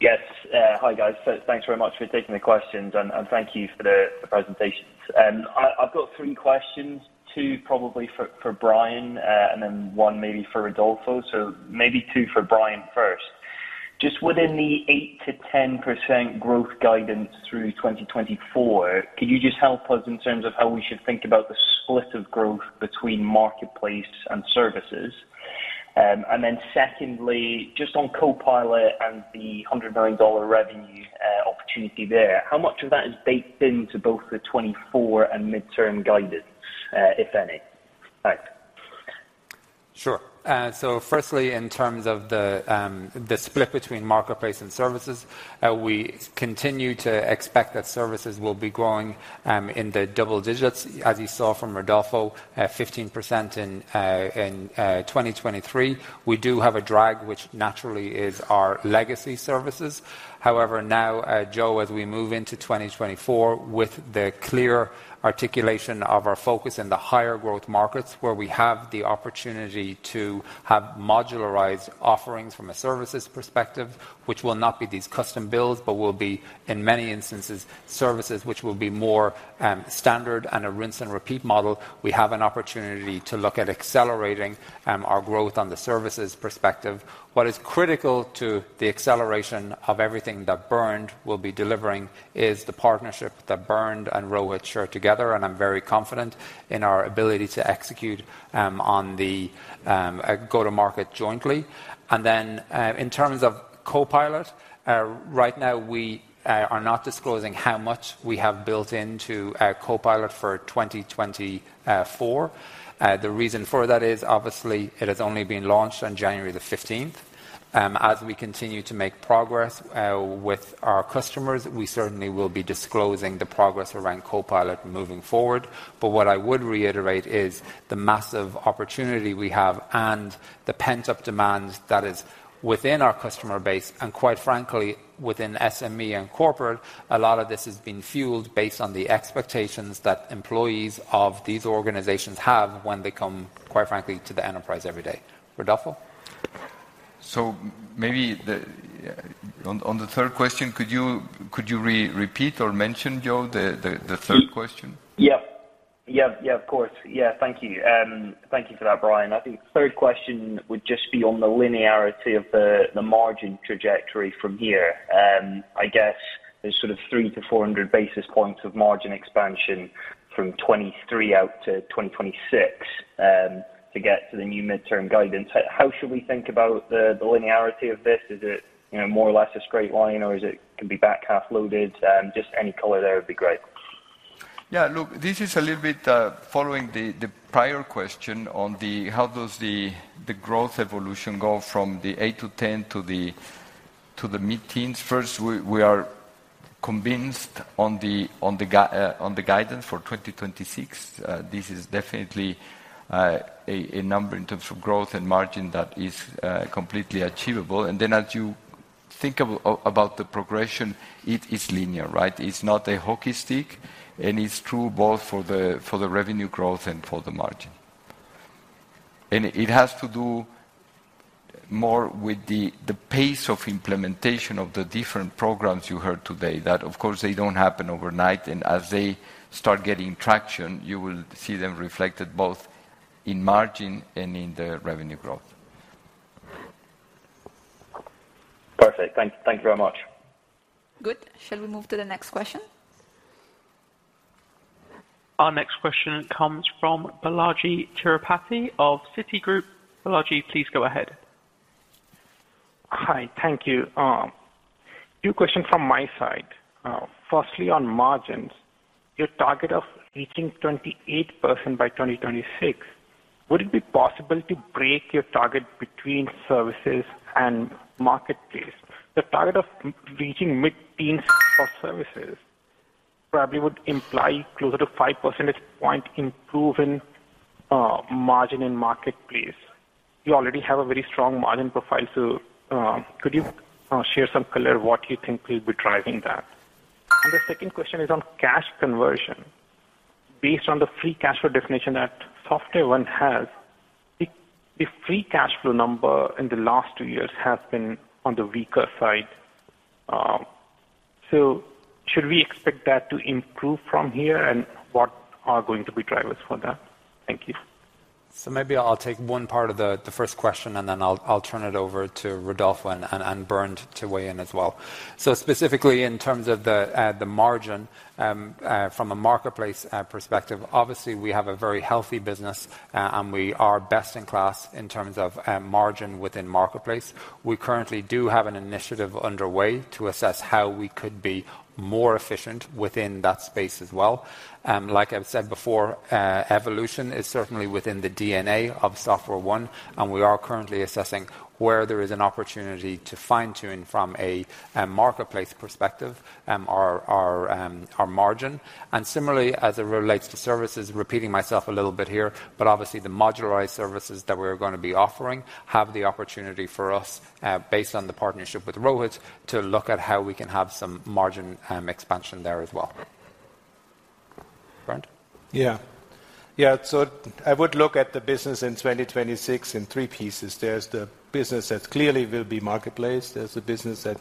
Yes. Hi, guys. Thanks very much for taking the questions, and thank you for the presentations. I've got three questions, two probably for Brian, and then one maybe for Rodolfo. Just within the 8%-10% growth guidance through 2024, could you just help us in terms of how we should think about the split of growth between Marketplace and services? And then secondly, just on Copilot and the $100 million revenue opportunity there, how much of that is baked into both the 2024 and midterm guidance, if any? Thanks. Sure. So firstly, in terms of the split between Marketplace and services, we continue to expect that services will be growing in the double digits, as you saw from Rodolfo, 15% in 2023. We do have a drag, which naturally is our legacy services. However, now, Joe, as we move into 2024 with the clear articulation of our focus in the higher growth markets where we have the opportunity to have modularized offerings from a services perspective, which will not be these custom builds, but will be, in many instances, services which will be more standard and a rinse-and-repeat model, we have an opportunity to look at accelerating our growth on the services perspective. What is critical to the acceleration of everything that Bernd will be delivering is the partnership that Bernd and Rohit share together. I'm very confident in our ability to execute on the go-to-market jointly. Then in terms of Copilot, right now, we are not disclosing how much we have built into Copilot for 2024. The reason for that is, obviously, it has only been launched on January 15th. As we continue to make progress with our customers, we certainly will be disclosing the progress around Copilot moving forward. But what I would reiterate is the massive opportunity we have and the pent-up demand that is within our customer base and, quite frankly, within SME and corporate, a lot of this has been fueled based on the expectations that employees of these organizations have when they come, quite frankly, to the enterprise every day. Rodolfo? So maybe on the third question, could you repeat or mention, Joe, the third question? Yep. Yep. Yeah, of course. Yeah, thank you. Thank you for that, Brian. I think the third question would just be on the linearity of the margin trajectory from here. I guess there's sort of 3-400 basis points of margin expansion from 2023 out to 2026 to get to the new midterm guidance. How should we think about the linearity of this? Is it more or less a straight line, or can it be back half-loaded? Just any color there would be great. Yeah, look, this is a little bit following the prior question on how does the growth evolution go from the 8%-10% to the mid-teens%. First, we are convinced on the guidance for 2026. This is definitely a number in terms of growth and margin that is completely achievable. And then as you think about the progression, it is linear, right? It's not a hockey stick. And it's true both for the revenue growth and for the margin. And it has to do more with the pace of implementation of the different programs you heard today that, of course, they don't happen overnight. And as they start getting traction, you will see them reflected both in margin and in the revenue growth. Perfect. Thank you very much. Good. Shall we move to the next question? Our next question comes from Balajee Tirupati of Citigroup. Balajee, please go ahead. Hi. Thank you. Few questions from my side. Firstly, on margins, your target of reaching 28% by 2026, would it be possible to break your target between services and Marketplace? The target of reaching mid-teens for services probably would imply closer to 5 percentage point improvement margin in Marketplace. You already have a very strong margin profile. So could you share some color, what you think will be driving that? And the second question is on cash conversion. Based on the free cash flow definition that SoftwareOne has, the free cash flow number in the last two years has been on the weaker side. So should we expect that to improve from here, and what are going to be drivers for that? Thank you. So maybe I'll take one part of the first question, and then I'll turn it over to Rodolfo and Bernd to weigh in as well. So specifically in terms of the margin from a Marketplace perspective, obviously, we have a very healthy business, and we are best in class in terms of margin within Marketplace. We currently do have an initiative underway to assess how we could be more efficient within that space as well. Like I've said before, evolution is certainly within the DNA of SoftwareONE. And we are currently assessing where there is an opportunity to fine-tune from a Marketplace perspective our margin. And similarly, as it relates to services, repeating myself a little bit here, but obviously, the modularized services that we are going to be offering have the opportunity for us, based on the partnership with Rohit, to look at how we can have some margin expansion there as well. Bernd? Yeah. Yeah. So I would look at the business in 2026 in three pieces. There's the business that clearly will be Marketplace. There's the business that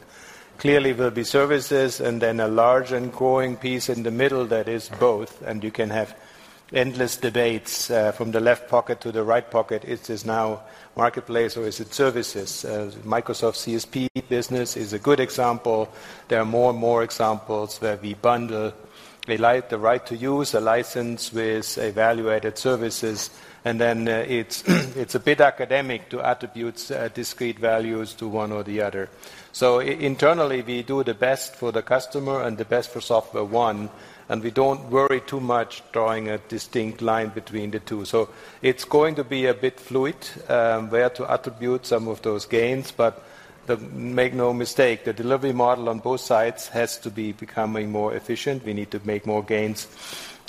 clearly will be services. And then a large and growing piece in the middle that is both. And you can have endless debates from the left pocket to the right pocket. Is this now Marketplace, or is it services? Microsoft CSP business is a good example. There are more and more examples where we bundle the right to use, a license with evaluated services. And then it's a bit academic to attribute discrete values to one or the other. So internally, we do the best for the customer and the best for SoftwareOne. And we don't worry too much drawing a distinct line between the two. So it's going to be a bit fluid where to attribute some of those gains. But make no mistake, the delivery model on both sides has to be becoming more efficient. We need to make more gains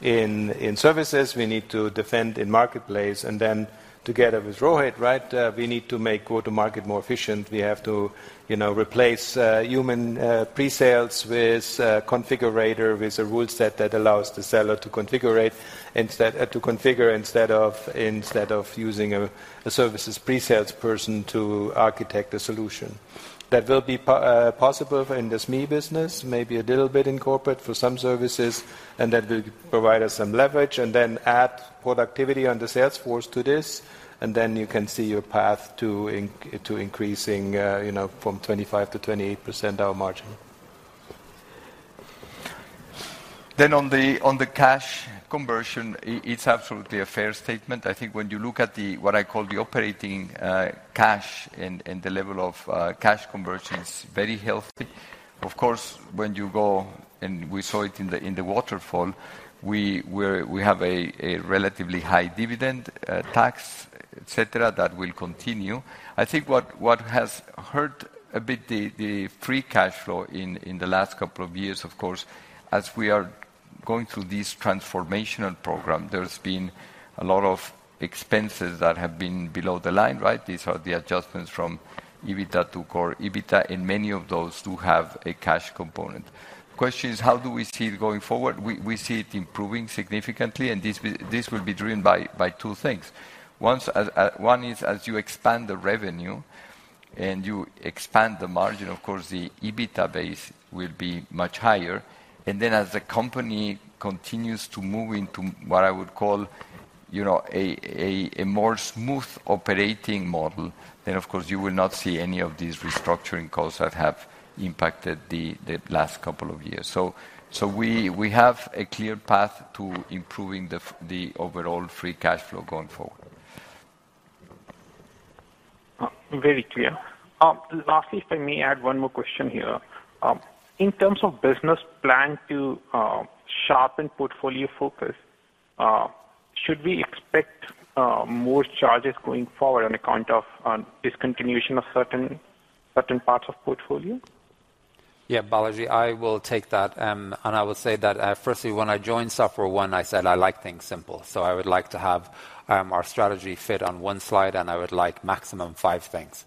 in services. We need to defend in Marketplace. And then together with Rohit, right, we need to make go-to-market more efficient. We have to replace human presales with configurator with a rule set that allows the seller to configure instead of using a services presalesperson to architect a solution. That will be possible in the SME business, maybe a little bit in corporate for some services. That will provide us some leverage and then add productivity on the sales force to this. Then you can see your path to increasing from 25%-28% our margin. On the cash conversion, it's absolutely a fair statement. I think when you look at what I call the operating cash and the level of cash conversion, it's very healthy. Of course, when you go and we saw it in the waterfall, we have a relatively high dividend tax, etc., that will continue. I think what has hurt a bit the free cash flow in the last couple of years, of course, as we are going through this transformational program, there's been a lot of expenses that have been below the line, right? These are the adjustments from EBITDA to core EBITDA. And many of those do have a cash component. The question is, how do we see it going forward? We see it improving significantly. And this will be driven by two things. One is as you expand the revenue and you expand the margin, of course, the EBITDA base will be much higher. And then as the company continues to move into what I would call a more smooth operating model, then, of course, you will not see any of these restructuring costs that have impacted the last couple of years. So we have a clear path to improving the overall free cash flow going forward. Very clear. Lastly, if I may add one more question here. In terms of business plan to sharpen portfolio focus, should we expect more charges going forward on account of discontinuation of certain parts of portfolio? Yeah, Balajee, I will take that. I will say that, firstly, when I joined SoftwareOne, I said I like things simple. I would like to have our strategy fit on one slide, and I would like maximum five things.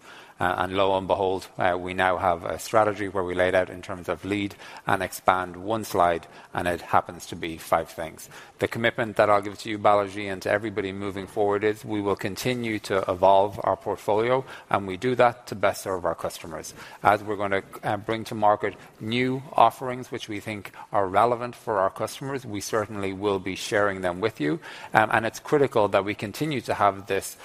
Lo and behold, we now have a strategy where we laid out in terms of Lead and Expand one slide, and it happens to be five things. The commitment that I'll give to you, Balajee, and to everybody moving forward is we will continue to evolve our portfolio. We do that to best serve our customers. As we're going to bring to market new offerings, which we think are relevant for our customers, we certainly will be sharing them with you. It's critical that we continue to have this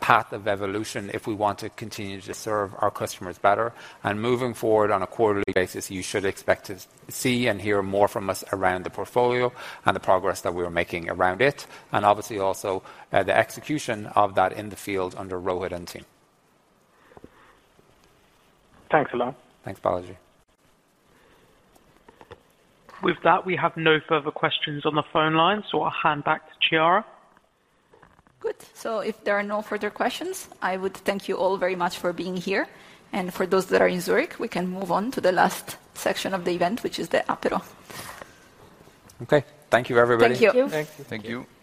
path of evolution if we want to continue to serve our customers better. Moving forward on a quarterly basis, you should expect to see and hear more from us around the portfolio and the progress that we are making around it, and obviously, also, the execution of that in the field under Rohit and team. Thanks a lot. Thanks, Balajee. With that, we have no further questions on the phone line. So I'll hand back to Chiara. Good. So if there are no further questions, I would thank you all very much for being here. And for those that are in Zurich, we can move on to the last section of the event, which is the apéro. Okay. Thank you, everybody. Thank you. Thank you. Thank you.